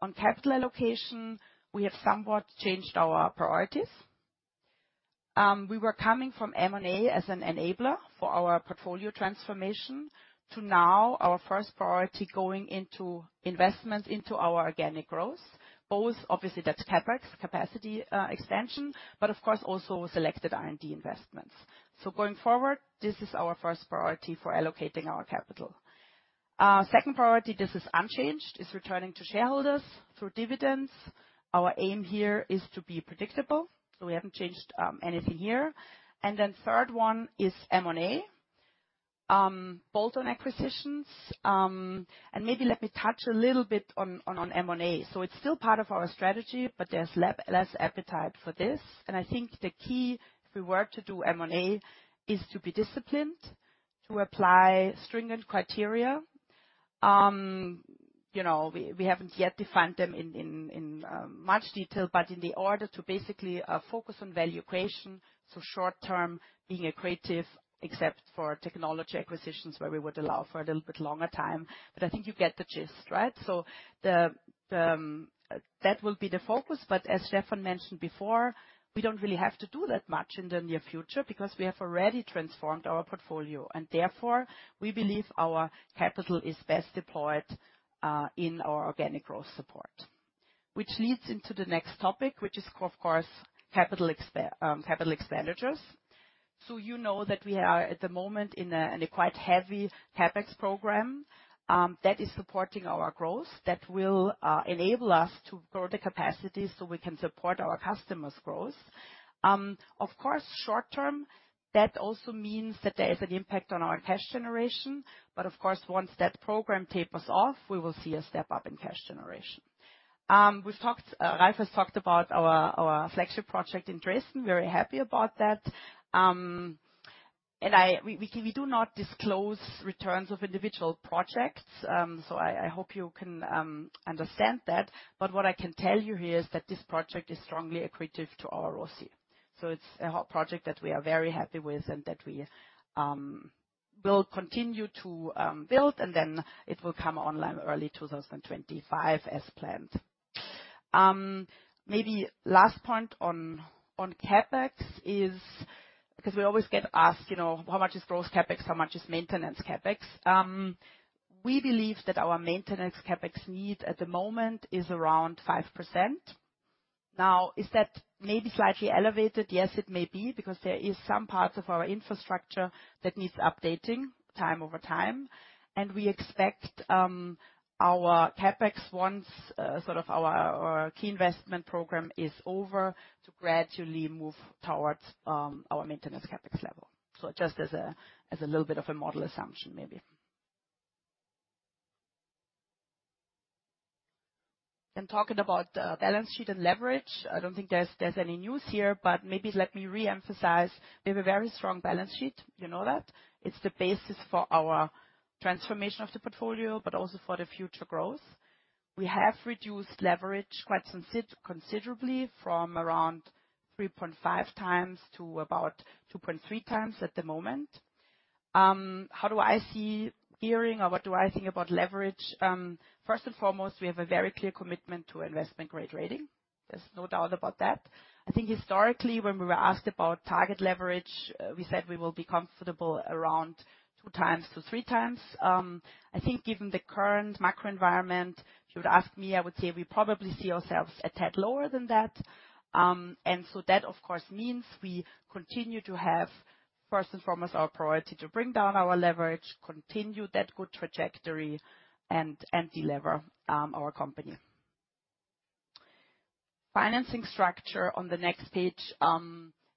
on capital allocation, we have somewhat changed our priorities. We were coming from M&A as an enabler for our portfolio transformation to now our first priority going into investment into our organic growth. Both, obviously, that's CapEx, capacity, expansion, but of course, also selected R&D investments. So going forward, this is our first priority for allocating our capital. Our second priority, this is unchanged, is returning to shareholders through dividends. Our aim here is to be predictable, so we haven't changed, anything here. And then third one is M&A, bolt-on acquisitions. And maybe let me touch a little bit on M&A. So it's still part of our strategy, but there's less appetite for this, and I think the key, if we were to do M&A, is to be disciplined, to apply stringent criteria. You know, we haven't yet defined them in much detail, but in order to basically focus on value creation, so short term, being accretive, except for technology acquisitions, where we would allow for a little bit longer time, but I think you get the gist, right? So that will be the focus, but as Stefan mentioned before, we don't really have to do that much in the near future because we have already transformed our portfolio, and therefore, we believe our capital is best deployed in our organic growth support. Which leads into the next topic, which is, of course, capital expenditures. So you know that we are, at the moment, in a quite heavy CapEx program that is supporting our growth, that will enable us to grow the capacity so we can support our customers' growth. Of course, short term, that also means that there is an impact on our cash generation. But of course, once that program tapers off, we will see a step up in cash generation. We've talked, Ralf has talked about our flagship project in Dresden. Very happy about that. And we do not disclose returns of individual projects, so I hope you can understand that. But what I can tell you here is that this project is strongly accretive to our ROCE. So it's a hot project that we are very happy with and that we will continue to build, and then it will come online early 2025 as planned. Maybe last point on CapEx is, because we always get asked, you know, how much is gross CapEx, how much is maintenance CapEx? We believe that our maintenance CapEx need at the moment is around 5%. Now, is that maybe slightly elevated? Yes, it may be, because there is some parts of our infrastructure that needs updating time over time, and we expect, our CapEx once, sort of our, our key investment program is over, to gradually move towards, our maintenance CapEx level. So just as a little bit of a model assumption, maybe. And talking about, balance sheet and leverage, I don't think there's any news here, but maybe let me reemphasize, we have a very strong balance sheet. You know that. It's the basis for our transformation of the portfolio, but also for the future growth. We have reduced leverage quite considerably from around 3.5x to about 2.3x at the moment. How do I see gearing, or what do I think about leverage? First and foremost, we have a very clear commitment to investment-grade rating. There's no doubt about that. I think historically, when we were asked about target leverage, we said we will be comfortable around 2x-3x. I think given the current macro environment, if you would ask me, I would say we probably see ourselves a tad lower than that. So that, of course, means we continue to have, first and foremost, our priority to bring down our leverage, continue that good trajectory, and delever our company. Financing structure on the next page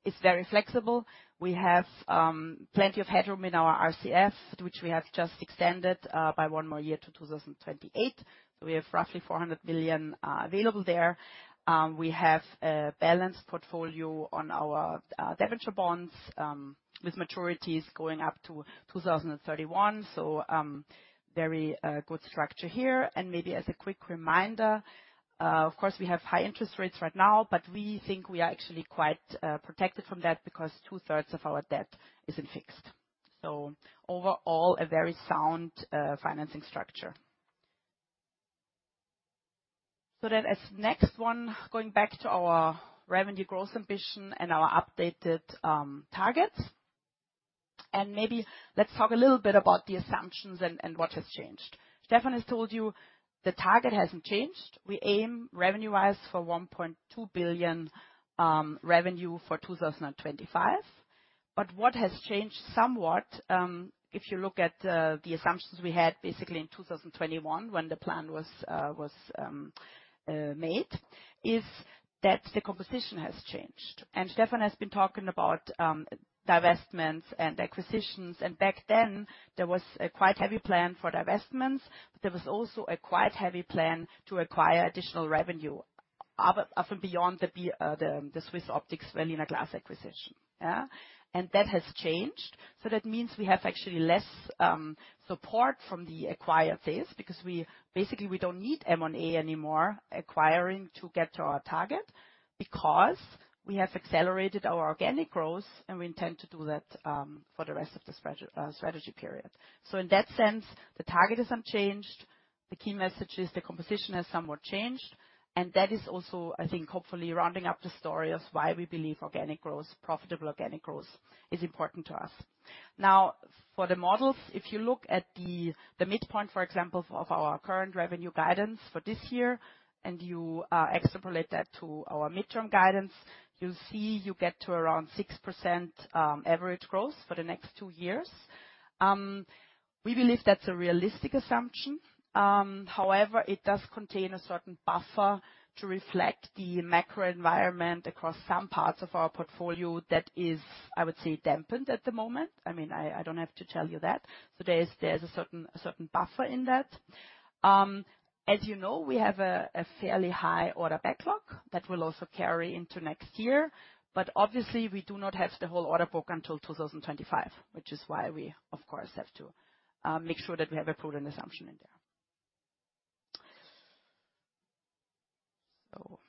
is very flexible. We have plenty of headroom in our RCF, which we have just extended by one more year to 2028. So we have roughly 400 million available there. We have a balanced portfolio on our debenture bonds with maturities going up to 2031. So, very good structure here. And maybe as a quick reminder, of course, we have high interest rates right now, but we think we are actually quite protected from that because two-thirds of our debt is in fixed. So overall, a very sound financing structure. So then as next one, going back to our revenue growth ambition and our updated targets, and maybe let's talk a little bit about the assumptions and what has changed. Stefan has told you the target hasn't changed. We aim, revenue-wise, for 1.2 billion revenue for 2025. But what has changed somewhat, if you look at the assumptions we had basically in 2021, when the plan was made, is that the composition has changed. Stefan has been talking about divestments and acquisitions, and back then, there was a quite heavy plan for divestments, but there was also a quite heavy plan to acquire additional revenue, other, often beyond the, the SwissOptic, Berliner Glas acquisition. Yeah? And that has changed. So that means we have actually less support from the acquired phase, because we basically, we don't need M&A anymore, acquiring to get to our target, because we have accelerated our organic growth, and we intend to do that for the rest of the strategy period. So in that sense, the target hasn't changed. The key message is the composition has somewhat changed, and that is also, I think, hopefully rounding up the story of why we believe organic growth, profitable organic growth, is important to us. Now, for the models, if you look at the midpoint, for example, of our current revenue guidance for this year, and you extrapolate that to our midterm guidance, you'll see you get to around 6% average growth for the next two years. We believe that's a realistic assumption. However, it does contain a certain buffer to reflect the macro environment across some parts of our portfolio that is, I would say, dampened at the moment. I mean, I don't have to tell you that. So there is a certain buffer in that. As you know, we have a fairly high order backlog that will also carry into next year, but obviously, we do not have the whole order book until 2025, which is why we, of course, have to make sure that we have a prudent assumption in there. So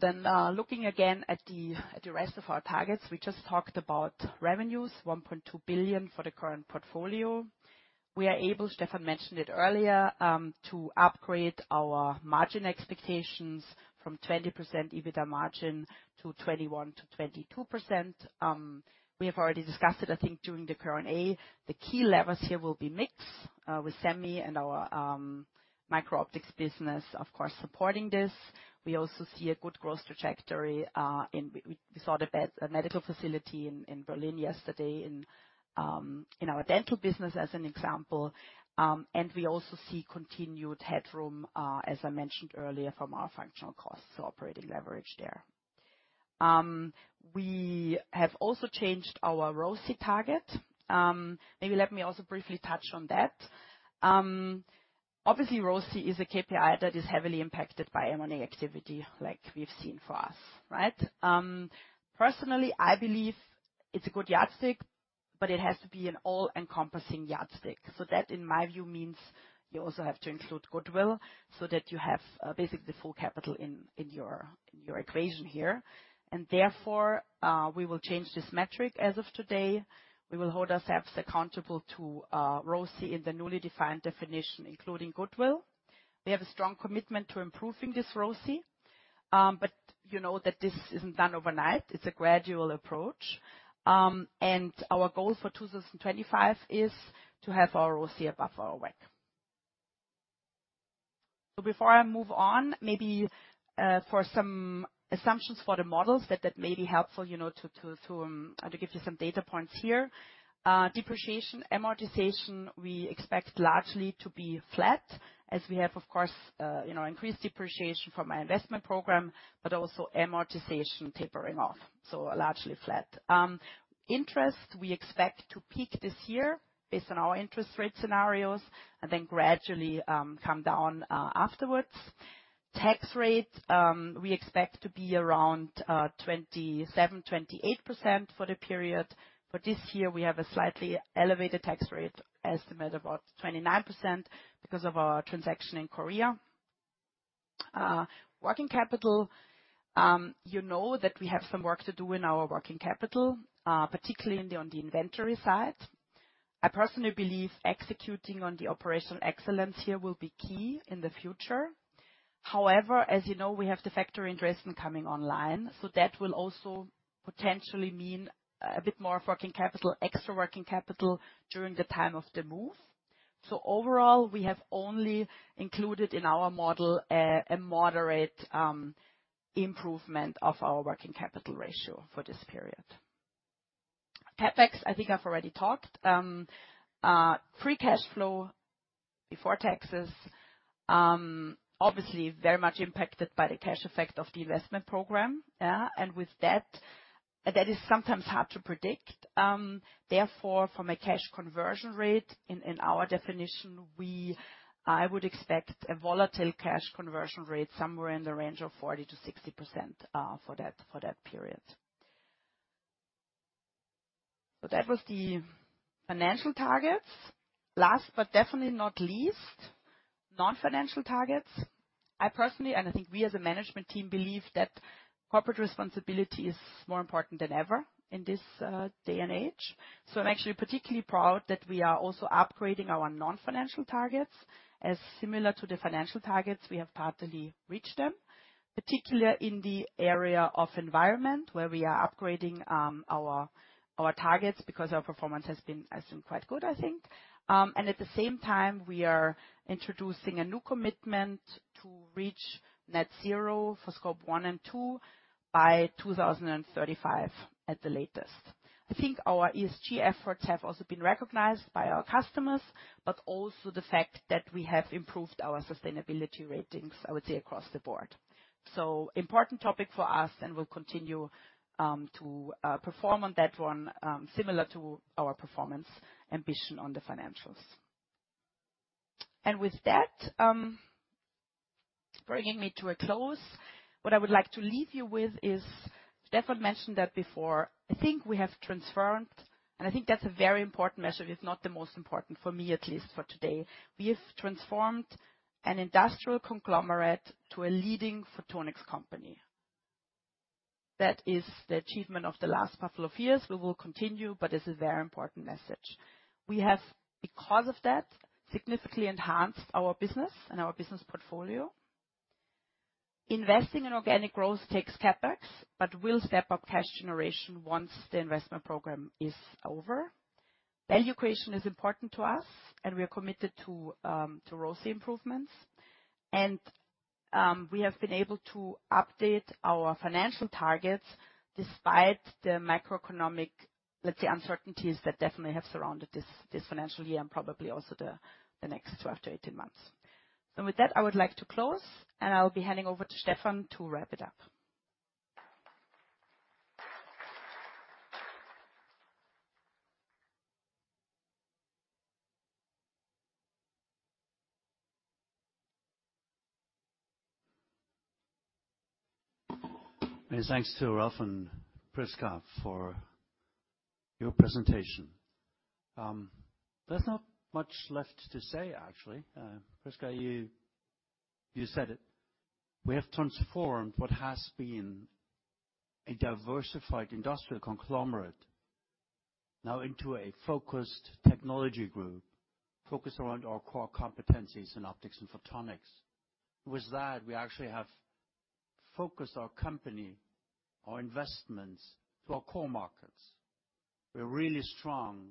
then, looking again at the rest of our targets, we just talked about revenues, 1.2 billion for the current portfolio. We are able, Stefan mentioned it earlier, to upgrade our margin expectations from 20% EBITDA margin to 21%-22%. We have already discussed it, I think, during the current A. The key levers here will be mix, with Semi and our Micro Optics business, of course, supporting this. We also see a good growth trajectory. We saw the medical facility in Berlin yesterday in our dental business as an example. And we also see continued headroom as I mentioned earlier from our functional costs, so operating leverage there. We have also changed our ROCE target. Maybe let me also briefly touch on that. Obviously, ROCE is a KPI that is heavily impacted by M&A activity, like we've seen for us, right? Personally, I believe it's a good yardstick, but it has to be an all-encompassing yardstick. So that, in my view, means you also have to include goodwill so that you have basically full capital in your equation here, and therefore we will change this metric as of today. We will hold ourselves accountable to ROCE in the newly defined definition, including goodwill. We have a strong commitment to improving this ROCE, but you know that this isn't done overnight. It's a gradual approach. Our goal for 2025 is to have our ROCE above our WACC. So before I move on, maybe for some assumptions for the models that may be helpful, you know, to give you some data points here. Depreciation, amortization, we expect largely to be flat, as we have, of course, you know, increased depreciation from our investment program, but also amortization tapering off, so largely flat. Interest, we expect to peak this year based on our interest rate scenarios and then gradually come down afterwards. Tax rate, we expect to be around 27%-28% for the period. For this year, we have a slightly elevated tax rate estimate, about 29% because of our transaction in Korea. Working capital, you know that we have some work to do in our working capital, particularly on the inventory side. I personally believe executing on the operational excellence here will be key in the future. However, as you know, we have the factory in Dresden coming online, so that will also potentially mean a bit more working capital, extra working capital, during the time of the move. So overall, we have only included in our model a moderate improvement of our working capital ratio for this period. CapEx, I think I've already talked. Free cash flow before taxes, obviously very much impacted by the cash effect of the investment program, yeah, and with that, that is sometimes hard to predict. Therefore, from a cash conversion rate, in our definition, I would expect a volatile cash conversion rate somewhere in the range of 40%-60%, for that period. So that was the financial targets. Last but definitely not least, non-financial targets. I personally, and I think we as a management team, believe that corporate responsibility is more important than ever in this day and age. So I'm actually particularly proud that we are also upgrading our non-financial targets, as similar to the financial targets, we have partly reached them, particularly in the area of environment, where we are upgrading our targets, because our performance has been quite good, I think. And at the same time, we are introducing a new commitment to reach net zero for Scope 1 and 2 by 2035 at the latest. I think our ESG efforts have also been recognized by our customers, but also the fact that we have improved our sustainability ratings, I would say, across the board. So important topic for us, and we'll continue to perform on that one, similar to our performance ambition on the financials. With that, bringing me to a close, what I would like to leave you with is Stefan mentioned that before. I think we have transformed, and I think that's a very important measure, if not the most important for me, at least for today. We have transformed an industrial conglomerate to a leading photonics company. That is the achievement of the last couple of years. We will continue, but it's a very important message. We have, because of that, significantly enhanced our business and our business portfolio. Investing in organic growth takes CapEx, but we'll step up cash generation once the investment program is over. Value creation is important to us, and we are committed to ROCE improvements. We have been able to update our financial targets despite the macroeconomic, let's say, uncertainties that definitely have surrounded this financial year and probably also the next 12-18 months. So with that, I would like to close, and I'll be handing over to Stefan to wrap it up. Many thanks to Ralf and Prisca for your presentation. There's not much left to say, actually. Prisca, you, you said it. We have transformed what has been a diversified industrial conglomerate now into a focused technology group, focused around our core competencies in optics and photonics. With that, we actually have focused our company, our investments to our core markets.... We're really strong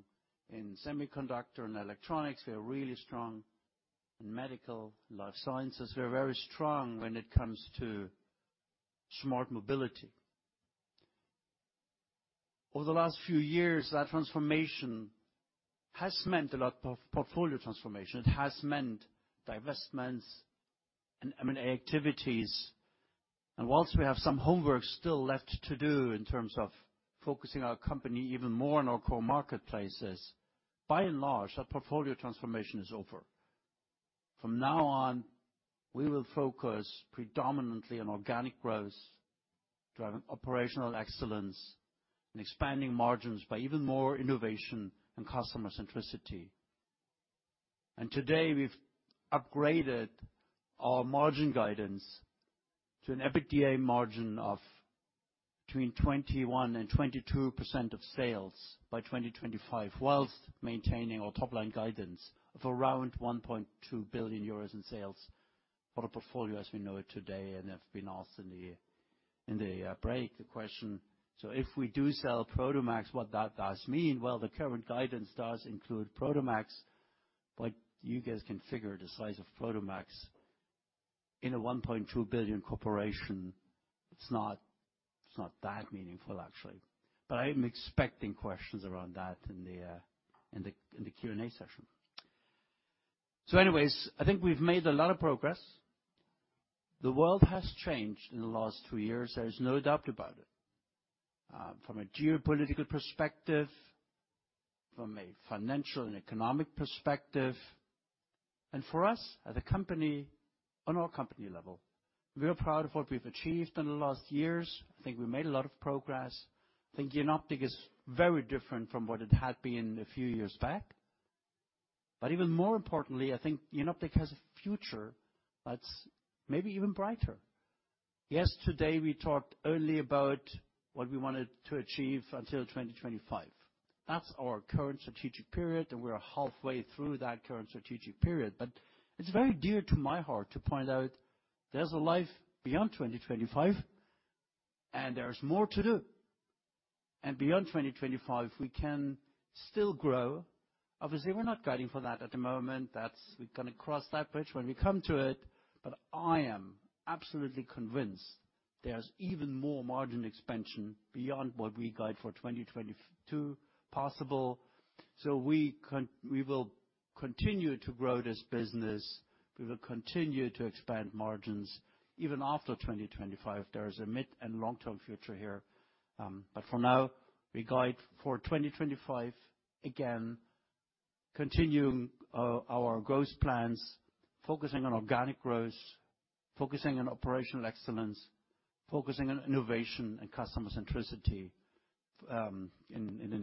in semiconductor and electronics. We are really strong in medical life sciences. We're very strong when it comes to smart mobility. Over the last few years, that transformation has meant a lot of portfolio transformation. It has meant divestments and M&A activities. And whilst we have some homework still left to do in terms of focusing our company even more on our core marketplaces, by and large, that portfolio transformation is over. From now on, we will focus predominantly on organic growth, driving operational excellence and expanding margins by even more innovation and customer centricity. Today, we've upgraded our margin guidance to an EBITDA margin of between 21% and 22% of sales by 2025, while maintaining our top line guidance of around 1.2 billion euros in sales for the portfolio as we know it today. I've been asked in the break the question, so if we do sell Prodomax, what that does mean? Well, the current guidance does include Prodomax, but you guys can figure the size of Prodomax in a 1.2 billion corporation. It's not that meaningful, actually, but I'm expecting questions around that in the Q&A session. So anyways, I think we've made a lot of progress. The world has changed in the last two years, there's no doubt about it. From a geopolitical perspective, from a financial and economic perspective, and for us, as a company, on our company level, we are proud of what we've achieved in the last years. I think we made a lot of progress. I think Jenoptik is very different from what it had been a few years back. But even more importantly, I think Jenoptik has a future that's maybe even brighter. Yes, today, we talked only about what we wanted to achieve until 2025. That's our current strategic period, and we are halfway through that current strategic period. But it's very dear to my heart to point out there's a life beyond 2025, and there's more to do. And beyond 2025, we can still grow. Obviously, we're not guiding for that at the moment. – we're going to cross that bridge when we come to it. But I am absolutely convinced there's even more margin expansion beyond what we guide for 2022 possible. So we will continue to grow this business. We will continue to expand margins even after 2025. There is a mid and long-term future here. But for now, we guide for 2025, again, continuing our growth plans, focusing on organic growth, focusing on operational excellence, focusing on innovation and customer centricity, in the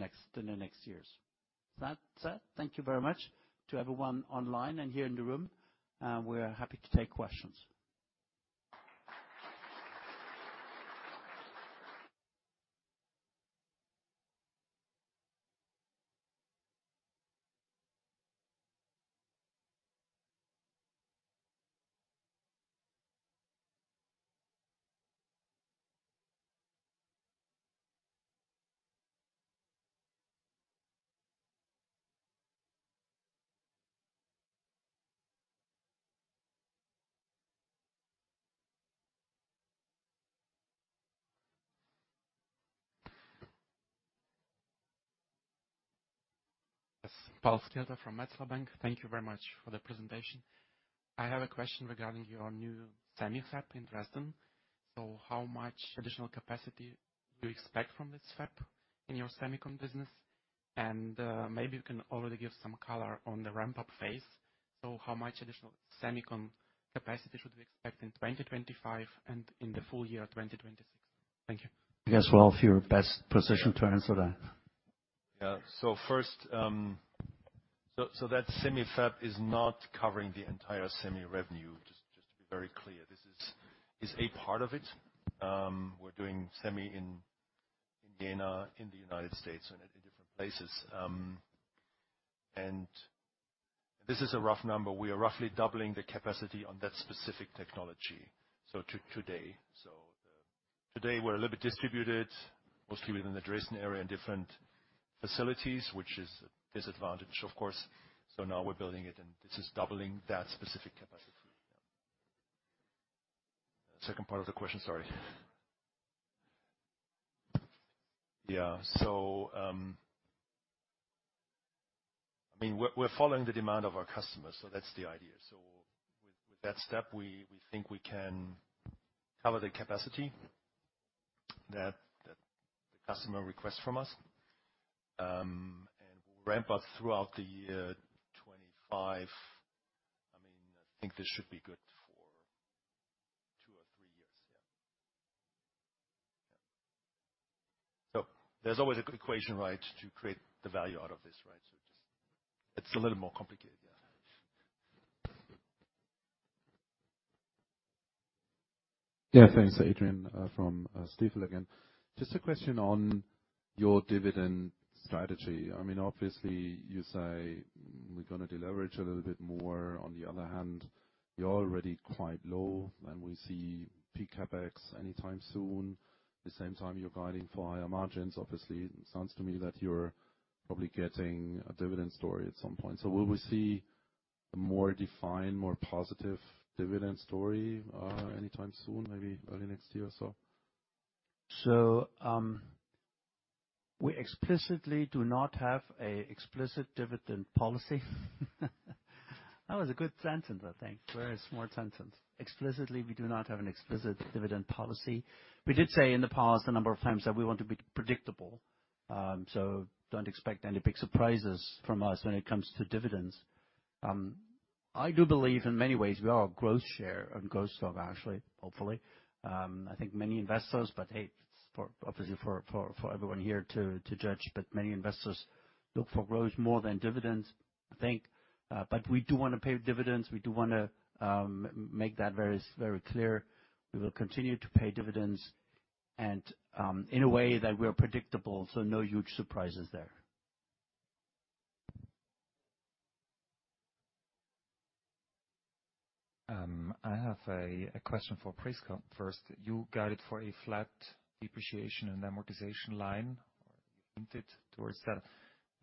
next years. That's it. Thank you very much to everyone online and here in the room, and we are happy to take questions. Yes. Pal Skirta from Metzler Bank. Thank you very much for the presentation. I have a question regarding your new semi fab in Dresden. So how much additional capacity do you expect from this fab in your semicon business? And, maybe you can already give some color on the ramp-up phase. So how much additional semicon capacity should we expect in 2025 and in the full year 2026? Thank you. I guess, Ralf, you're best positioned to answer that. Yeah. So first, so that semi fab is not covering the entire semi revenue. Just to be very clear, this is a part of it. We're doing semi in Jena, in the United States, and in different places. And this is a rough number. We are roughly doubling the capacity on that specific technology, today. So, today we're a little bit distributed, mostly within the Dresden area, in different facilities, which is a disadvantage, of course. So now we're building it, and this is doubling that specific capacity. Second part of the question, sorry. Yeah. So, I mean, we're following the demand of our customers, so that's the idea. So with that step, we think we can cover the capacity that the customer requests from us, and ramp up throughout the year 2025. I mean, I think this should be good for two or three years. Yeah. Yeah. So there's always a good equation, right, to create the value out of this, right? So just it's a little more complicated. Yeah. Yeah. Thanks, Adrian, from Stifel again. Just a question on your dividend strategy. I mean, obviously, you say-... We're gonna deleverage a little bit more. On the other hand, you're already quite low, and we see peak CapEx anytime soon. The same time, you're guiding for higher margins. Obviously, it sounds to me that you're probably getting a dividend story at some point. So will we see a more defined, more positive dividend story anytime soon, maybe early next year or so? So, we explicitly do not have an explicit dividend policy. That was a good sentence, I think. Very smart sentence. Explicitly, we do not have an explicit dividend policy. We did say in the past, a number of times, that we want to be predictable. So don't expect any big surprises from us when it comes to dividends. I do believe in many ways we are a growth share and growth stock, actually, hopefully. I think many investors, but, hey, it's obviously for everyone here to judge, but many investors look for growth more than dividends, I think. But we do wanna pay dividends. We do wanna make that very, very clear. We will continue to pay dividends and, in a way that we are predictable, so no huge surprises there. I have a question for Prisca. First, you guided for a flat depreciation and amortization line, or you hinted towards that.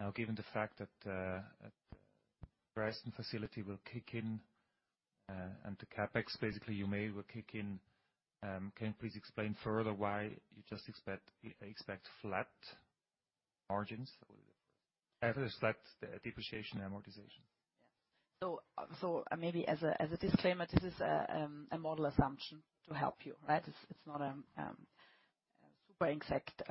Now, given the fact that, the Dresden facility will kick in, and the CapEx, basically, you made will kick in, can you please explain further why you just expect flat margins? I will expect the depreciation and amortization. So maybe as a disclaimer, this is a model assumption to help you, right? It's not a super exact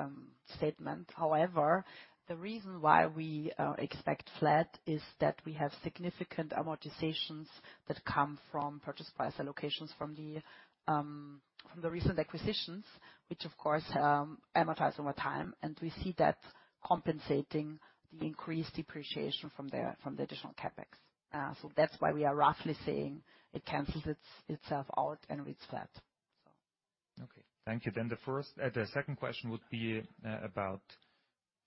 statement. However, the reason why we expect flat is that we have significant amortizations that come from purchase price allocations from the recent acquisitions, which of course amortize over time. And we see that compensating the increased depreciation from the additional CapEx. So that's why we are roughly saying it cancels itself out, and it's that, so. Okay, thank you. Then the first, the second question would be about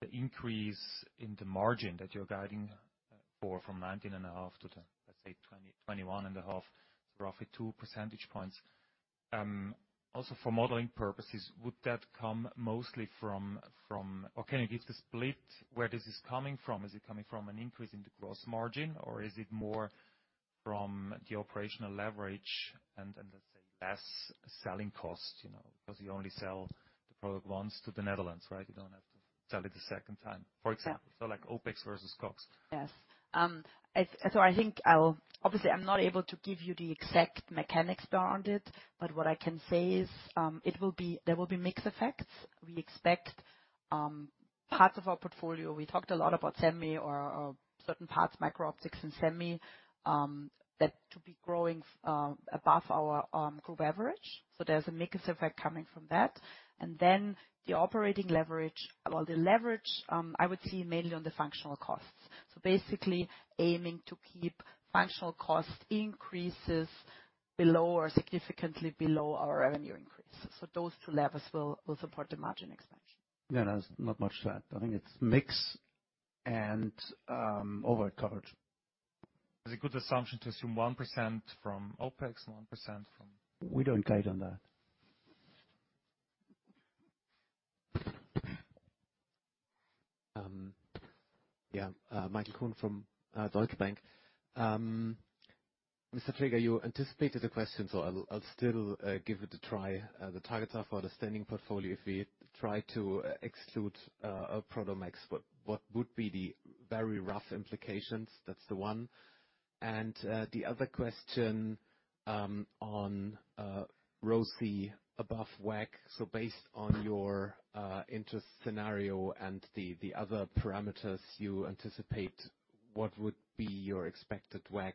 the increase in the margin that you're guiding for, from 19.5% to, let's say, 20%-21.5%, roughly two percentage points. Also for modeling purposes, would that come mostly from... Or can you give the split where this is coming from? Is it coming from an increase in the gross margin, or is it more from the operational leverage and, let's say, less selling costs, you know, because you only sell the product once to the Netherlands, right? You don't have to sell it a second time, for example. Yeah. So, like OpEx versus CapEx. Yes. So I think I'll obviously, I'm not able to give you the exact mechanics around it, but what I can say is, it will be, there will be mixed effects. We expect parts of our portfolio, we talked a lot about Semi or certain parts, Micro Optics and Semi, that to be growing above our group average. So there's a mixed effect coming from that. And then the operating leverage, well, the leverage, I would see mainly on the functional costs. So basically aiming to keep functional cost increases below or significantly below our revenue increase. So those two levers will support the margin expansion. Yeah, there's not much to that. I think it's mix and, overcovered. Is it a good assumption to assume 1% from OpEx, 1% from- We don't guide on that. Yeah, Michael Kuhn from Deutsche Bank. Mr. Traeger, you anticipated the question, so I'll still give it a try. The target for the standing portfolio, if we try to exclude a Prodomax, what would be the very rough implications? That's the one. And the other question on ROIC above WACC. So based on your interest scenario and the other parameters you anticipate, what would be your expected WACC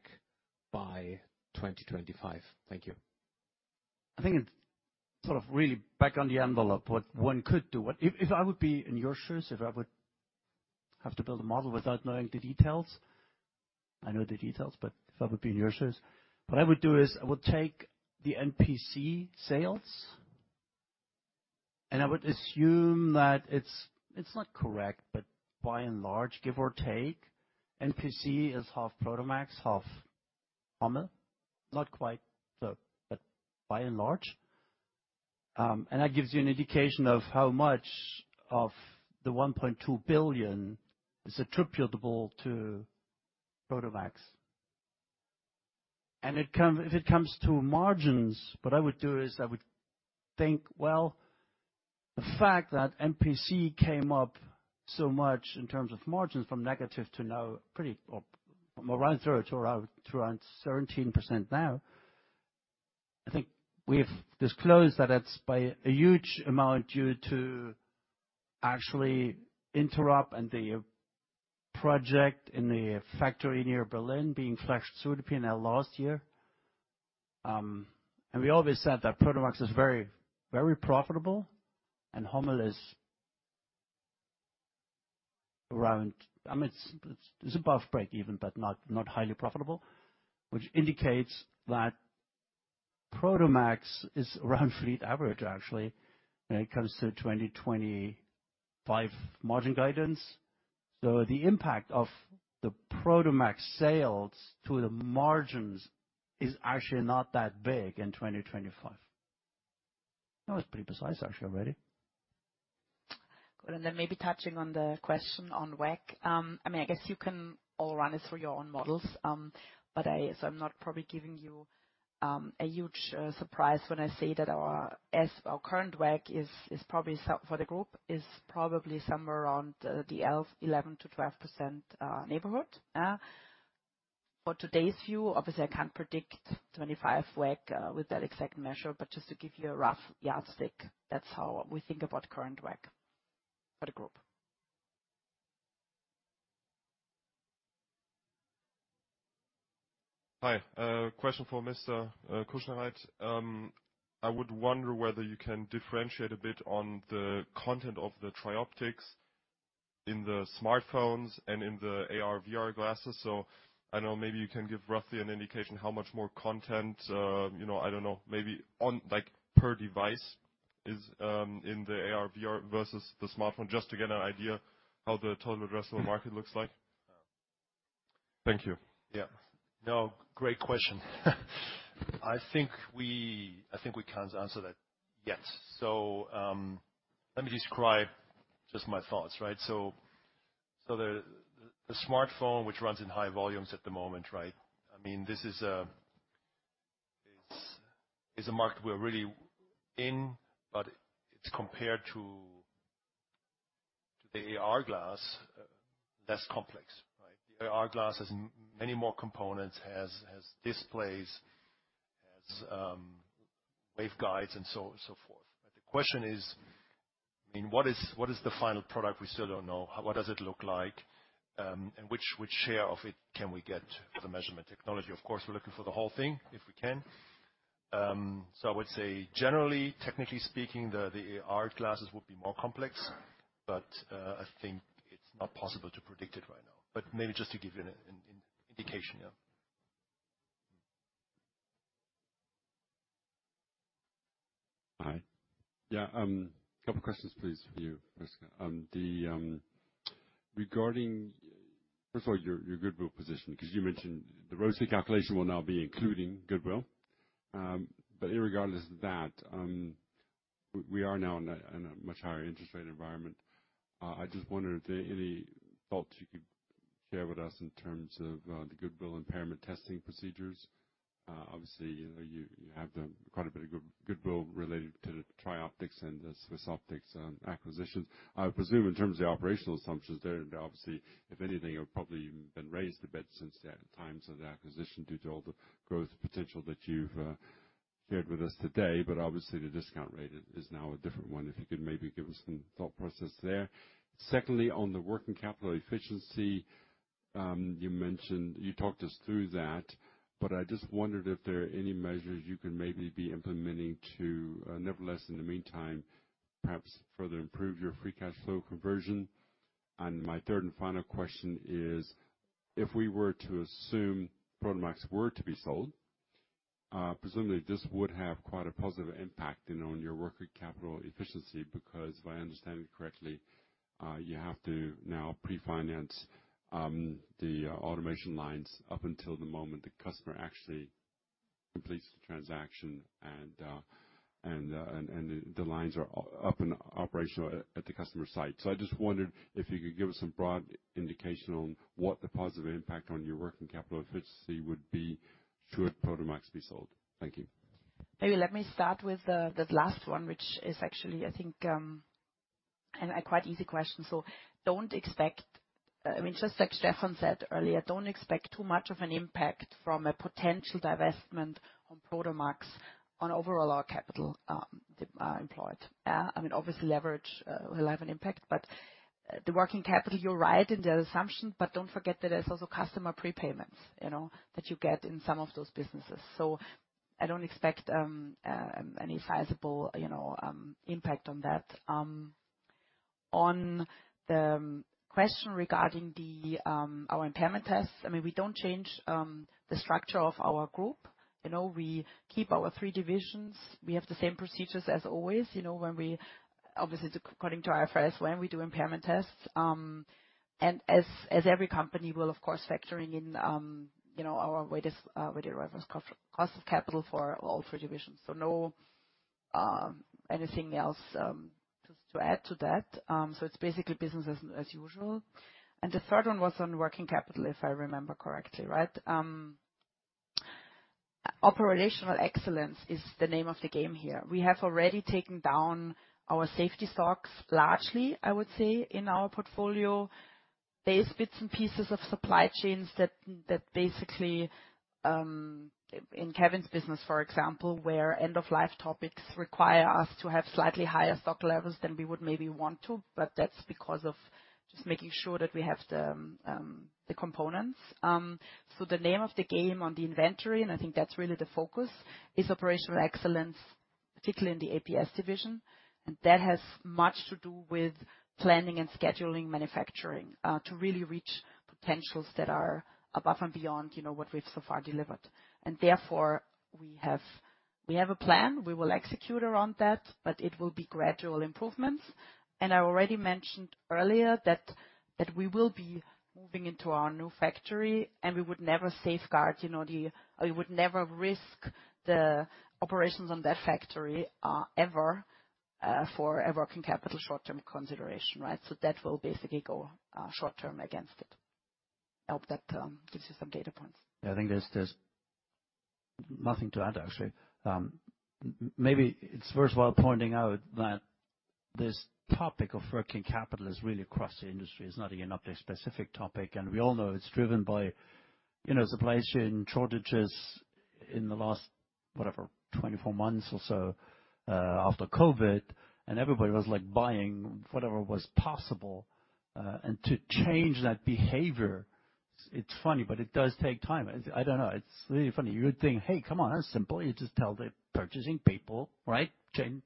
by 2025? Thank you. I think it's sort of really back on the envelope, what one could do. What if, if I would be in your shoes, if I would have to build a model without knowing the details, I know the details, but if I would be in your shoes, what I would do is I would take the NPC sales, and I would assume that it's not correct, but by and large, give or take, NPC is half Prodomax, half Hommel. Not quite, but by and large, and that gives you an indication of how much of the 1.2 billion is attributable to Prodomax. And it come... If it comes to margins, what I would do is I would think, well, the fact that NPC came up so much in terms of margins from negative to now, pretty, or right through to around 17% now, I think we've disclosed that it's by a huge amount due to actually interrupt and the project in the factory near Berlin being flashed through the P&L last year. And we always said that Prodomax is very, very profitable, and Hommel is around, I mean, it's above break even, but not highly profitable. Which indicates that Prodomax is around fleet average, actually, when it comes to 2025 margin guidance. So the impact of the Prodomax sales to the margins is actually not that big in 2025. That was pretty precise, actually, already. Good. And then maybe touching on the question on WACC, I mean, I guess you can all run this through your own models, but I, so I'm not probably giving you a huge surprise when I say that our current WACC is probably, so for the group, probably somewhere around the 11%-12% neighborhood. For today's view, obviously, I can't predict 2025 WACC with that exact measure, but just to give you a rough yardstick, that's how we think about current WACC for the group. Hi. Question for Mr. Kuschnereit. I would wonder whether you can differentiate a bit on the content of the TRIOPTICS in the smartphones and in the AR/VR glasses. So I know maybe you can give roughly an indication how much more content, you know, I don't know, maybe on, like, per device is in the AR/VR versus the smartphone, just to get an idea how the total addressable market looks like. Thank you. Yeah. No, great question. I think we can't answer that yet. So, let me describe just my thoughts, right? So, the smartphone, which runs in high volumes at the moment, right? I mean, this is a market we're really in, but it's compared to the AR glass, less complex, right? The AR glass has many more components, has displays, has waveguides and so forth. But the question is, I mean, what is the final product? We still don't know. What does it look like, and which share of it can we get for the measurement technology? Of course, we're looking for the whole thing, if we can. So I would say generally, technically speaking, the AR glasses would be more complex, but I think it's not possible to predict it right now. But maybe just to give you an indication, yeah. Hi. Yeah, a couple questions, please, for you, Jessica. Regarding, first of all, your goodwill position, because you mentioned the ROCE calculation will now be including goodwill. But irregardless of that, we are now in a much higher interest rate environment. I just wondered if there are any thoughts you could share with us in terms of the goodwill impairment testing procedures. Obviously, you know, you have quite a bit of goodwill related to the TRIOPTICS and the SwissOptic acquisitions. I would presume in terms of the operational assumptions there, and obviously, if anything, have probably even been raised a bit since the times of the acquisition, due to all the growth potential that you've shared with us today. But obviously, the discount rate is now a different one. If you could maybe give us some thought process there. Secondly, on the working capital efficiency, you mentioned—you talked us through that, but I just wondered if there are any measures you can maybe be implementing to, nevertheless, in the meantime, perhaps further improve your free cash flow conversion. And my third and final question is, if we were to assume Prodomax were to be sold, presumably this would have quite a positive impact on your working capital efficiency, because if I understand it correctly, you have to now pre-finance the automation lines up until the moment the customer actually completes the transaction, and the lines are up and operational at the customer site. I just wondered if you could give us some broad indication on what the positive impact on your working capital efficiency would be, should Prodomax be sold? Thank you. Maybe let me start with the last one, which is actually, I think, a quite easy question. So don't expect, I mean, just like Stefan said earlier, don't expect too much of an impact from a potential divestment on Prodomax on overall our capital employed. I mean, obviously, leverage will have an impact, but the working capital, you're right in the assumption, but don't forget that there's also customer prepayments, you know, that you get in some of those businesses. So I don't expect any sizable, you know, impact on that. On the question regarding our impairment tests, I mean, we don't change the structure of our group. You know, we keep our three divisions. We have the same procedures as always, you know, when we... Obviously, according to IFRS, when we do impairment tests, and as every company will, of course, factoring in, you know, our weighted average cost of capital for all three divisions. So no, anything else, just to add to that. So it's basically business as usual. And the third one was on working capital, if I remember correctly, right? Operational excellence is the name of the game here. We have already taken down our safety stocks largely, I would say, in our portfolio. There's bits and pieces of supply chains that basically, in Kevin's business, for example, where end-of-life topics require us to have slightly higher stock levels than we would maybe want to, but that's because of just making sure that we have the components. The name of the game on the inventory, and I think that's really the focus, is operational excellence.... particularly in the APS division, and that has much to do with planning and scheduling, manufacturing, to really reach potentials that are above and beyond, you know, what we've so far delivered. And therefore, we have a plan. We will execute around that, but it will be gradual improvements. And I already mentioned earlier that we will be moving into our new factory, and we would never safeguard, you know, or we would never risk the operations on that factory, ever, for a working capital short-term consideration, right? So that will basically go short-term against it. I hope that gives you some data points. Yeah, I think there's nothing to add, actually. Maybe it's worthwhile pointing out that this topic of working capital is really across the industry. It's not a Jenoptik specific topic, and we all know it's driven by, you know, supply chain shortages in the last, whatever, 24 months or so, after COVID, and everybody was, like, buying whatever was possible. And to change that behavior, it's funny, but it does take time. I don't know. It's really funny. You would think, "Hey, come on, that's simple. You just tell the purchasing people, right? Change,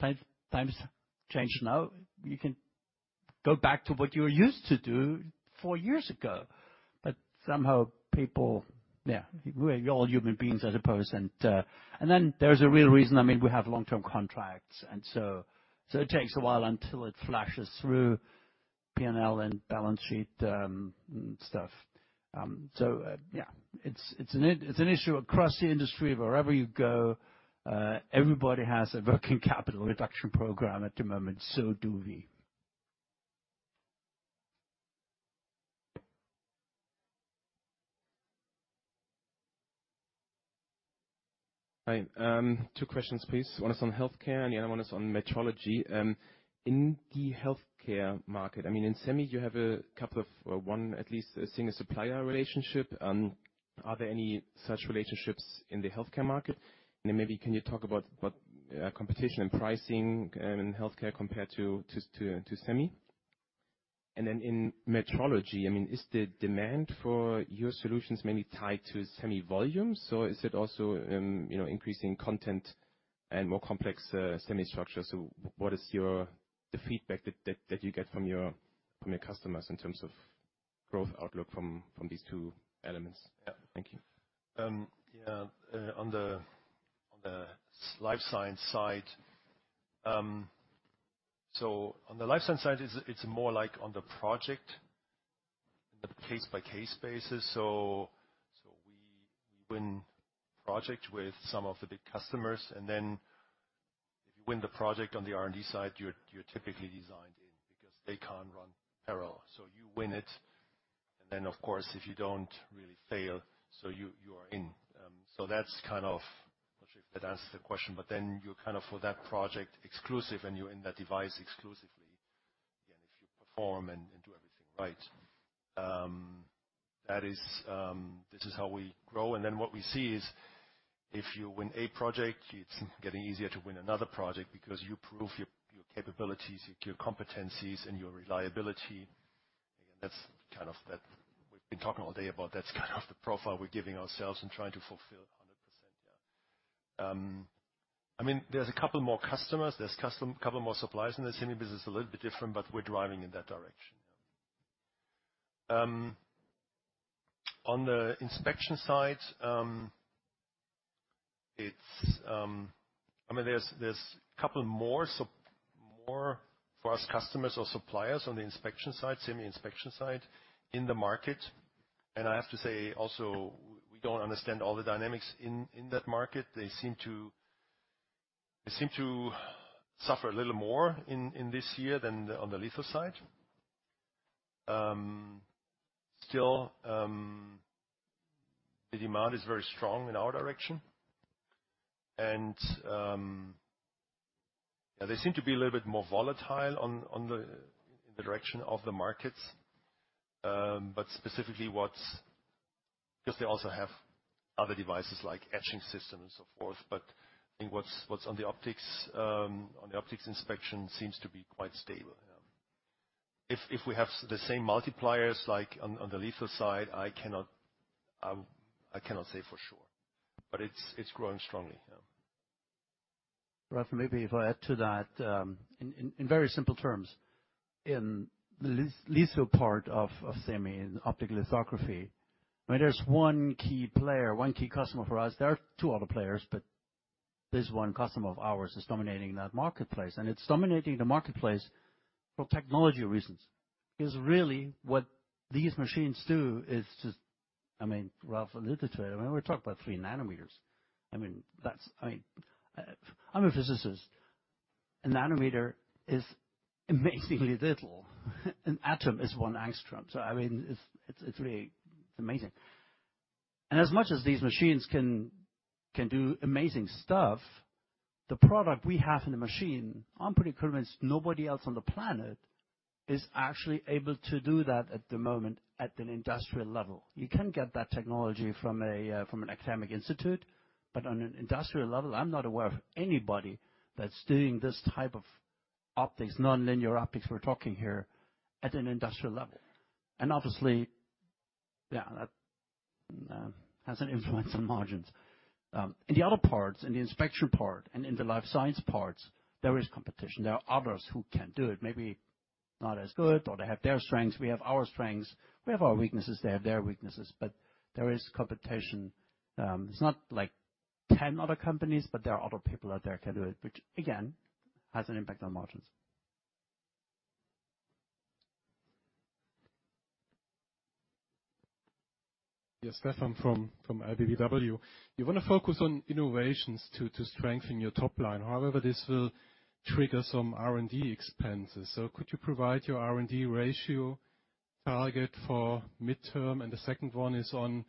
times change now. You can go back to what you were used to do four years ago." But somehow people... Yeah, we're all human beings, I suppose, and then there's a real reason. I mean, we have long-term contracts, and so it takes a while until it flashes through PNL and balance sheet, stuff. So, yeah, it's an issue across the industry. Wherever you go, everybody has a working capital reduction program at the moment, so do we. Hi. Two questions, please. One is on healthcare, and the other one is on metrology. In the healthcare market, I mean, in semi, you have a couple of, or one, at least, a single supplier relationship. Are there any such relationships in the healthcare market? And then maybe can you talk about what competition and pricing in healthcare compared to semi? And then in metrology, I mean, is the demand for your solutions mainly tied to semi volumes, or is it also, you know, increasing content and more complex semi structure? So what is your the feedback that you get from your customers in terms of growth outlook from these two elements? Yeah, thank you. Yeah, on the life science side, it's more like on the project, on the case-by-case basis. So we win project with some of the big customers, and then if you win the project on the R&D side, you're typically designed in, because they can't run parallel. So you win it, and then, of course, if you don't really fail, you are in. So that's kind of... I'm not sure if that answers the question, but then you're kind of, for that project, exclusive, and you're in that device exclusively, and if you perform and do everything right. That is, this is how we grow. And then what we see is, if you win a project, it's getting easier to win another project because you prove your capabilities, your competencies, and your reliability. And that's kind of what we've been talking all day about, that's kind of the profile we're giving ourselves and trying to fulfill 100%, yeah. I mean, there's a couple more customers, there's a couple more suppliers in the semi business, a little bit different, but we're driving in that direction. On the inspection side, it's... I mean, there's a couple more suppliers for us, customers or suppliers on the inspection side, semi-inspection side, in the market. And I have to say also, we don't understand all the dynamics in that market. They seem to suffer a little more in this year than on the litho side. Still, the demand is very strong in our direction. And, yeah, they seem to be a little bit more volatile on the direction of the markets, but specifically what's because they also have other devices, like etching systems and so forth. But I think what's on the optics, on the optics inspection seems to be quite stable, yeah. If we have the same multipliers, like on the litho side, I cannot say for sure, but it's growing strongly, yeah. Ralf, maybe if I add to that, in very simple terms, in the litho part of semi, in optical lithography, I mean, there's one key player, one key customer for us. There are two other players, but this one customer of ours is dominating that marketplace, and it's dominating the marketplace for technology reasons. Because really, what these machines do is just... I mean, Ralf alluded to it. I mean, we're talking about 3 nanometers. I mean, that's... I mean, I'm a physicist. A nanometer is amazingly little. An atom is one angstrom. So, I mean, it's really amazing. And as much as these machines can do amazing stuff, the product we have in the machine, I'm pretty convinced nobody else on the planet is actually able to do that at the moment, at an industrial level. You can get that technology from an academic institute, but on an industrial level, I'm not aware of anybody that's doing this type of optics, nonlinear optics we're talking here, at an industrial level. And obviously. Yeah, that has an influence on margins. In the other parts, in the inspection part and in the life science parts, there is competition. There are others who can do it, maybe not as good, or they have their strengths, we have our strengths, we have our weaknesses, they have their weaknesses, but there is competition. It's not like 10 other companies, but there are other people out there can do it, which again, has an impact on margins. Yes, Stefan from LBBW. You want to focus on innovations to strengthen your top line. However, this will trigger some R&D expenses. So could you provide your R&D ratio target for midterm? And the second one is on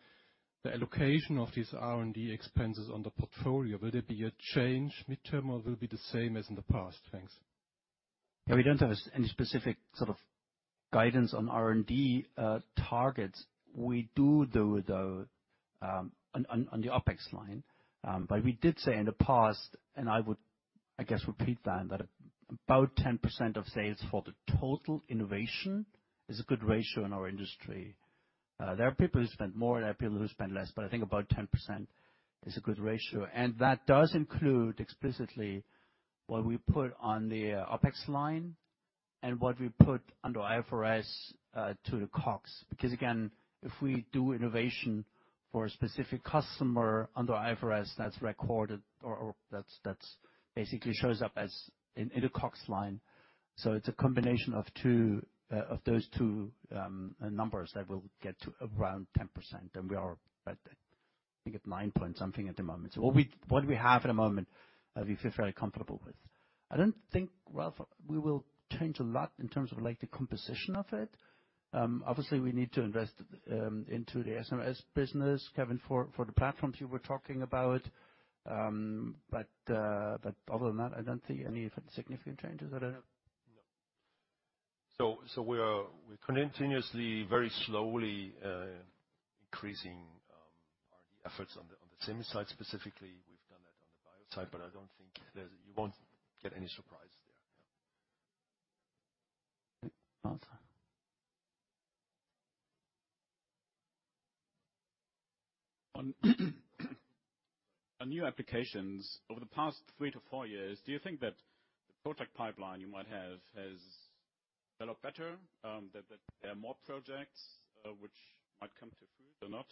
the allocation of these R&D expenses on the portfolio. Will there be a change midterm, or will it be the same as in the past? Thanks. Yeah, we don't have any specific sort of guidance on R&D targets. We do, though, on the OpEx line. But we did say in the past, and I would, I guess, repeat that, that about 10% of sales for the total innovation is a good ratio in our industry. There are people who spend more, there are people who spend less, but I think about 10% is a good ratio. And that does include explicitly what we put on the OpEx line and what we put under IFRS to the COGS. Because, again, if we do innovation for a specific customer under IFRS, that's recorded or that's basically shows up as in a COGS line. So it's a combination of two of those two numbers that will get to around 10%, and we are at, I think, at 9 point something at the moment. So what we, what we have at the moment, we feel very comfortable with. I don't think, Ralf, we will change a lot in terms of, like, the composition of it. Obviously, we need to invest into the SMS business, Kevin, for, for the platforms you were talking about. But other than that, I don't see any significant changes at all. No. So, so we are, we're continuously, very slowly, increasing our efforts on the, on the semi side specifically. We've done that on the bio side, but I don't think there's... You won't get any surprise there, yeah. Okay. Walter? On new applications, over the past 3-4 years, do you think that the product pipeline you might have has developed better, that, that there are more projects, which might come to fruit or not?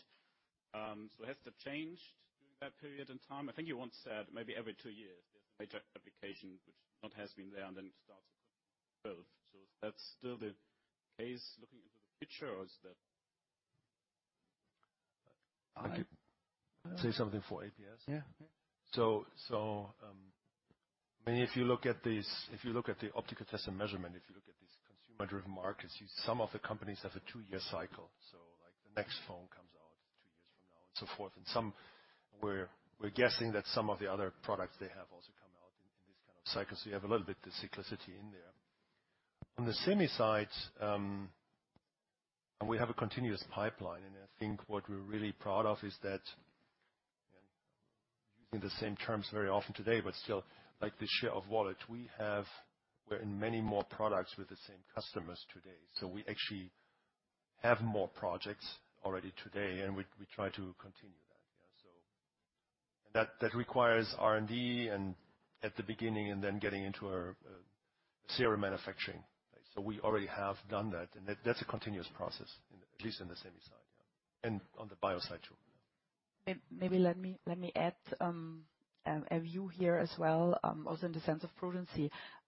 So has that changed during that period in time? I think you once said maybe every 2 years, there's a major application which not has been there and then starts to build. So that's still the case, looking into the picture, or is that? I say something for APS? Yeah. So, I mean, if you look at these, if you look at the optical test and measurement, if you look at these consumer-driven markets, some of the companies have a two-year cycle. So, like, the next phone comes out two years from now and so forth. And some, we're guessing that some of the other products they have also come out in this kind of cycle. So you have a little bit the cyclicity in there. On the semi side, we have a continuous pipeline, and I think what we're really proud of is that, in the same terms very often today, but still, like the share of wallet, we're in many more products with the same customers today. So we actually have more projects already today, and we try to continue that. Yeah, so... That, that requires R&D and at the beginning, and then getting into our serial manufacturing. So we already have done that, and that's a continuous process, at least on the semi side, yeah, and on the bio side, too. Maybe let me add a view here as well, also in the sense of prudence.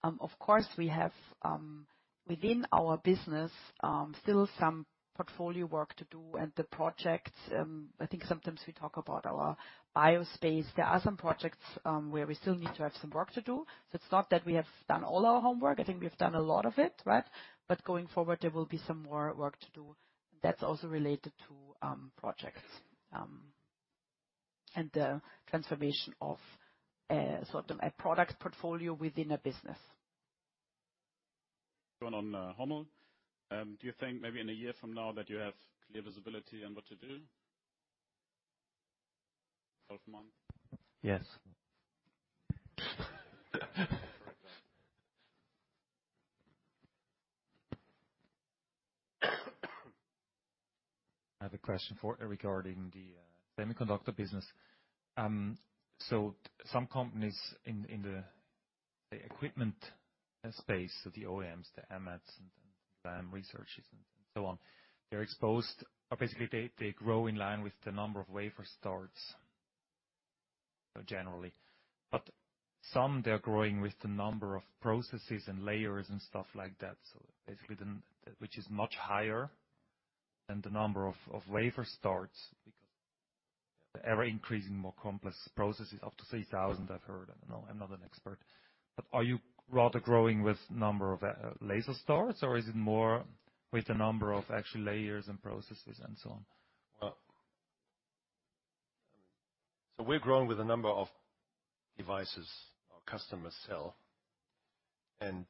Of course, we have within our business still some portfolio work to do and the projects. I think sometimes we talk about our bio space. There are some projects where we still need to have some work to do. So it's not that we have done all our homework. I think we've done a lot of it, right? But going forward, there will be some more work to do. That's also related to projects and the transformation of sort of a product portfolio within a business. Going on, Hommel. Do you think maybe in a year from now that you have clear visibility on what to do? 12 months. Yes. I have a question regarding the semiconductor business. So some companies in the equipment space, so the OEMs, the AMATs, and Lam Research, and so on, they're exposed. Basically, they grow in line with the number of wafer starts, generally. But some they are growing with the number of processes and layers and stuff like that. So basically, which is much higher than the number of wafer starts, because the ever-increasing more complex processes, up to 3,000, I've heard. I don't know, I'm not an expert. But are you rather growing with number of laser starts, or is it more with the number of actual layers and processes and so on? Well, so we're growing with the number of devices our customers sell, and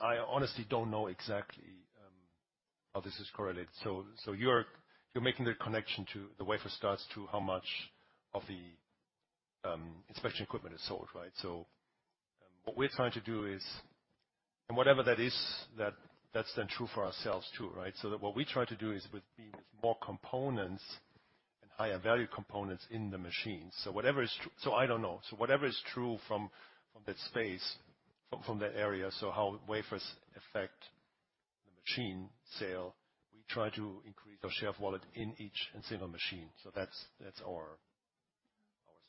I honestly don't know exactly how this is correlated. So, you're making the connection to the wafer starts to how much of the inspection equipment is sold, right? What we're trying to do is, and whatever that is, that's then true for ourselves, too, right? So what we try to do is with being more components and higher value components in the machine. So whatever is true - so I don't know. So whatever is true from that space, from that area, so how wafers affect the machine sale, we try to increase our share of wallet in each and single machine. So that's our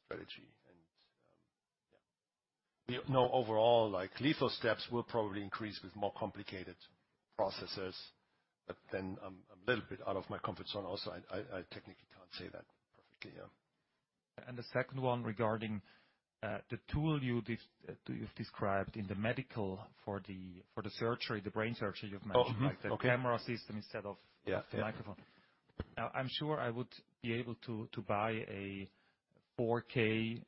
strategy. And, yeah. We know overall, like, litho steps will probably increase with more complicated processes, but then I'm a little bit out of my comfort zone. Also, I technically can't say that perfectly, yeah. The second one regarding the tool you've described in the medical for the surgery, the brain surgery you've mentioned? Oh, mm-hmm. Okay. Like the camera system instead of- Yeah, yeah. the microphone. Now, I'm sure I would be able to buy a 4K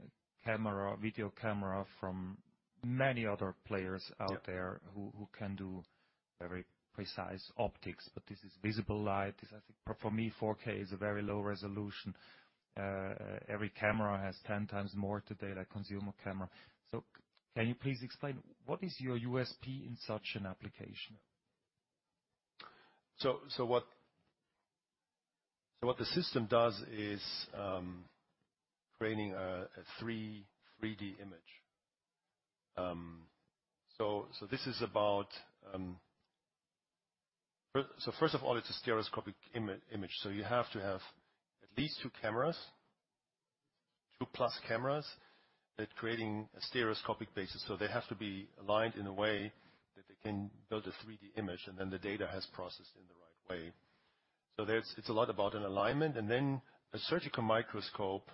camera, video camera from many other players out there- Yeah. Who can do very precise optics, but this is visible light. This, I think, for me, 4K is a very low resolution. Every camera has 10x more today, the consumer camera. So can you please explain what is your USP in such an application? So what the system does is creating a three 3D image. So this is about... So first of all, it's a stereoscopic image, so you have to have at least two cameras, two plus cameras, that creating a stereoscopic basis. So they have to be aligned in a way that they can build a 3D image, and then the data has processed in the right way. So it's a lot about an alignment, and then a surgical microscope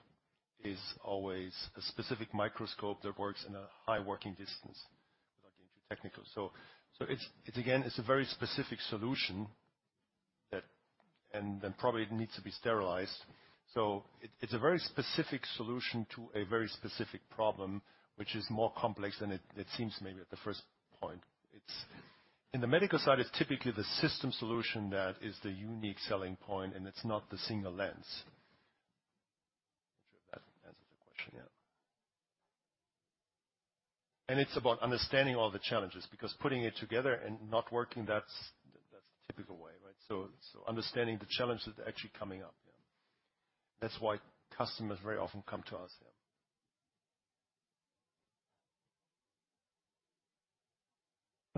is always a specific microscope that works in a high working distance. Without getting too technical. So it's again a very specific solution that... And then probably it needs to be sterilized. So it's a very specific solution to a very specific problem, which is more complex than it seems to me at the first point. It's in the medical side. It's typically the system solution that is the unique selling point, and it's not the single lens. I'm sure if that answers the question, yeah. It's about understanding all the challenges, because putting it together and not working, that's the typical way, right? So understanding the challenges that are actually coming up, yeah. That's why customers very often come to us, yeah.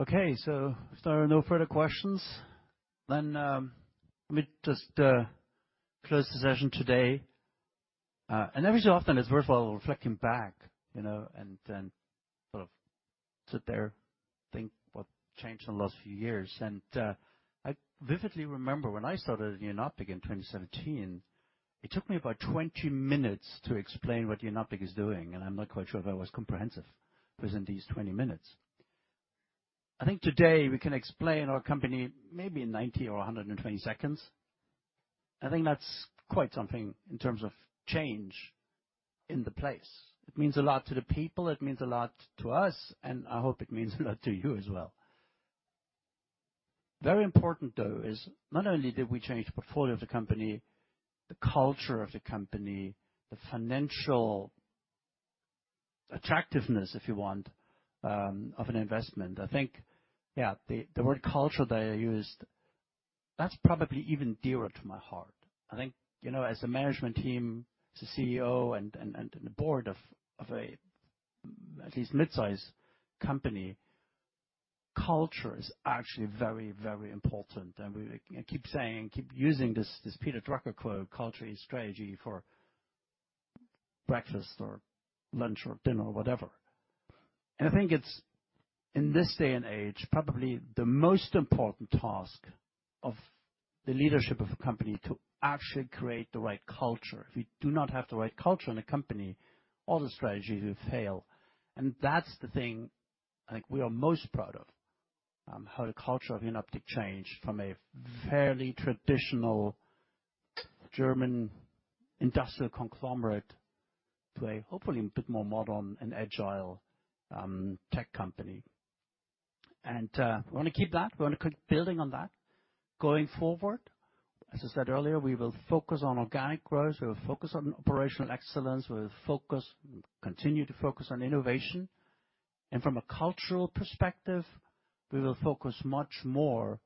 Okay, so if there are no further questions, then let me just close the session today. Every so often, it's worthwhile reflecting back, you know, and then sort of sit there and think what changed in the last few years. I vividly remember when I started in Jenoptik in 2017, it took me about 20 minutes to explain what Jenoptik is doing, and I'm not quite sure if I was comprehensive within these 20 minutes. I think today we can explain our company maybe in 90 or 120 seconds. I think that's quite something in terms of change in the place. It means a lot to the people, it means a lot to us, and I hope it means a lot to you as well. Very important, though, is not only did we change the portfolio of the company, the culture of the company, the financial attractiveness, if you want, of an investment. I think, yeah, the word culture that I used, that's probably even dearer to my heart. I think, you know, as a management team, as a CEO and the board of a, at least mid-size company, culture is actually very, very important. And we, I keep saying, keep using this, this Peter Drucker quote, "Culture is strategy for breakfast or lunch or dinner," or whatever. And I think it's, in this day and age, probably the most important task of the leadership of a company to actually create the right culture. If we do not have the right culture in a company, all the strategies will fail. And that's the thing I think we are most proud of, how the culture of Jenoptik changed from a fairly traditional German industrial conglomerate to, hopefully, a bit more modern and agile tech company. And we want to keep that. We want to keep building on that going forward. As I said earlier, we will focus on organic growth, we will focus on operational excellence, we will continue to focus on innovation. And from a cultural perspective, we will focus much more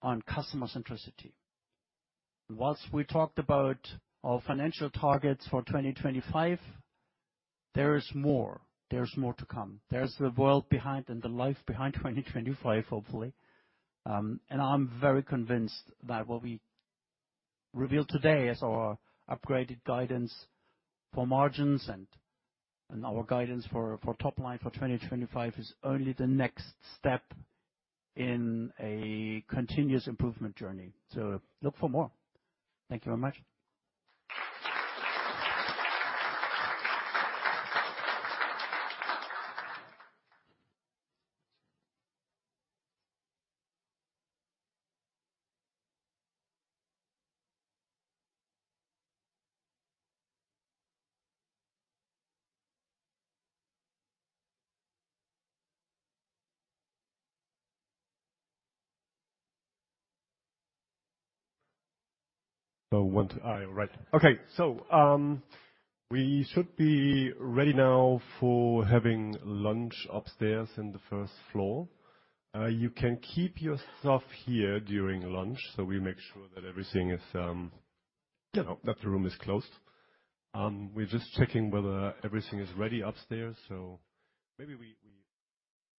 on customer centricity. While we talked about our financial targets for 2025, there is more. There's more to come. There's the world behind and the life behind 2025, hopefully. I'm very convinced that what we revealed today as our upgraded guidance for margins and our guidance for top line for 2025 is only the next step in a continuous improvement journey. So look for more. Thank you very much. So one, two... All right. Okay. We should be ready now for having lunch upstairs in the first floor. You can keep your stuff here during lunch, so we make sure that everything is, you know, that the room is closed. We're just checking whether everything is ready upstairs, so maybe we, we-